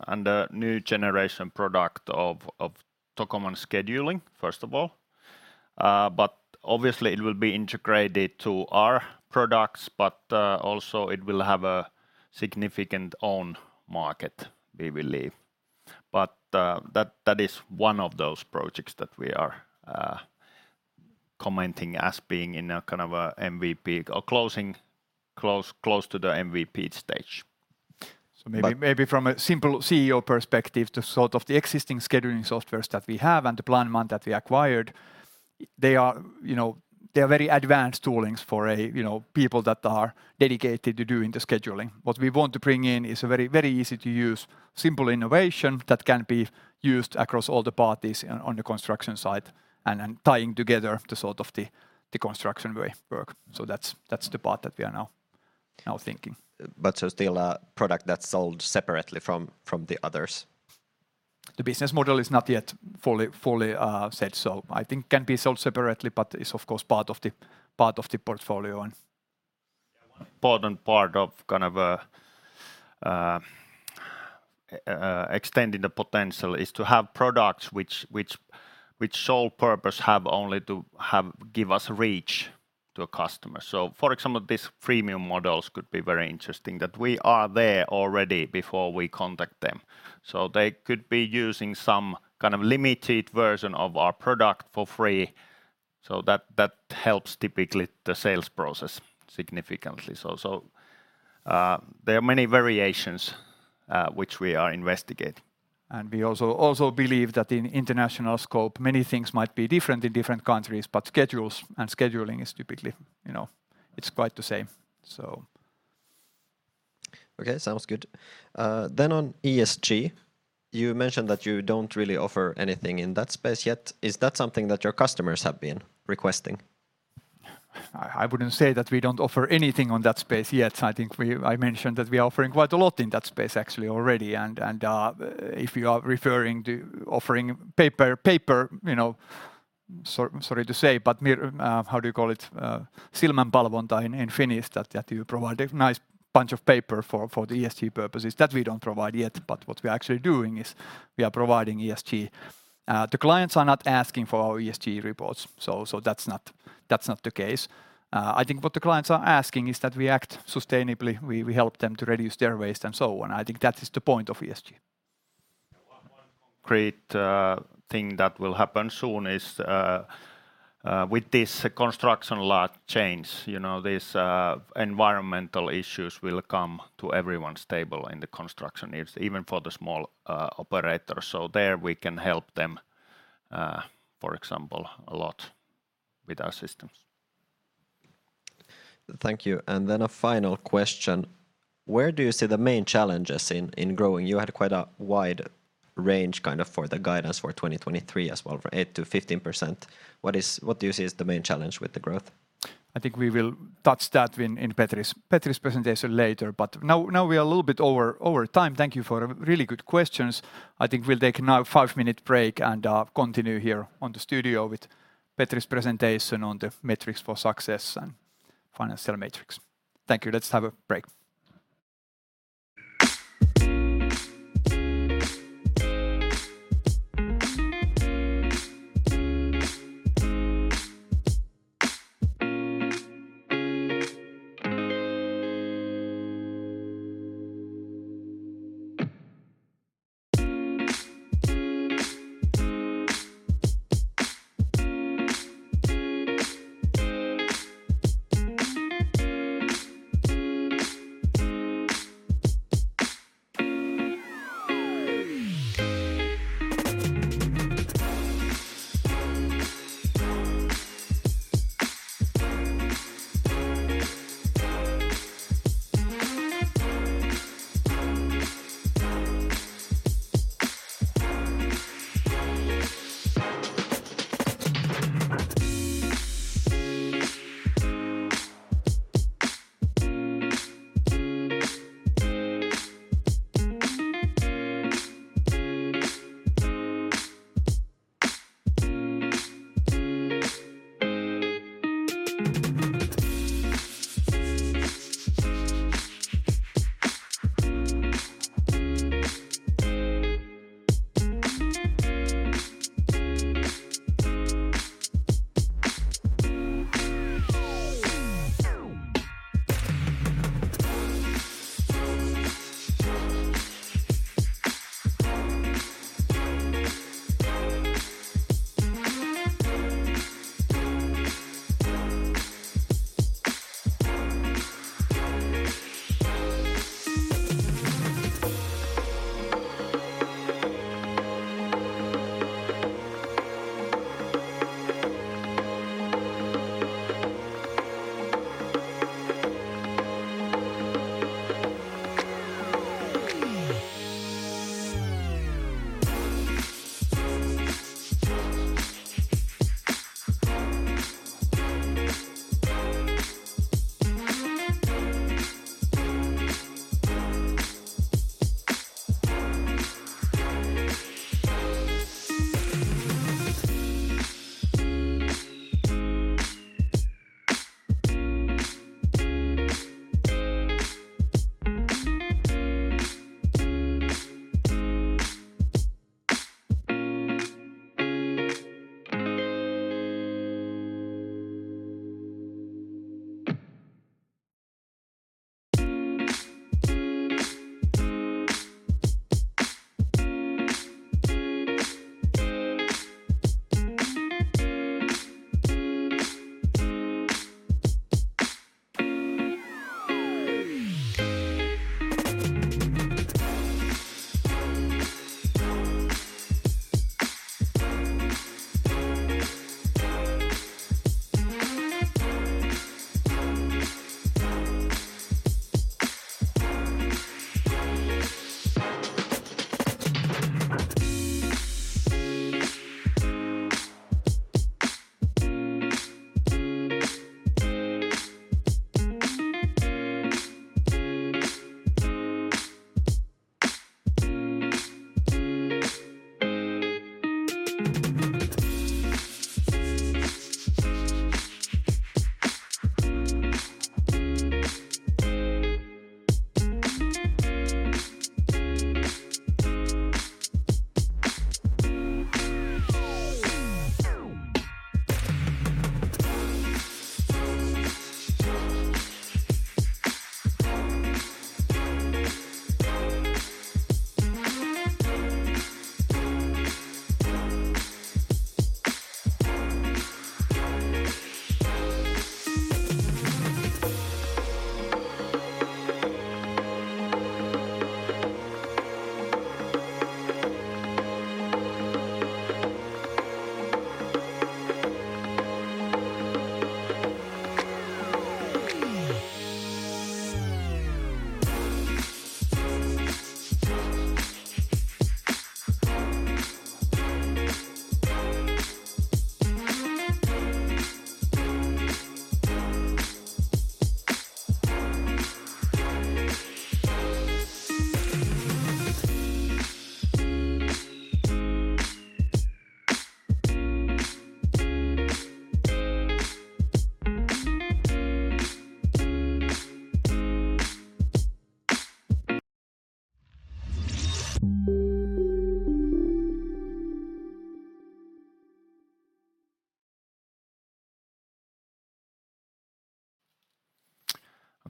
and a new generation product of Tocoman scheduling, first of all. Obviously it will be integrated to our products, but also it will have a significant own market we believe. That, that is one of those projects that we are commenting as being in a kind of a MVP or closing close to the MVP stage. Maybe from a simple CEO perspective, the sort of the existing scheduling softwares that we have and the PlanMan that we acquired, they are, you know, they are very advanced toolings for a, you know, people that are dedicated to doing the scheduling. What we want to bring in is a very, very easy to use, simple innovation that can be used across all the parties on the construction site and tying together the sort of the construction way work. That's the part that we are now thinking. Still a product that's sold separately from the others? The business model is not yet fully set, so I think can be sold separately but is of course part of the, part of the portfolio and- Yeah. One important part of kind of a, extending the potential is to have products which sole purpose have only to have give us reach to a customer. For example, these premium models could be very interesting, that we are there already before we contact them. They could be using some kind of limited version of our product for free, that helps typically the sales process significantly. There are many variations, which we are investigating. We also believe that in international scope, many things might be different in different countries, but schedules and scheduling is typically, you know, it's quite the same, so. Okay. Sounds good. On ESG, you mentioned that you don't really offer anything in that space yet. Is that something that your customers have been requesting? I wouldn't say that we don't offer anything on that space yet. I think we I mentioned that we are offering quite a lot in that space actually already and, if you are referring to offering paper, you know, sorry to say, but how do you call it, silmänpalvonta in Finnish that you provide a nice bunch of paper for the ESG purposes. That we don't provide yet, but what we're actually doing is we are providing ESG. The clients are not asking for our ESG reports, so that's not, that's not the case. I think what the clients are asking is that we act sustainably. We help them to reduce their waste and so on. I think that is the point of ESG. One concrete thing that will happen soon is with this Construction Law change, you know, these environmental issues will come to everyone's table in the construction indus- even for the small operators. There we can help them, for example, a lot with our systems. Thank you. Then a final question. Where do you see the main challenges in growing? You had quite a wide range, kind of, for the guidance for 2023 as well, for 8%-15%. What do you see is the main challenge with the growth? I think we will touch that in Petri's presentation later. Now we are a little bit over time. Thank you for really good questions. I think we'll take now a five minute break and continue here on the studio with Petri's presentation on the metrics for success and financial metrics. Thank you. Let's have a break.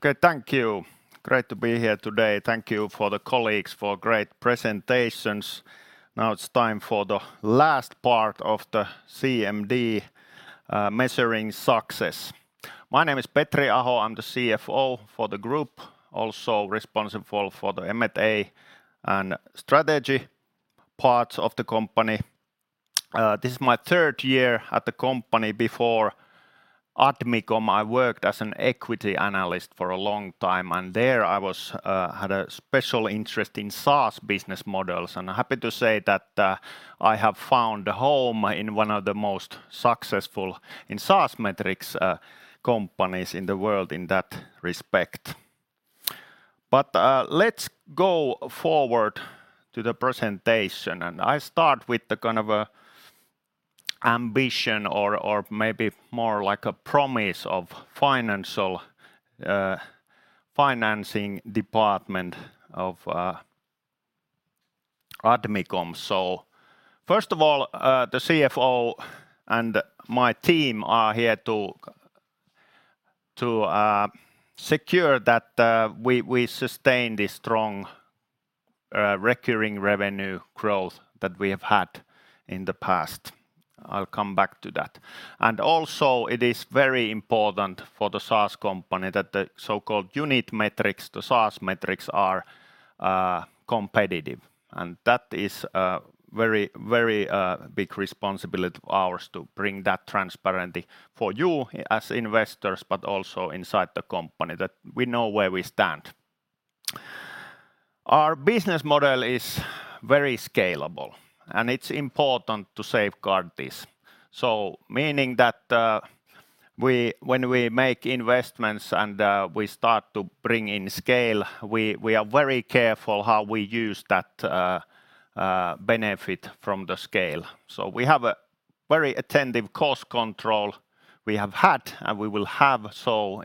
Okay, thank you. Great to be here today. Thank you for the colleagues for great presentations. Now it's time for the last part of the CMD, measuring success. My name is Petri Aho. I'm the CFO for the group, also responsible for the M&A and strategy parts of the company. This is my third year at the company. Before Admicom, I worked as an equity analyst for a long time, and there I was had a special interest in SaaS business models. Happy to say that I have found a home in one of the most successful in SaaS metrics, companies in the world in that respect. Let's go forward to the presentation, and I start with the kind of a ambition or maybe more like a promise of financial, financing department of Admicom. First of all, the CFO and my team are here to secure that we sustain the strong recurring revenue growth that we have had in the past. I'll come back to that. It is very important for the SaaS company that the so-called unit metrics to SaaS metrics are competitive. That is very big responsibility of ours to bring that transparency for you as investors, but also inside the company that we know where we stand. Our business model is very scalable, and it's important to safeguard this. Meaning that when we make investments and we start to bring in scale, we are very careful how we use that benefit from the scale. Very attentive cost control we have had, and we will have so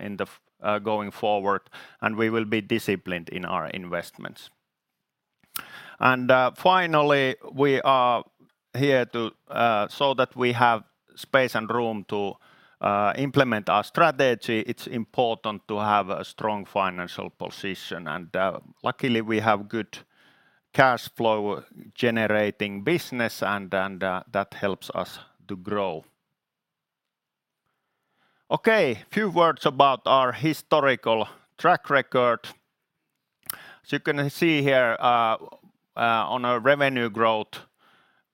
going forward, and we will be disciplined in our investments. Finally, we are here to so that we have space and room to implement our strategy, it's important to have a strong financial position. Luckily, we have good cash flow generating business and that helps us to grow. Okay. Few words about our historical track record. You can see here on a revenue growth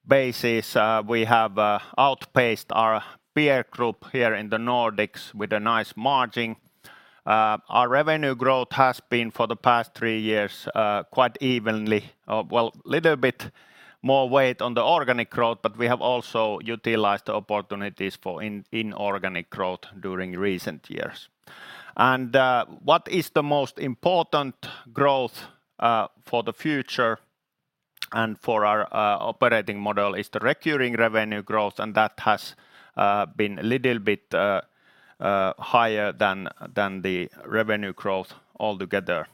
basis, we have outpaced our peer group here in the Nordics with a nice margin. Our revenue growth has been, for the past three years, quite evenly. Well, little bit more weight on the organic growth, but we have also utilized opportunities for inorganic growth during recent years. What is the most important growth for the future and for our operating model is the recurring revenue growth, and that has been a little bit higher than the revenue growth altogether.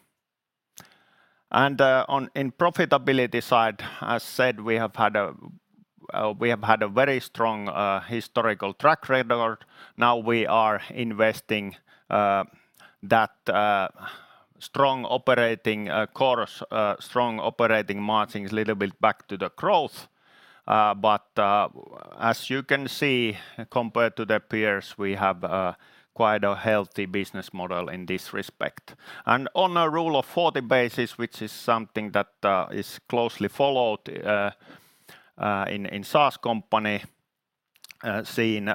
In profitability side, as said, we have had a very strong historical track record. Now we are investing that strong operating margins a little bit back to the growth. As you can see, compared to the peers, we have quite a healthy business model in this respect. On a Rule of Forty basis, which is something that is closely followed in SaaS company scene,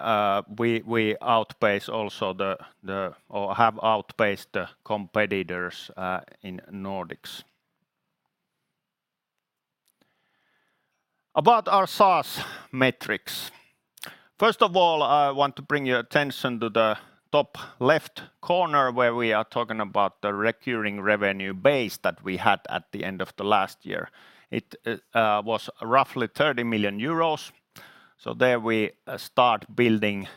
we outpace also the competitors, or have outpaced the competitors in Nordics. About our SaaS metrics. First of all, I want to bring your attention to the top left corner, where we are talking about the recurring revenue base that we had at the end of the last year. It was roughly 30 million euros. There we start building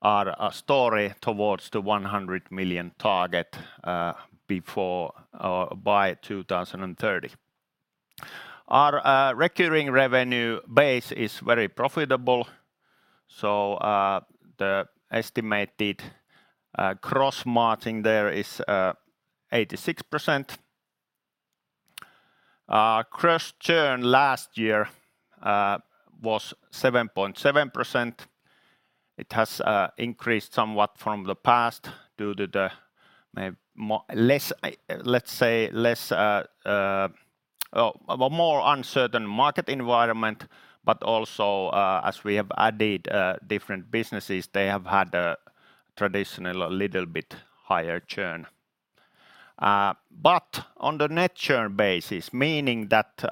our story towards the 100 million target before or by 2030. Our recurring revenue base is very profitable, the estimated gross margin there is 86%. Cross-churn last year was 7.7%. It has increased somewhat from the past due to the let's say less or a more uncertain market environment, as we have added different businesses, they have had a traditional little bit higher churn. On the net churn basis, meaning that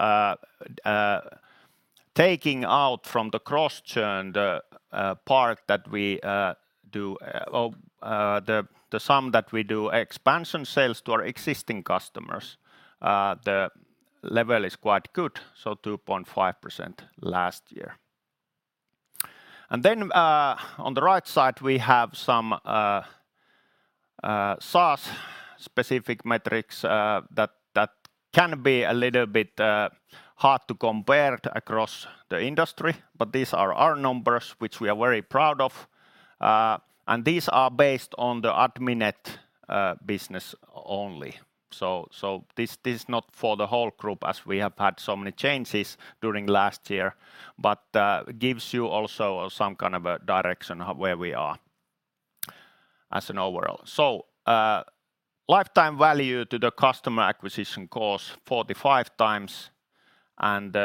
taking out from the cross-churn the part that we do or the sum that we do expansion sales to our existing customers, the level is quite good, so 2.5% last year. On the right side, we have some SaaS specific metrics that can be a little bit hard to compare across the industry, but these are our numbers, which we are very proud of. These are based on the Adminet business only. This is not for the whole group as we have had so many changes during last year, gives you also some kind of a direction of where we are as an overall. Lifetime value to the customer acquisition cost, 45 times, and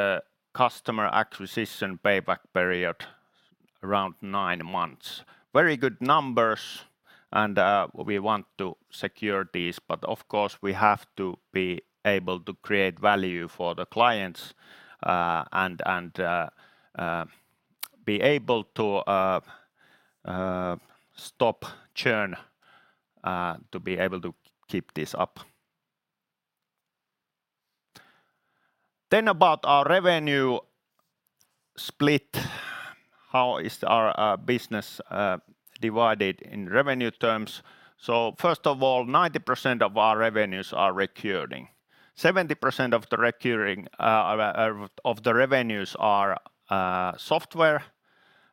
customer acquisition payback period, around nine months. Very good numbers, and we want to secure these. Of course, we have to be able to create value for the clients, and be able to stop churn, to be able to keep this up. About our revenue split. How is our business divided in revenue terms? First of all, 90% of our revenues are recurring. 70% of the recurring of the revenues are software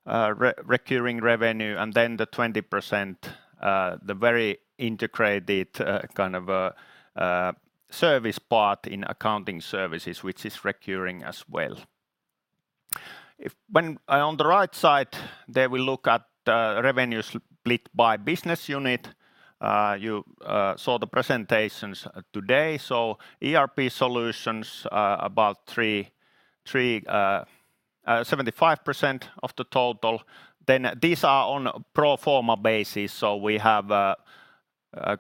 recurring revenue, and then the 20%, the very integrated kind of service part in accounting services, which is recurring as well. On the right side, there we look at revenues split by business unit. You saw the presentations today. ERP solutions, about 75% of the total. These are on a pro forma basis, so we have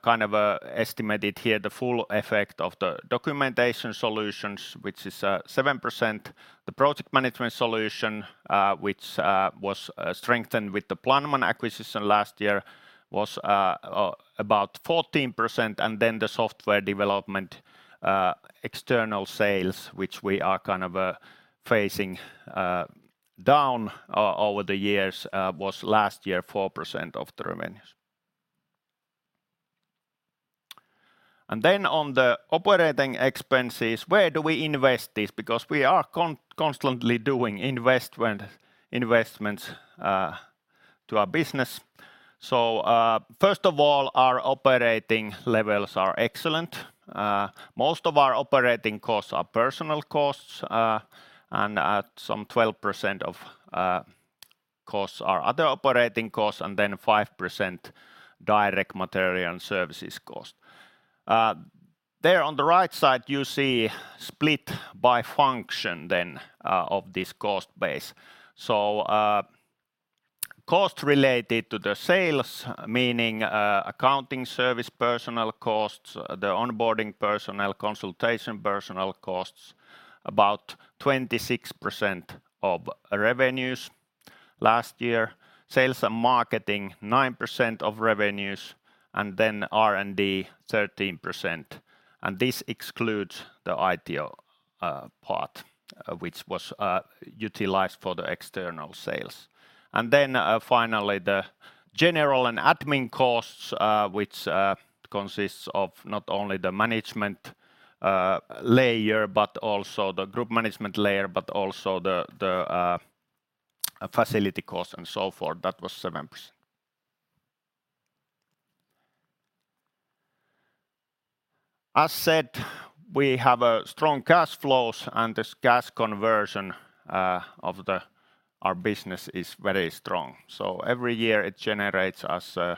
kind of estimated here the full effect of the documentation solutions, which is 7%. The project management solution, which was strengthened with the PlanMan acquisition last year was about 14%. The software development external sales, which we are kind of phasing down over the years, was last year, 4% of the revenues. On the operating expenses, where do we invest this? Because we are constantly doing investments to our business. First of all, our operating levels are excellent. Most of our operating costs are personal costs, and at some 12% of costs are other operating costs and then 5% direct material and services cost. There on the right side, you see split by function then of this cost base. Cost related to the sales, meaning accounting service personnel costs, the onboarding personnel, consultation personnel costs, about 26% of revenues last year. Sales and marketing, 9% of revenues, and then R&D, 13%. This excludes the Aitio part, which was utilized for the external sales. Finally, the general and admin costs, which consists of not only the management layer, but also the group management layer, but also the facility cost and so forth. That was 7%. As said, we have a strong cash flows, this cash conversion of our business is very strong. Every year it generates us a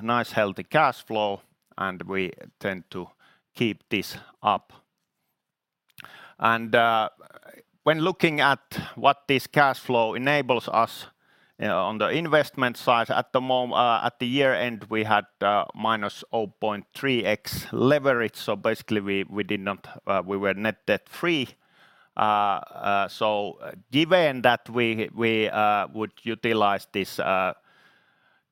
nice healthy cash flow, and we tend to keep this up. When looking at what this cash flow enables us on the investment side, at the year-end, we had minus 0.3x leverage, so basically we did not, we were net debt-free. Given that we would utilize this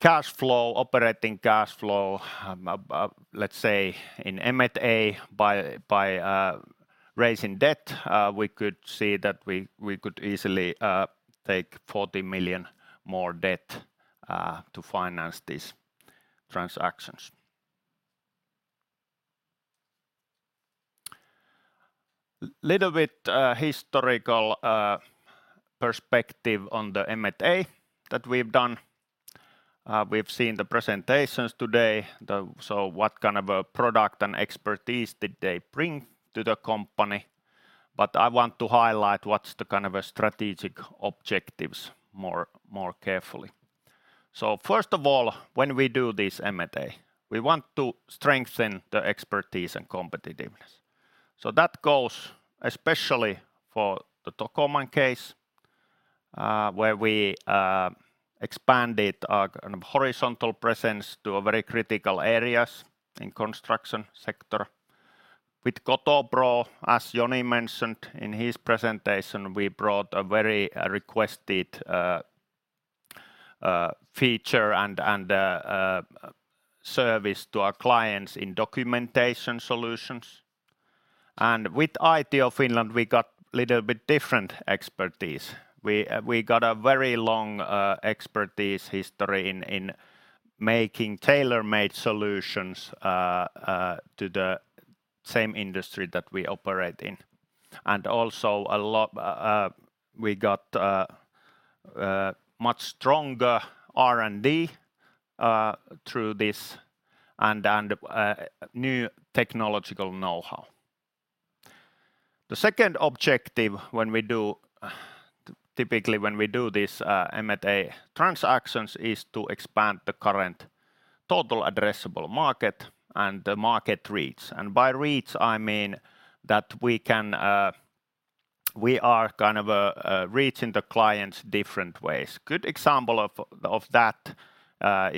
cash flow, operating cash flow, let's say in M&A by raising debt, we could see that we could easily take 40 million more debt to finance these transactions. Little bit historical perspective on the M&A that we've done. We've seen the presentations today, so what kind of a product and expertise did they bring to the company. I want to highlight what's the kind of a strategic objectives more carefully. First of all, when we do this M&A, we want to strengthen the expertise and competitiveness. That goes especially for the Tocoman case, where we expanded our kind of horizontal presence to a very critical areas in construction sector. With Kotopro, as Joni mentioned in his presentation, we brought a very requested feature and service to our clients in documentation solutions. With Aitio Finland, we got little bit different expertise. We got a very long expertise history in making tailor-made solutions to the same industry that we operate in. Also a lot, we got much stronger R&D through this and new technological know-how. The second objective when we do typically when we do this M&A transactions is to expand the current total addressable market and the market reach. By reach, I mean that we can, we are kind of, reaching the clients different ways. Good example of that, for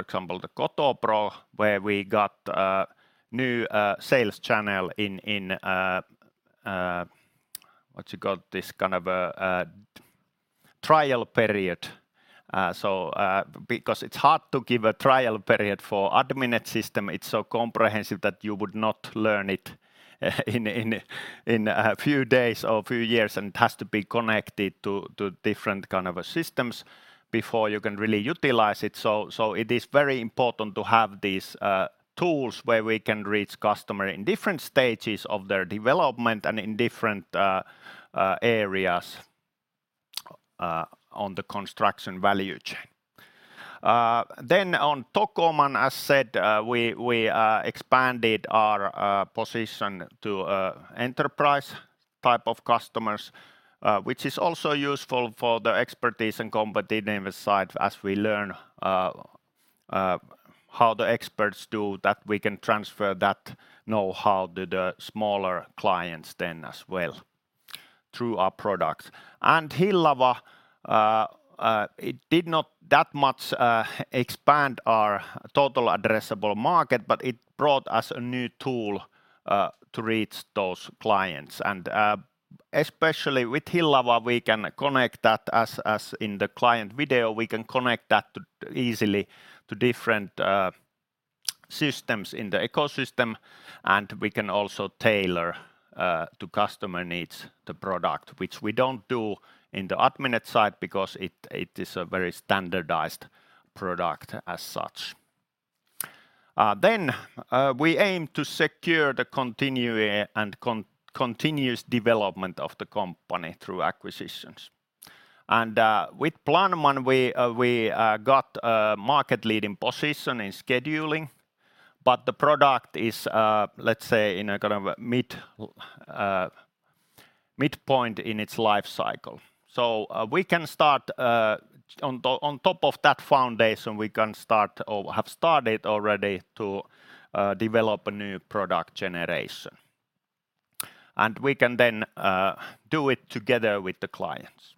example, the Kotopro, where we got new sales channel in what you call this kind of a trial period. Because it's hard to give a trial period for Adminet system, it's so comprehensive that you would not learn it in a few days or few years, and it has to be connected to different kind of systems before you can really utilize it. It is very important to have these tools where we can reach customer in different stages of their development and in different areas on the construction value chain. Then on Tocoman, as said, we expanded our position to enterprise type of customers, which is also useful for the expertise and competitiveness side as we learn how the experts do, that we can transfer that knowhow to the smaller clients then as well through our products. Hillava, it did not that much expand our total addressable market, but it brought us a new tool to reach those clients. Especially with Hillava, we can connect that as in the client video, we can connect that easily to different systems in the ecosystem, and we can also tailor to customer needs the product which we don't do in the Adminet side because it is a very standardized product as such. We aim to secure the continuing and continuous development of the company through acquisitions. With PlanMan we got a market leading position in scheduling but the product is, let's say in a kind of a mid midpoint in its life cycle. We can start on top of that foundation, we can start or have started already to develop a new product generation. We can then do it together with the clients.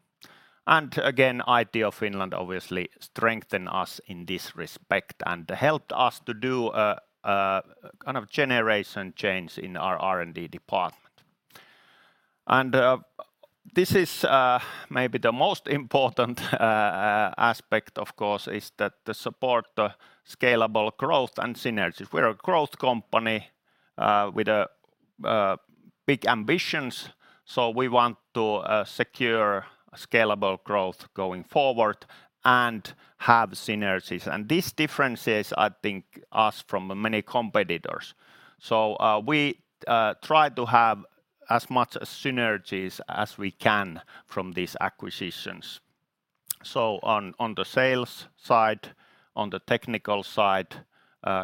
Again Aitio Finland obviously strengthen us in this respect and helped us to do a kind of generation change in our R&D department. This is maybe the most important aspect of course is that the support, the scalable growth and synergies. We're a growth company with big ambitions, so we want to secure scalable growth going forward and have synergies. This differences I think us from many competitors. We try to have as much synergies as we can from these acquisitions. On the sales side, on the technical side,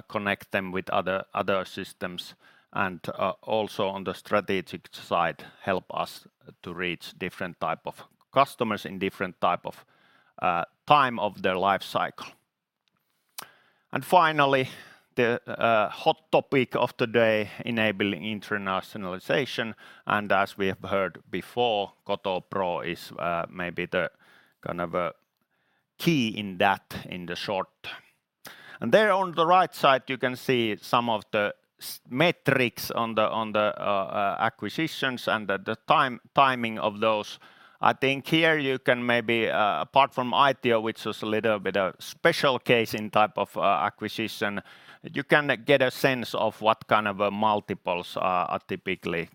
connect them with other systems and also on the strategic side help us to reach different type of customers in different type of time of their life cycle. Finally, the hot topic of today enabling internationalization, and as we have heard before, Kotopro is maybe the kind of a key in that in the short. There on the right side you can see some of the metrics on the acquisitions and the timing of those. I think here you can maybe, apart from IT which was a little bit a special case in type of acquisition, you can get a sense of what kind of multiples are typically,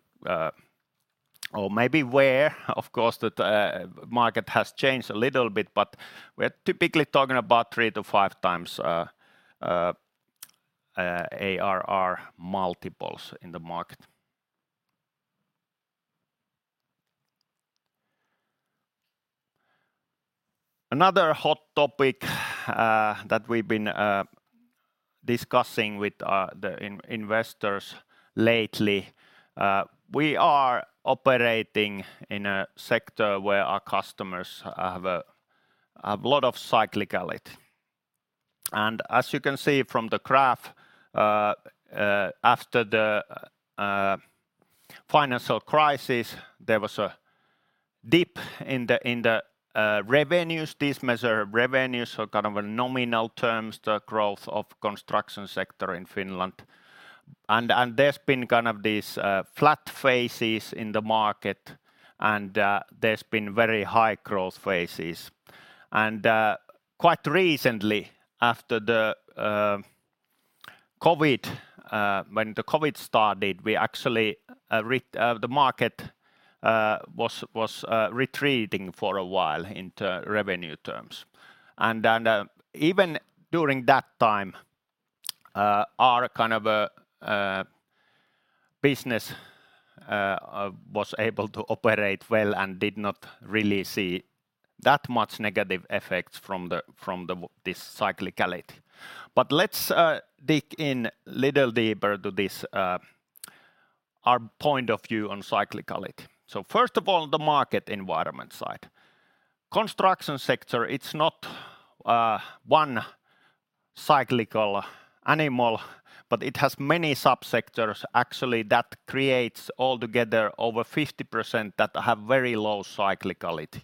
or maybe where of course the market has changed a little bit, but we're typically talking about three to five times ARR multiples in the market. Another hot topic that we've been discussing with the investors lately, we are operating in a sector where our customers have a lot of cyclicality. As you can see from the graph, after the financial crisis there was a dip in the revenues. These measure revenues or kind of nominal terms the growth of construction sector in Finland. There's been kind of this flat phases in the market, and there's been very high growth phases. Quite recently after the COVID, when the COVID started, we actually, the market was retreating for a while into revenue terms. Even during that time, our kind of business was able to operate well and did not really see that much negative effects from this cyclicality. Let's dig in little deeper to this, our point of view on cyclicality. First of all the market environment side. Construction sector, it's not one cyclical animal, but it has many sub-sectors actually that creates altogether over 50% that have very low cyclicality.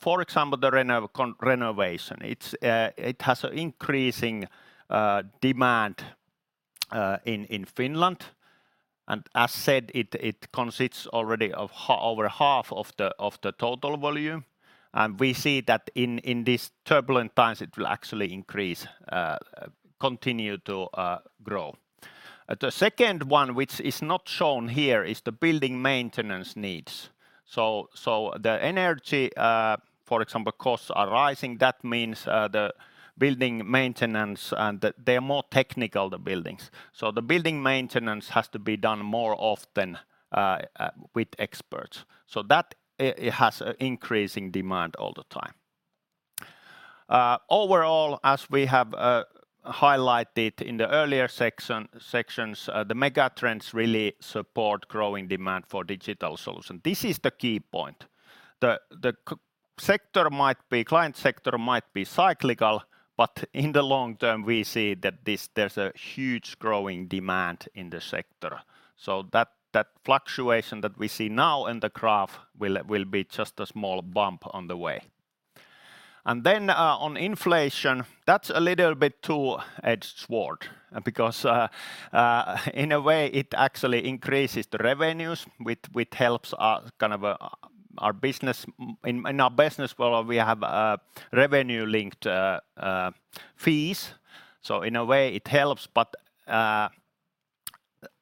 For example, the renovation. It's it has increasing demand in Finland, and as said, it consists already of over half of the total volume. We see that in these turbulent times it will actually increase, continue to grow. The second one which is not shown here is the building maintenance needs. The energy, for example, costs are rising that means the building maintenance and they are more technical the buildings. The building maintenance has to be done more often with experts. That it has a increasing demand all the time. Overall, as we have highlighted in the earlier section, the mega trends really support growing demand for digital solution. This is the key point. The client sector might be cyclical, but in the long term we see that there's a huge growing demand in the sector. That fluctuation that we see now in the graph will be just a small bump on the way. On inflation, that's a little bit two-edged sword, because in a way it actually increases the revenues which helps in our business. Well, we have revenue-linked fees, so in a way it helps.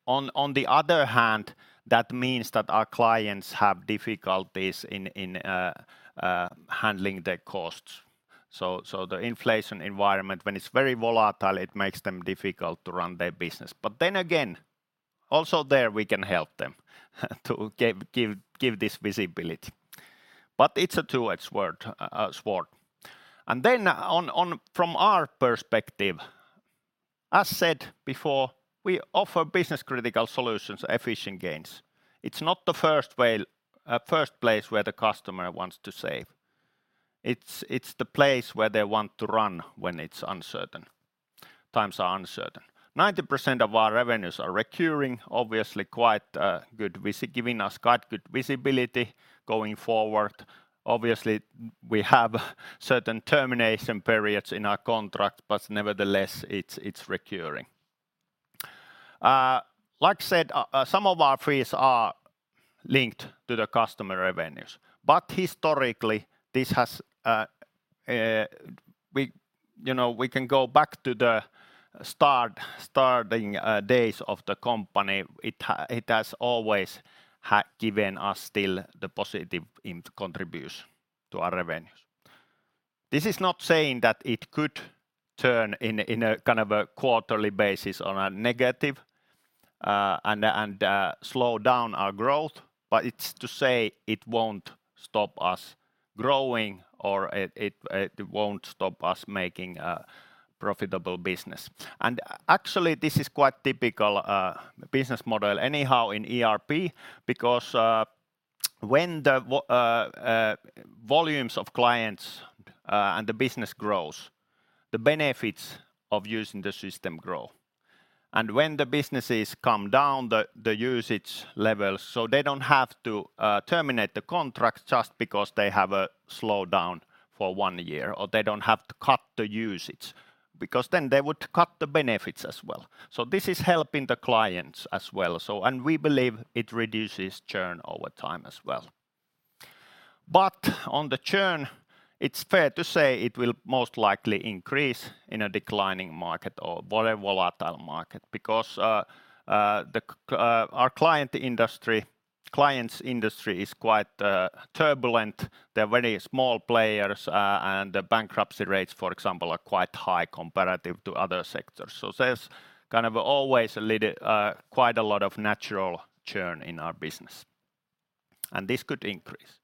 On the other hand, that means that our clients have difficulties in handling their costs. The inflation environment, when it's very volatile, it makes them difficult to run their business. Then again, also there we can help them to give this visibility. It's a two-edge word, sword. From our perspective, as said before, we offer business-critical solutions, efficient gains. It's not the first place where the customer wants to save. It's the place where they want to run when times are uncertain. 90% of our revenues are recurring, obviously quite good visibility going forward. Obviously we have certain termination periods in our contract, but nevertheless it's recurring. Like I said, some of our fees are linked to the customer revenues. Historically this has, you know, we can go back to the start, starting days of the company, it has always given us still the positive in contribution to our revenues. This is not saying that it could turn in a kind of a quarterly basis on a negative and slow down our growth, but it's to say it won't stop us growing or it won't stop us making a profitable business. Actually this is quite typical business model anyhow in ERP because when the volumes of clients and the business grows, the benefits of using the system grow. When the businesses come down the usage levels, they don't have to terminate the contract just because they have a slowdown for one year, or they don't have to cut the usage because they would cut the benefits as well. This is helping the clients as well. We believe it reduces churn over time as well. On the churn, it's fair to say it will most likely increase in a declining market or volatile market because our client industry, clients' industry is quite turbulent. They're very small players. The bankruptcy rates, for example, are quite high comparative to other sectors. There's kind of always a little, quite a lot of natural churn in our business, and this could increase.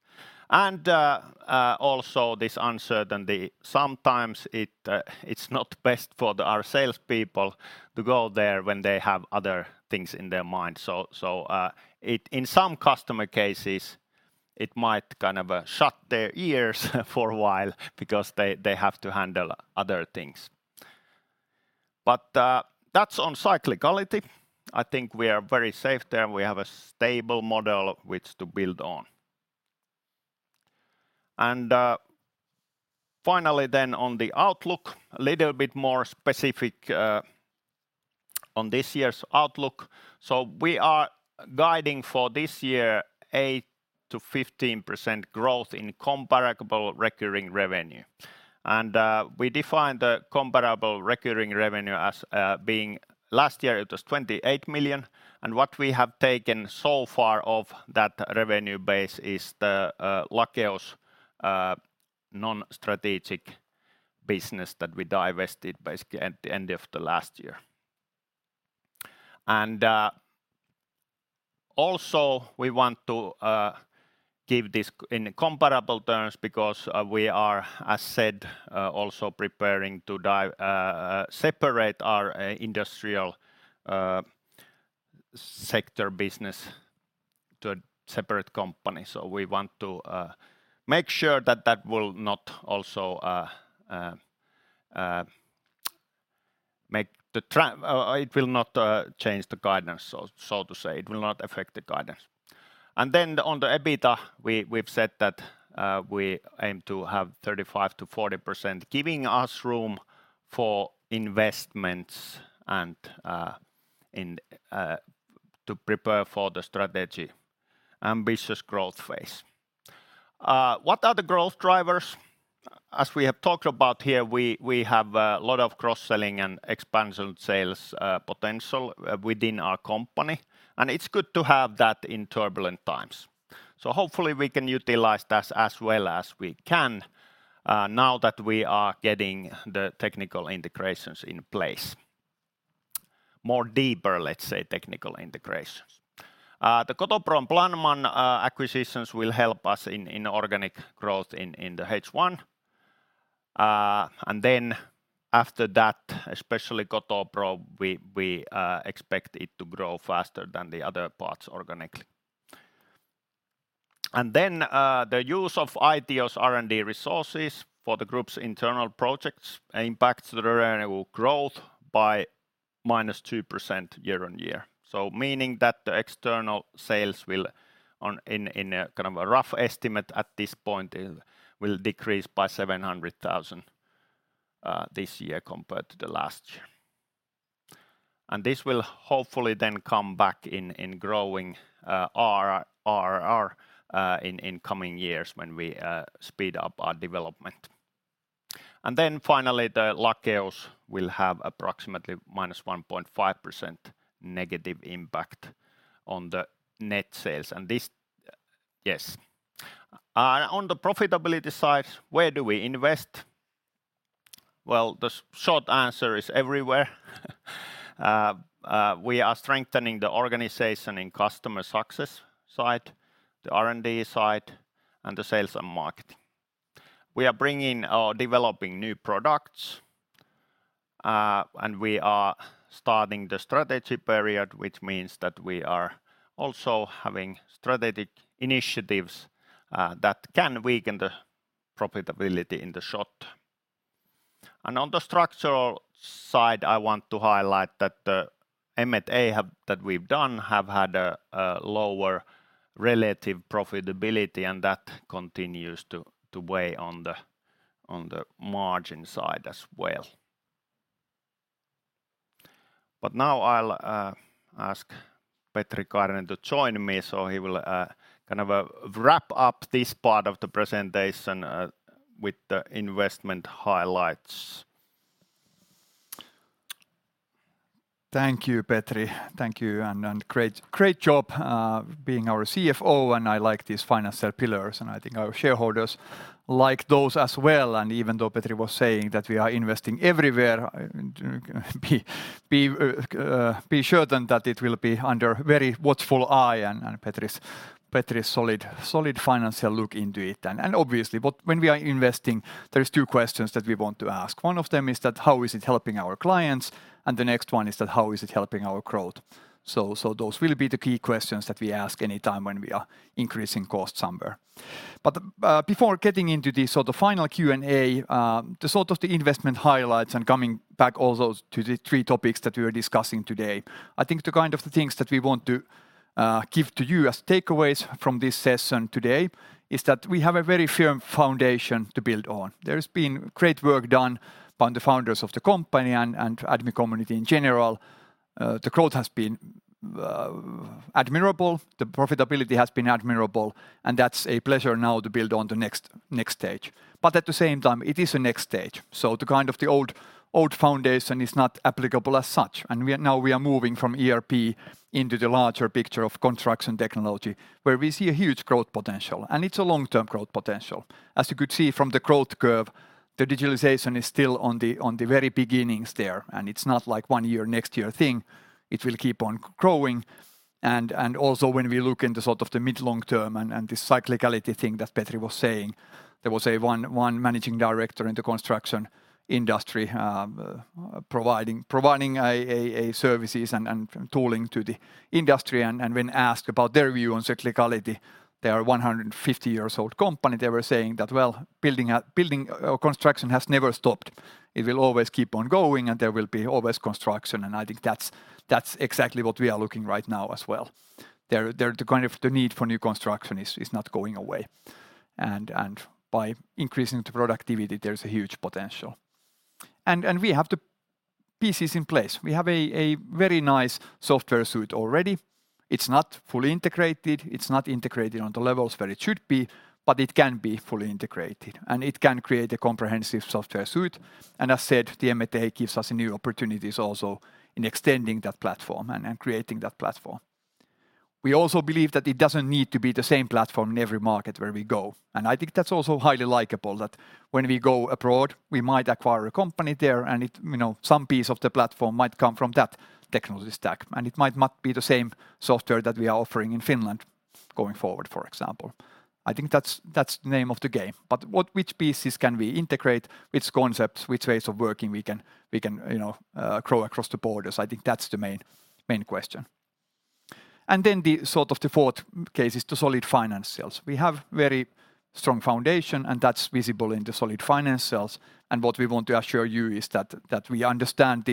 Also this uncertainty, sometimes it's not best for our salespeople to go there when they have other things in their minds. In some customer cases, it might kind of shut their ears for a while because they have to handle other things. That's on cyclicality. I think we are very safe there, and we have a stable model which to build on. Finally then on the outlook, a little bit more specific on this year's outlook. We are guiding for this year 8%-15% growth in comparable recurring revenue. We define the comparable recurring revenue as being last year it was 28 million, and what we have taken so far of that revenue base is the Lakeus non-strategic business that we divested basically at the end of last year. Also we want to give this in comparable terms because we are, as said, also preparing to separate our industrial sector business to a separate company. We want to make sure that that will not also it will not change the guidance, so to say. It will not affect the guidance. On the EBITDA we've said that we aim to have 35%-40%, giving us room for investments and in to prepare for the strategy ambitious growth phase. What are the growth drivers? As we have talked about here, we have a lot of cross-selling and expansion sales potential within our company, and it's good to have that in turbulent times. Hopefully we can utilize this as well as we can now that we are getting the technical integrations in place. More deeper, let's say, technical integrations. The Kotopro and PlanMan acquisitions will help us in organic growth in the H1. After that, especially Kotopro, we expect it to grow faster than the other parts organically. The use of Aitio's R&D resources for the group's internal projects impacts the annual growth by -2% year-over-year, meaning that the external sales will in a kind of a rough estimate at this point it will decrease by 700,000 this year compared to the last year. This will hopefully come back in growing our RR in coming years when we speed up our development. Finally, the Lakeus will have approximately -1.5% negative impact on the net sales. Yes. On the profitability side, where do we invest? The short answer is everywhere. We are strengthening the organization in customer success side, the R&D side, and the sales and market. We are bringing or developing new products, and we are starting the strategy period, which means that we are also having strategic initiatives that can weaken the profitability in the short. On the structural side, I want to highlight that the M&A that we've done have had a lower relative profitability, and that continues to weigh on the margin side as well. Now I'll ask Petri Kairinen to join me. He will kind of wrap up this part of the presentation with the investment highlights. Thank you, Petri. Thank you, and great job, being our CFO. I like these financial pillars. I think our shareholders like those as well. Even though Petri was saying that we are investing everywhere, be certain that it will be under very watchful eye and Petri's solid financial look into it. Obviously, but when we are investing, there is two questions that we want to ask. One of them is that, how is it helping our clients? The next one is that, how is it helping our growth? Those will be the key questions that we ask any time when we are increasing costs somewhere. Before getting into this, the sort of the investment highlights and coming back also to the three topics that we are discussing today, I think the kind of the things that we want to give to you as takeaways from this session today is that we have a very firm foundation to build on. There's been great work done by the founders of the company and Admi community in general. The growth has been admirable, the profitability has been admirable, and that's a pleasure now to build on the next stage. At the same time, it is a next stage. The kind of the old foundation is not applicable as such. Now we are moving from ERP into the larger picture of construction technology, where we see a huge growth potential, and it's a long-term growth potential. As you could see from the growth curve, the digitalization is still on the very beginnings there. It's not like one year, next year thing. It will keep on growing. Also when we look into sort of the mid-long-term and this cyclicality thing that Petri was saying, there was a one managing director in the construction industry, providing a services and tooling to the industry. When asked about their view on cyclicality, they are a 150 years old company, they were saying that, "Well, building construction has never stopped. It will always keep on going, and there will be always construction." I think that's exactly what we are looking right now as well. There the kind of the need for new construction is not going away. By increasing the productivity, there's a huge potential. We have the pieces in place. We have a very nice software suite already. It's not fully integrated. It's not integrated on the levels where it should be, but it can be fully integrated, and it can create a comprehensive software suite. As said, the M&A gives us new opportunities also in extending that platform and creating that platform. We also believe that it doesn't need to be the same platform in every market where we go. I think that's also highly likable, that when we go abroad, we might acquire a company there, and it, you know, some piece of the platform might come from that technology stack. It might not be the same software that we are offering in Finland going forward, for example. I think that's the name of the game. Which pieces can we integrate, which concepts, which ways of working we can, you know, grow across the borders? I think that's the main question. Then the sort of the fourth case is the solid financials. We have very strong foundation, and that's visible in the solid financials. What we want to assure you is that we understand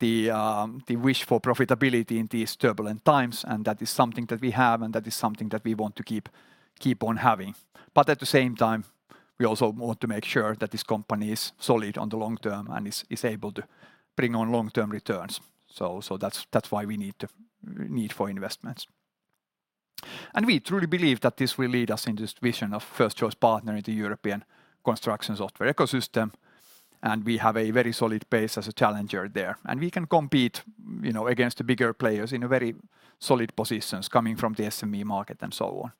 the wish for profitability in these turbulent times, and that is something that we have, and that is something that we want to keep on having. At the same time, we also want to make sure that this company is solid on the long term and is able to bring on long-term returns. That's why we need for investments. We truly believe that this will lead us in this vision of first-choice partner in the European construction software ecosystem, and we have a very solid base as a challenger there. We can compete, you know, against the bigger players in a very solid positions coming from the SME market and so on.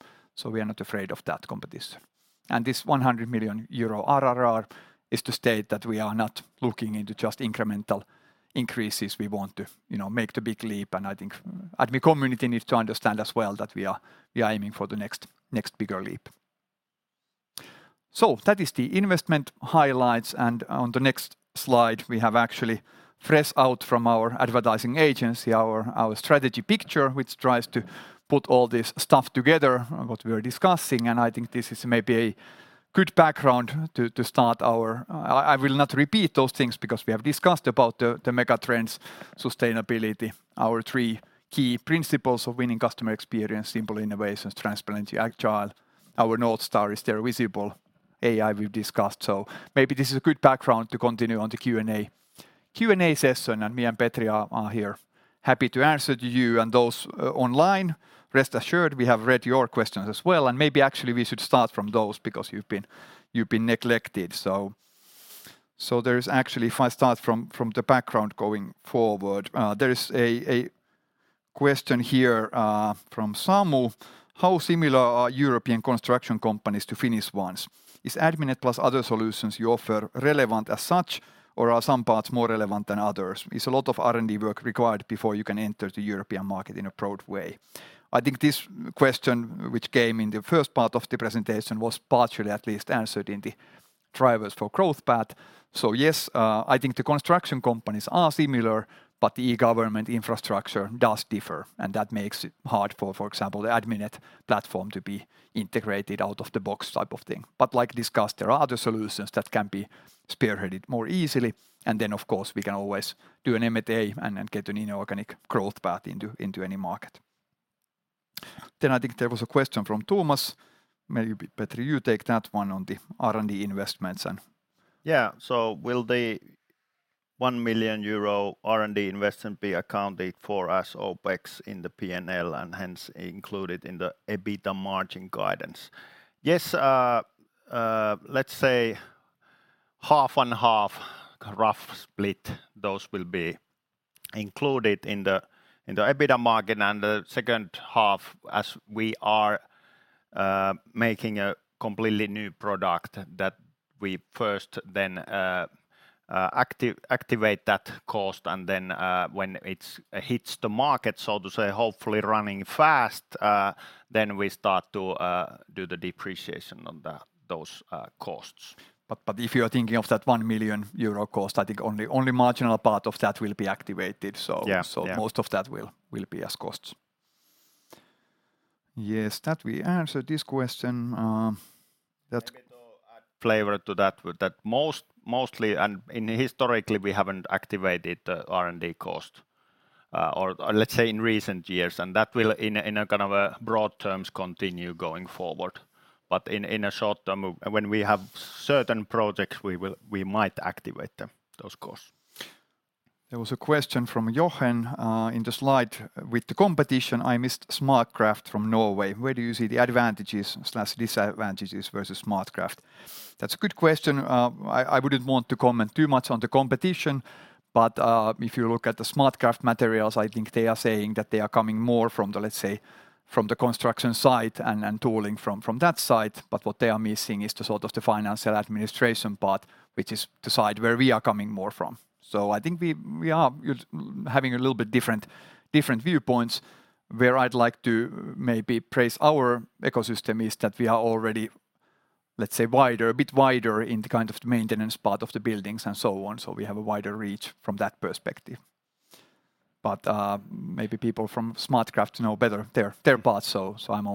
We are not afraid of that competition. This 100 million euro RR is to state that we are not looking into just incremental increases. We want to, you know, make the big leap. I think Admi community needs to understand as well that we are aiming for the next bigger leap. That is the investment highlights. On the next slide, we have actually fresh out from our advertising agency, our strategy picture, which tries to put all this stuff together, what we are discussing. I think this is maybe a good background to start our. I will not repeat those things because we have discussed about the megatrends, sustainability, our three key principles of winning customer experience, simple innovations, transparency, agile. Our North Star is there visible AI we've discussed, so maybe this is a good background to continue on the Q&A session, and me and Petri are here happy to answer to you and those online. Rest assured, we have read your questions as well, and maybe actually we should start from those because you've been neglected. There's actually If I start from the background going forward, there is a question here from Samu: How similar are European construction companies to Finnish ones? Is Adminet plus other solutions you offer relevant as such, or are some parts more relevant than others? Is a lot of R&D work required before you can enter the European market in a broad way? I think this question, which came in the first part of the presentation, was partially at least answered in the drivers for growth path. Yes, I think the construction companies are similar, but the e-government infrastructure does differ, and that makes it hard for example, the Adminet platform to be integrated out-of-the-box type of thing. Like discussed, there are other solutions that can be spearheaded more easily, and then of course we can always do an M&A and then get an inorganic growth path into any market. I think there was a question from Tomas. Maybe, Petri, you take that one on the R&D investments. Will the 1 million euro R&D investment be accounted for as OPEX in the P&L and hence included in the EBITDA margin guidance? Yes, let's say half and half, rough split. Those will be included in the EBITDA margin. The second half as we are making a completely new product that we first then activate that cost. Then when it hits the market, so to say, hopefully running fast, then we start to do the depreciation on those costs. If you're thinking of that 1 million euro cost, I think only marginal part of that will be activated. Yeah, yeah. Most of that will be as costs. Yes. That we answered this question. Maybe to add flavor to that with that mostly, and in historically we haven't activated the R&D cost, or let's say in recent years, and that will in a kind of a broad terms continue going forward. In a short-term, when we have certain projects, we might activate them, those costs. There was a question from Jochen: In the slide with the competition, I missed SmartCraft from Norway. Where do you see the advantages/disadvantages versus SmartCraft? That's a good question. I wouldn't want to comment too much on the competition, but if you look at the SmartCraft materials, I think they are saying that they are coming more from the, let's say, from the construction side and tooling from that side, but what they are missing is the sort of the financial administration part, which is the side where we are coming more from. I think we are having a little bit different viewpoints. Where I'd like to maybe praise our ecosystem is that we are already, let's say, wider, a bit wider in the kind of the maintenance part of the buildings and so on, so we have a wider reach from that perspective. Maybe people from SmartCraft know better their part, so I'm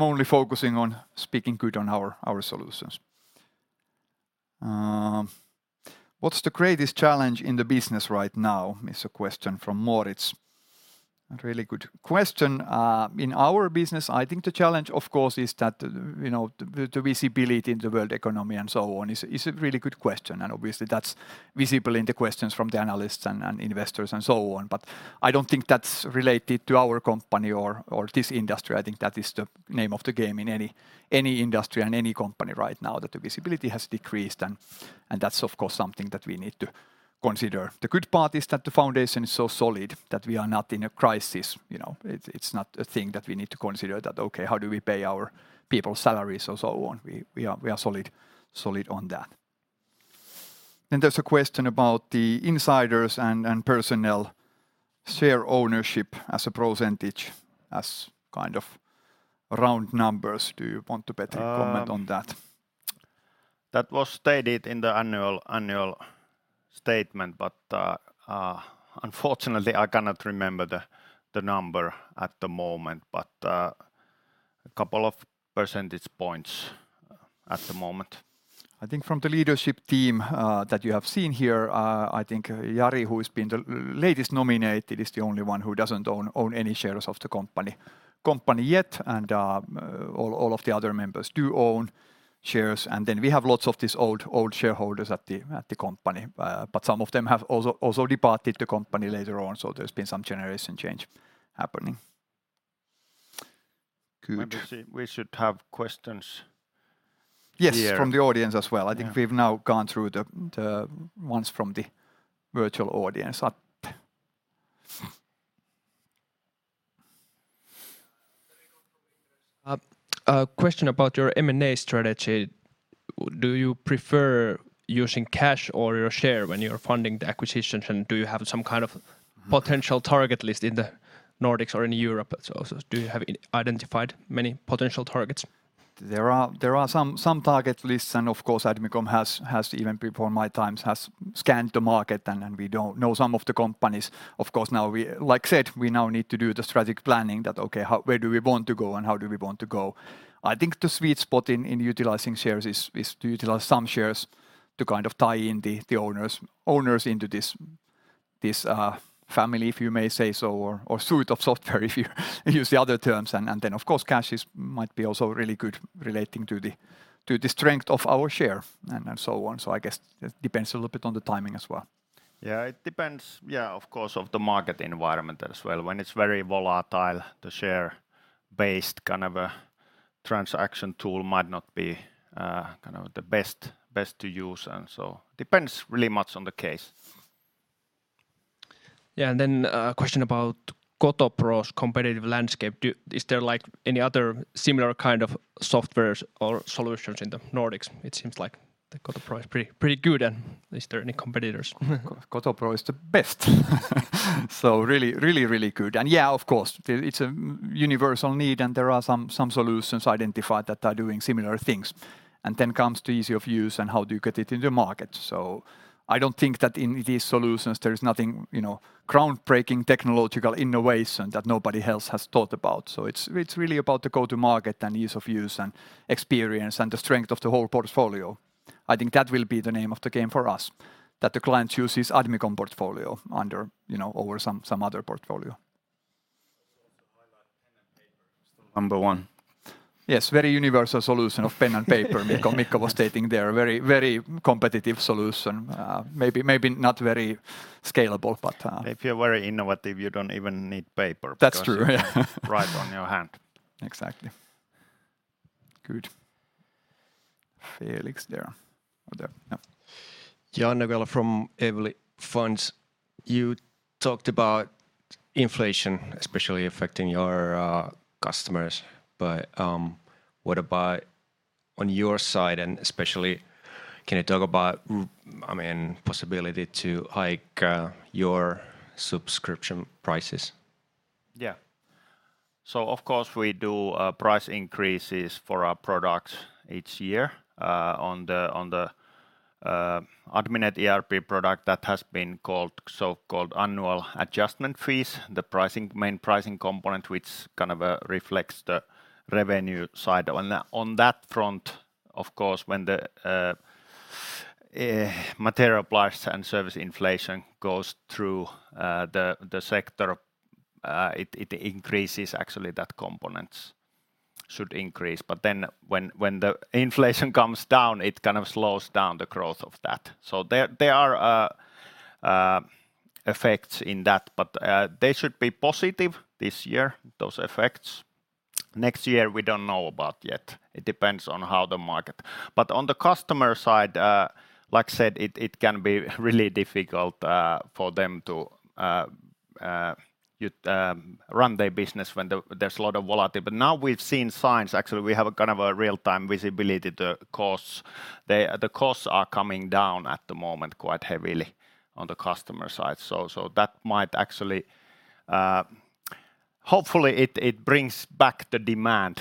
only focusing on speaking good on our solutions. What's the greatest challenge in the business right now? Is a question from Moritz. A really good question. In our business, I think the challenge, of course, is that, you know, the visibility in the world economy and so on is a really good question, and obviously that's visible in the questions from the analysts and investors and so on. I don't think that's related to our company or this industry. I think that is the name of the game in any industry and any company right now that the visibility has decreased and that's of course something that we need to consider. The good part is that the foundation is so solid that we are not in a crisis. You know, it's not a thing that we need to consider that, okay, how do we pay our people's salaries or so on? We are solid on that. There's a question about the insiders and personnel share ownership as a percentage, as kind of round numbers. Do you want to, Petri, comment on that? That was stated in the annual statement, but unfortunately I cannot remember the number at the moment, but a couple of percentage points at the moment. I think from the leadership team, that you have seen here, I think Jari, who has been the latest nominated, is the only one who doesn't own any shares of the company yet, all of the other members do own shares. We have lots of these old shareholders at the company, but some of them have also departed the company later on, so there's been some generation change happening. Good. Maybe see we should have questions here. Yes, from the audience as well. Yeah. I think we've now gone through the ones from the virtual audience. A question about your M&A strategy. Do you prefer using cash or your share when you're funding the acquisitions, and do you have some kind of potential target list in the Nordics or in Europe also? Do you have identified many potential targets? There are some target lists. Of course, Admicom has even before my time has scanned the market and we know some of the companies. Like I said, we now need to do the strategic planning that, okay, where do we want to go and how do we want to go? I think the sweet spot in utilizing shares is to utilize some shares to kind of tie in the owners into this family, if you may say so, or suite of software if you use the other terms. Then of course, cash is might be also really good relating to the strength of our share and so on. I guess it depends a little bit on the timing as well. It depends, yeah, of course, of the market environment as well. When it's very volatile, the share-based kind of a transaction tool might not be, kind of the best to use. Depends really much on the case. Yeah, then a question about Kotopro's competitive landscape. Is there, like, any other similar kind of softwares or solutions in the Nordics? It seems like the Kotopro is pretty good, and is there any competitors? Kotopro is the best. Really, really, really good. Yeah, of course. It's a universal need, and there are some solutions identified that are doing similar things. Then comes to ease of use and how do you get it in the market. I don't think that in these solutions there is nothing, you know, groundbreaking technological innovation that nobody else has thought about. It's really about the go to market and ease of use and experience and the strength of the whole portfolio. I think that will be the name of the game for us, that the client chooses Admicom portfolio under, you know, over some other portfolio. Number one. Yes. Very universal solution of pen and paper. Mikko was stating there. Very competitive solution. maybe not very scalable, but. If you're very innovative, you don't even need paper. That's true, yeah. You can write on your hand. Exactly. Good. Felix there. Or there. Yeah. Janne Wellen from Evli Funds. You talked about inflation especially affecting your customers. What about on your side and especially can you talk about I mean, possibility to hike your subscription prices? Yeah. Of course we do price increases for our products each year on the Adminet ERP product that has been called so-called annual adjustment fees, the pricing, main pricing component which kind of reflects the revenue side. On that front, of course, when the material price and service inflation goes through the sector, it increases actually that components should increase. When the inflation comes down, it kind of slows down the growth of that. There are effects in that, but they should be positive this year, those effects. Next year, we don't know about yet. It depends on how the market. On the customer side, like I said, it can be really difficult for them to run their business when there's a lot of volatility. Now we've seen signs, actually we have a kind of a real-time visibility the costs. The costs are coming down at the moment quite heavily on the customer side. That might actually. Hopefully it brings back the demand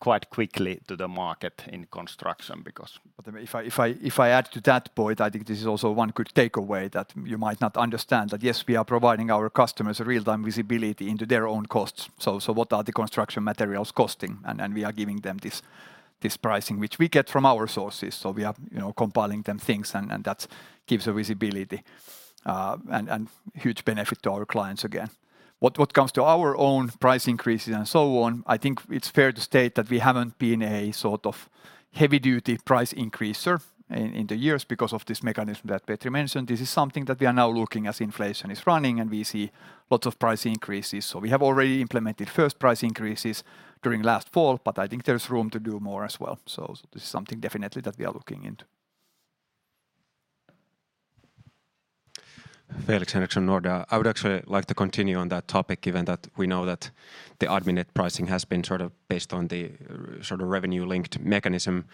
quite quickly to the market in construction because. If I add to that point, I think this is also one good takeaway that you might not understand. That yes, we are providing our customers real-time visibility into their own costs. What are the construction materials costing? We are giving them this pricing which we get from our sources. We are, you know, compiling them things and that's gives a visibility and huge benefit to our clients again. What comes to our own price increases and so on, I think it's fair to state that we haven't been a sort of heavy-duty price increaser in the years because of this mechanism that Petri mentioned. This is something that we are now looking as inflation is running and we see lots of price increases. We have already implemented first price increases during last fall, but I think there's room to do more as well. This is something definitely that we are looking into. I would actually like to continue on that topic given that we know that the Adminet pricing has been sort of based on the sort of revenue-linked mechanism.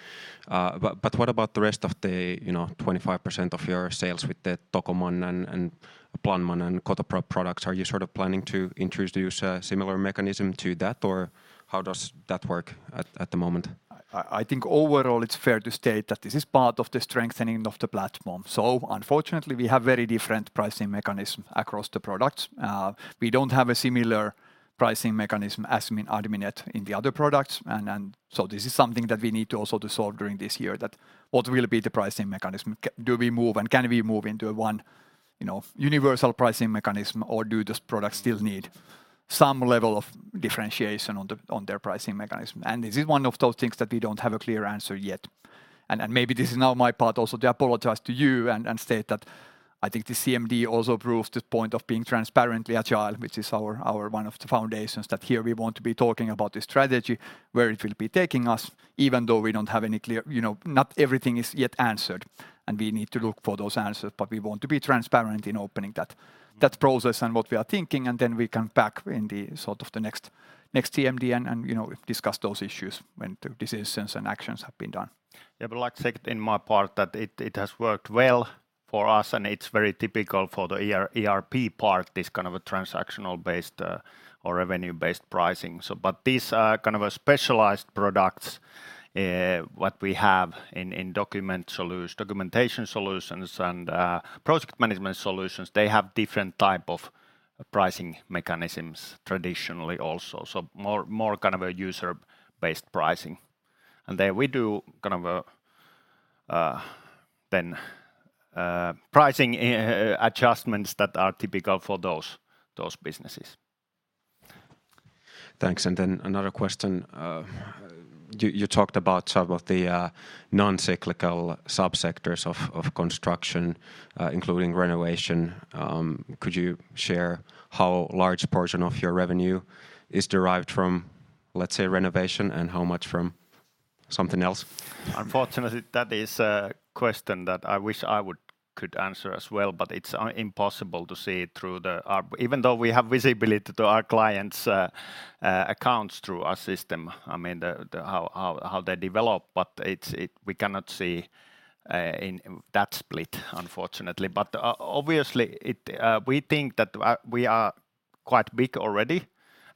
What about the rest of the, you know, 25% of your sales with the Tocoman and PlanMan and Kotopro products? Are you sort of planning to introduce a similar mechanism to that or how does that work at the moment? I think overall it's fair to state that this is part of the strengthening of the platform. Unfortunately, we have very different pricing mechanism across the products. We don't have a similar pricing mechanism as in Adminet in the other products. This is something that we need to also to solve during this year, that what will be the pricing mechanism. Do we move and can we move into a one, you know, universal pricing mechanism, or do those products still need some level of differentiation on the, on their pricing mechanism? This is one of those things that we don't have a clear answer yet. Maybe this is now my part also to apologize to you and state that I think the CMD also proves this point of being transparently agile, which is our one of the foundations that here we want to be talking about the strategy, where it will be taking us, even though we don't have any clear, you know, not everything is yet answered, and we need to look for those answers. We want to be transparent in opening that process and what we are thinking, and then we come back in the sort of the next CMD and, you know, discuss those issues when the decisions and actions have been done. I'd like to say it in my part that it has worked well for us, and it's very typical for the ERP part, this kind of a transactional-based, or revenue-based pricing. These are kind of a specialized products, what we have in documentation solutions and project management solutions. They have different type of pricing mechanisms traditionally also. More, more kind of a user-based pricing. And there we do kind of a then pricing adjustments that are typical for those businesses. Thanks. Another question. You talked about some of the non-cyclical sub-sectors of construction, including renovation. Could you share how large portion of your revenue is derived from, let's say, renovation, and how much from something else? Unfortunately, that is a question that I wish I could answer as well, but it's impossible to see it through, even though we have visibility to our clients' accounts through our system, I mean, the how they develop, but we cannot see in that split, unfortunately. Obviously, we think that we are quite big already,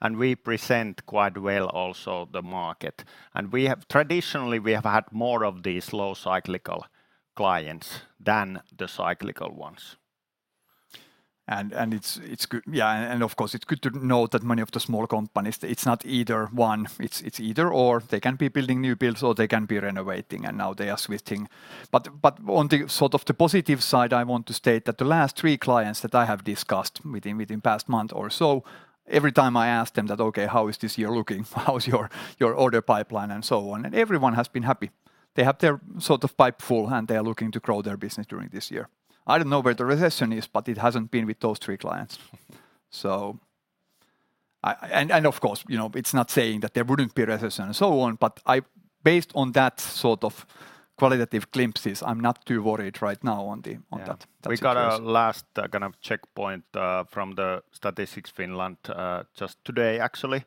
and we present quite well also the market. Traditionally, we have had more of these low cyclical clients than the cyclical ones. It's, yeah, and of course, it's good to know that many of the small companies, it's not either one. It's either/or. They can be building new builds or they can be renovating, and now they are switching. On the sort of the positive side, I want to state that the last three clients that I have discussed with in past month or so, every time I ask them that, "Okay, how is this year looking? How is your order pipeline and so on?" Everyone has been happy. They have their sort of pipe full, and they are looking to grow their business during this year. I don't know where the recession is, but it hasn't been with those three clients. Of course, you know, it's not saying that there wouldn't be a recession and so on, but Based on that sort of qualitative glimpses, I'm not too worried right now. Yeah On that situation. We got a last kind of checkpoint from the Statistics Finland just today actually.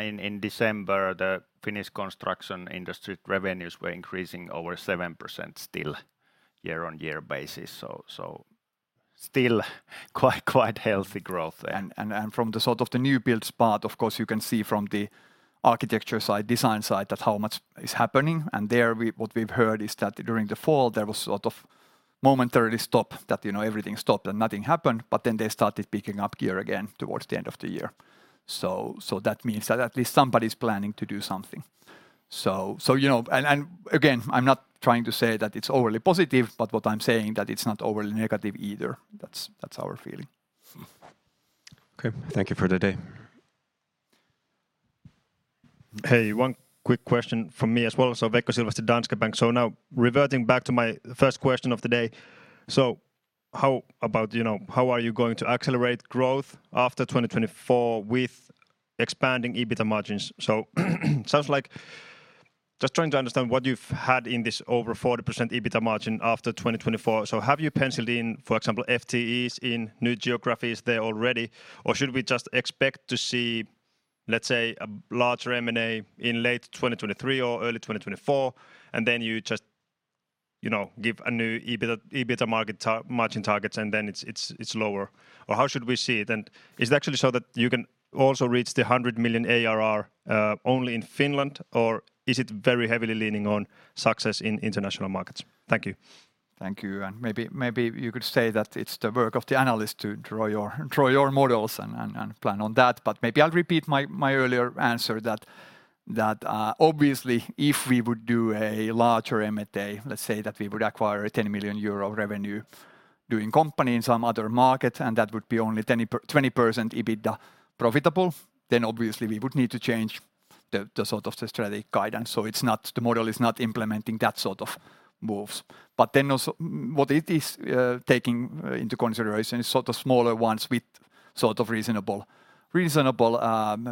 In December, the Finnish construction industry revenues were increasing over 7% still year-on-year basis. Still quite healthy growth there. From the sort of the new builds part, of course, you can see from the architecture side, design side that how much is happening. What we've heard is that during the fall, there was sort of momentarily stop, that, you know, everything stopped and nothing happened, but then they started picking up gear again towards the end of the year. That means that at least somebody's planning to do something. You know. Again, I'm not trying to say that it's overly positive, but what I'm saying that it's not overly negative either. That's our feeling. Okay. Thank you for the day. Hey, one quick question from me as well. Veikko Silvasti, Danske Bank. Now reverting back to my first question of the day. How about, you know, how are you going to accelerate growth after 2024 with expanding EBITDA margins? Just trying to understand what you've had in this over 40% EBITDAA margin after 2024. Have you penciled in, for example, FTEs in new geographies there already? Should we just expect to see, let's say, a larger M&A in late 2023 or early 2024, and then you just, you know, give a new EBITDA margin targets, and then it's, it's lower? How should we see it? Is it actually so that you can also reach the 100 million ARR only in Finland, or is it very heavily leaning on success in international markets? Thank you. Thank you. Maybe, maybe you could say that it's the work of the analyst to draw your models and plan on that. Maybe I'll repeat my earlier answer that obviously, if we would do a larger M&A, let's say that we would acquire a 10 million euro revenue doing company in some other market, and that would be only 20% EBITDA profitable, then obviously we would need to change the sort of the strategic guidance. The model is not implementing that sort of moves. Also, what it is, taking into consideration is sort of smaller ones with sort of reasonable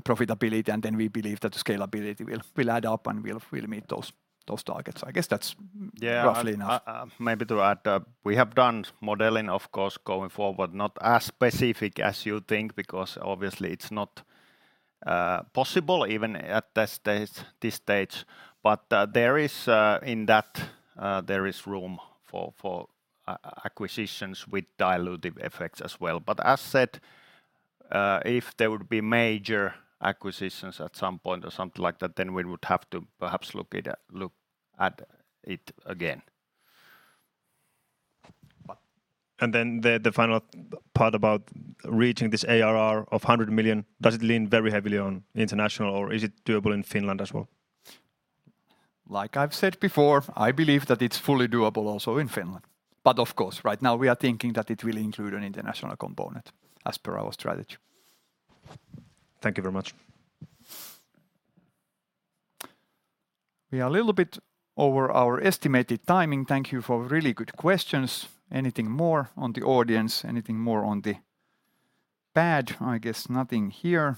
profitability. Then we believe that the scalability will add up, and we'll meet those targets. I guess that's roughly enough. Yeah. Maybe to add, we have done modeling, of course, going forward, not as specific as you think because obviously it's not possible even at this stage. There is, in that, there is room for acquisitions with dilutive effects as well. As said, if there would be major acquisitions at some point or something like that, then we would have to perhaps look at it again. The final part about reaching this ARR of 100 million, does it lean very heavily on international, or is it doable in Finland as well? Like I've said before, I believe that it's fully doable also in Finland. Of course, right now we are thinking that it will include an international component as per our strategy. Thank you very much. We are a little bit over our estimated timing. Thank you for really good questions. Anything more on the audience? Anything more on the pad? I guess nothing here.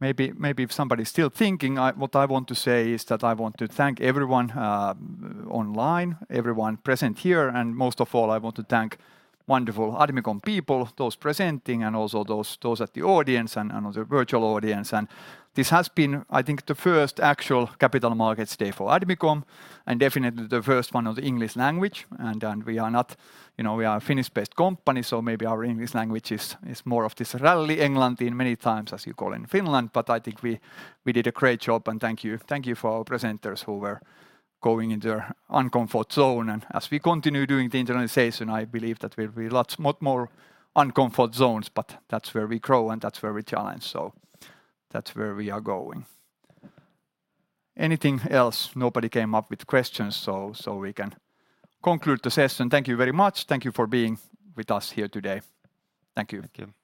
Maybe if somebody's still thinking, what I want to say is that I want to thank everyone online, everyone present here, and most of all, I want to thank wonderful Admicom people, those presenting, and also those at the audience and the virtual audience. This has been, I think, the first actual capital markets day for Admicom, and definitely the first one on the English language. We are not, you know, we are a Finnish-based company, so maybe our English language is more of this Rally English in many times as you call in Finland. I think we did a great job. Thank you, thank you for our presenters who were going into their uncomfort zone. As we continue doing the internationalization, I believe that there'll be much more uncomfort zones, but that's where we grow, and that's where we challenge. That's where we are going. Anything else? Nobody came up with questions, so we can conclude the session. Thank you very much. Thank you for being with us here today. Thank you. Thank you.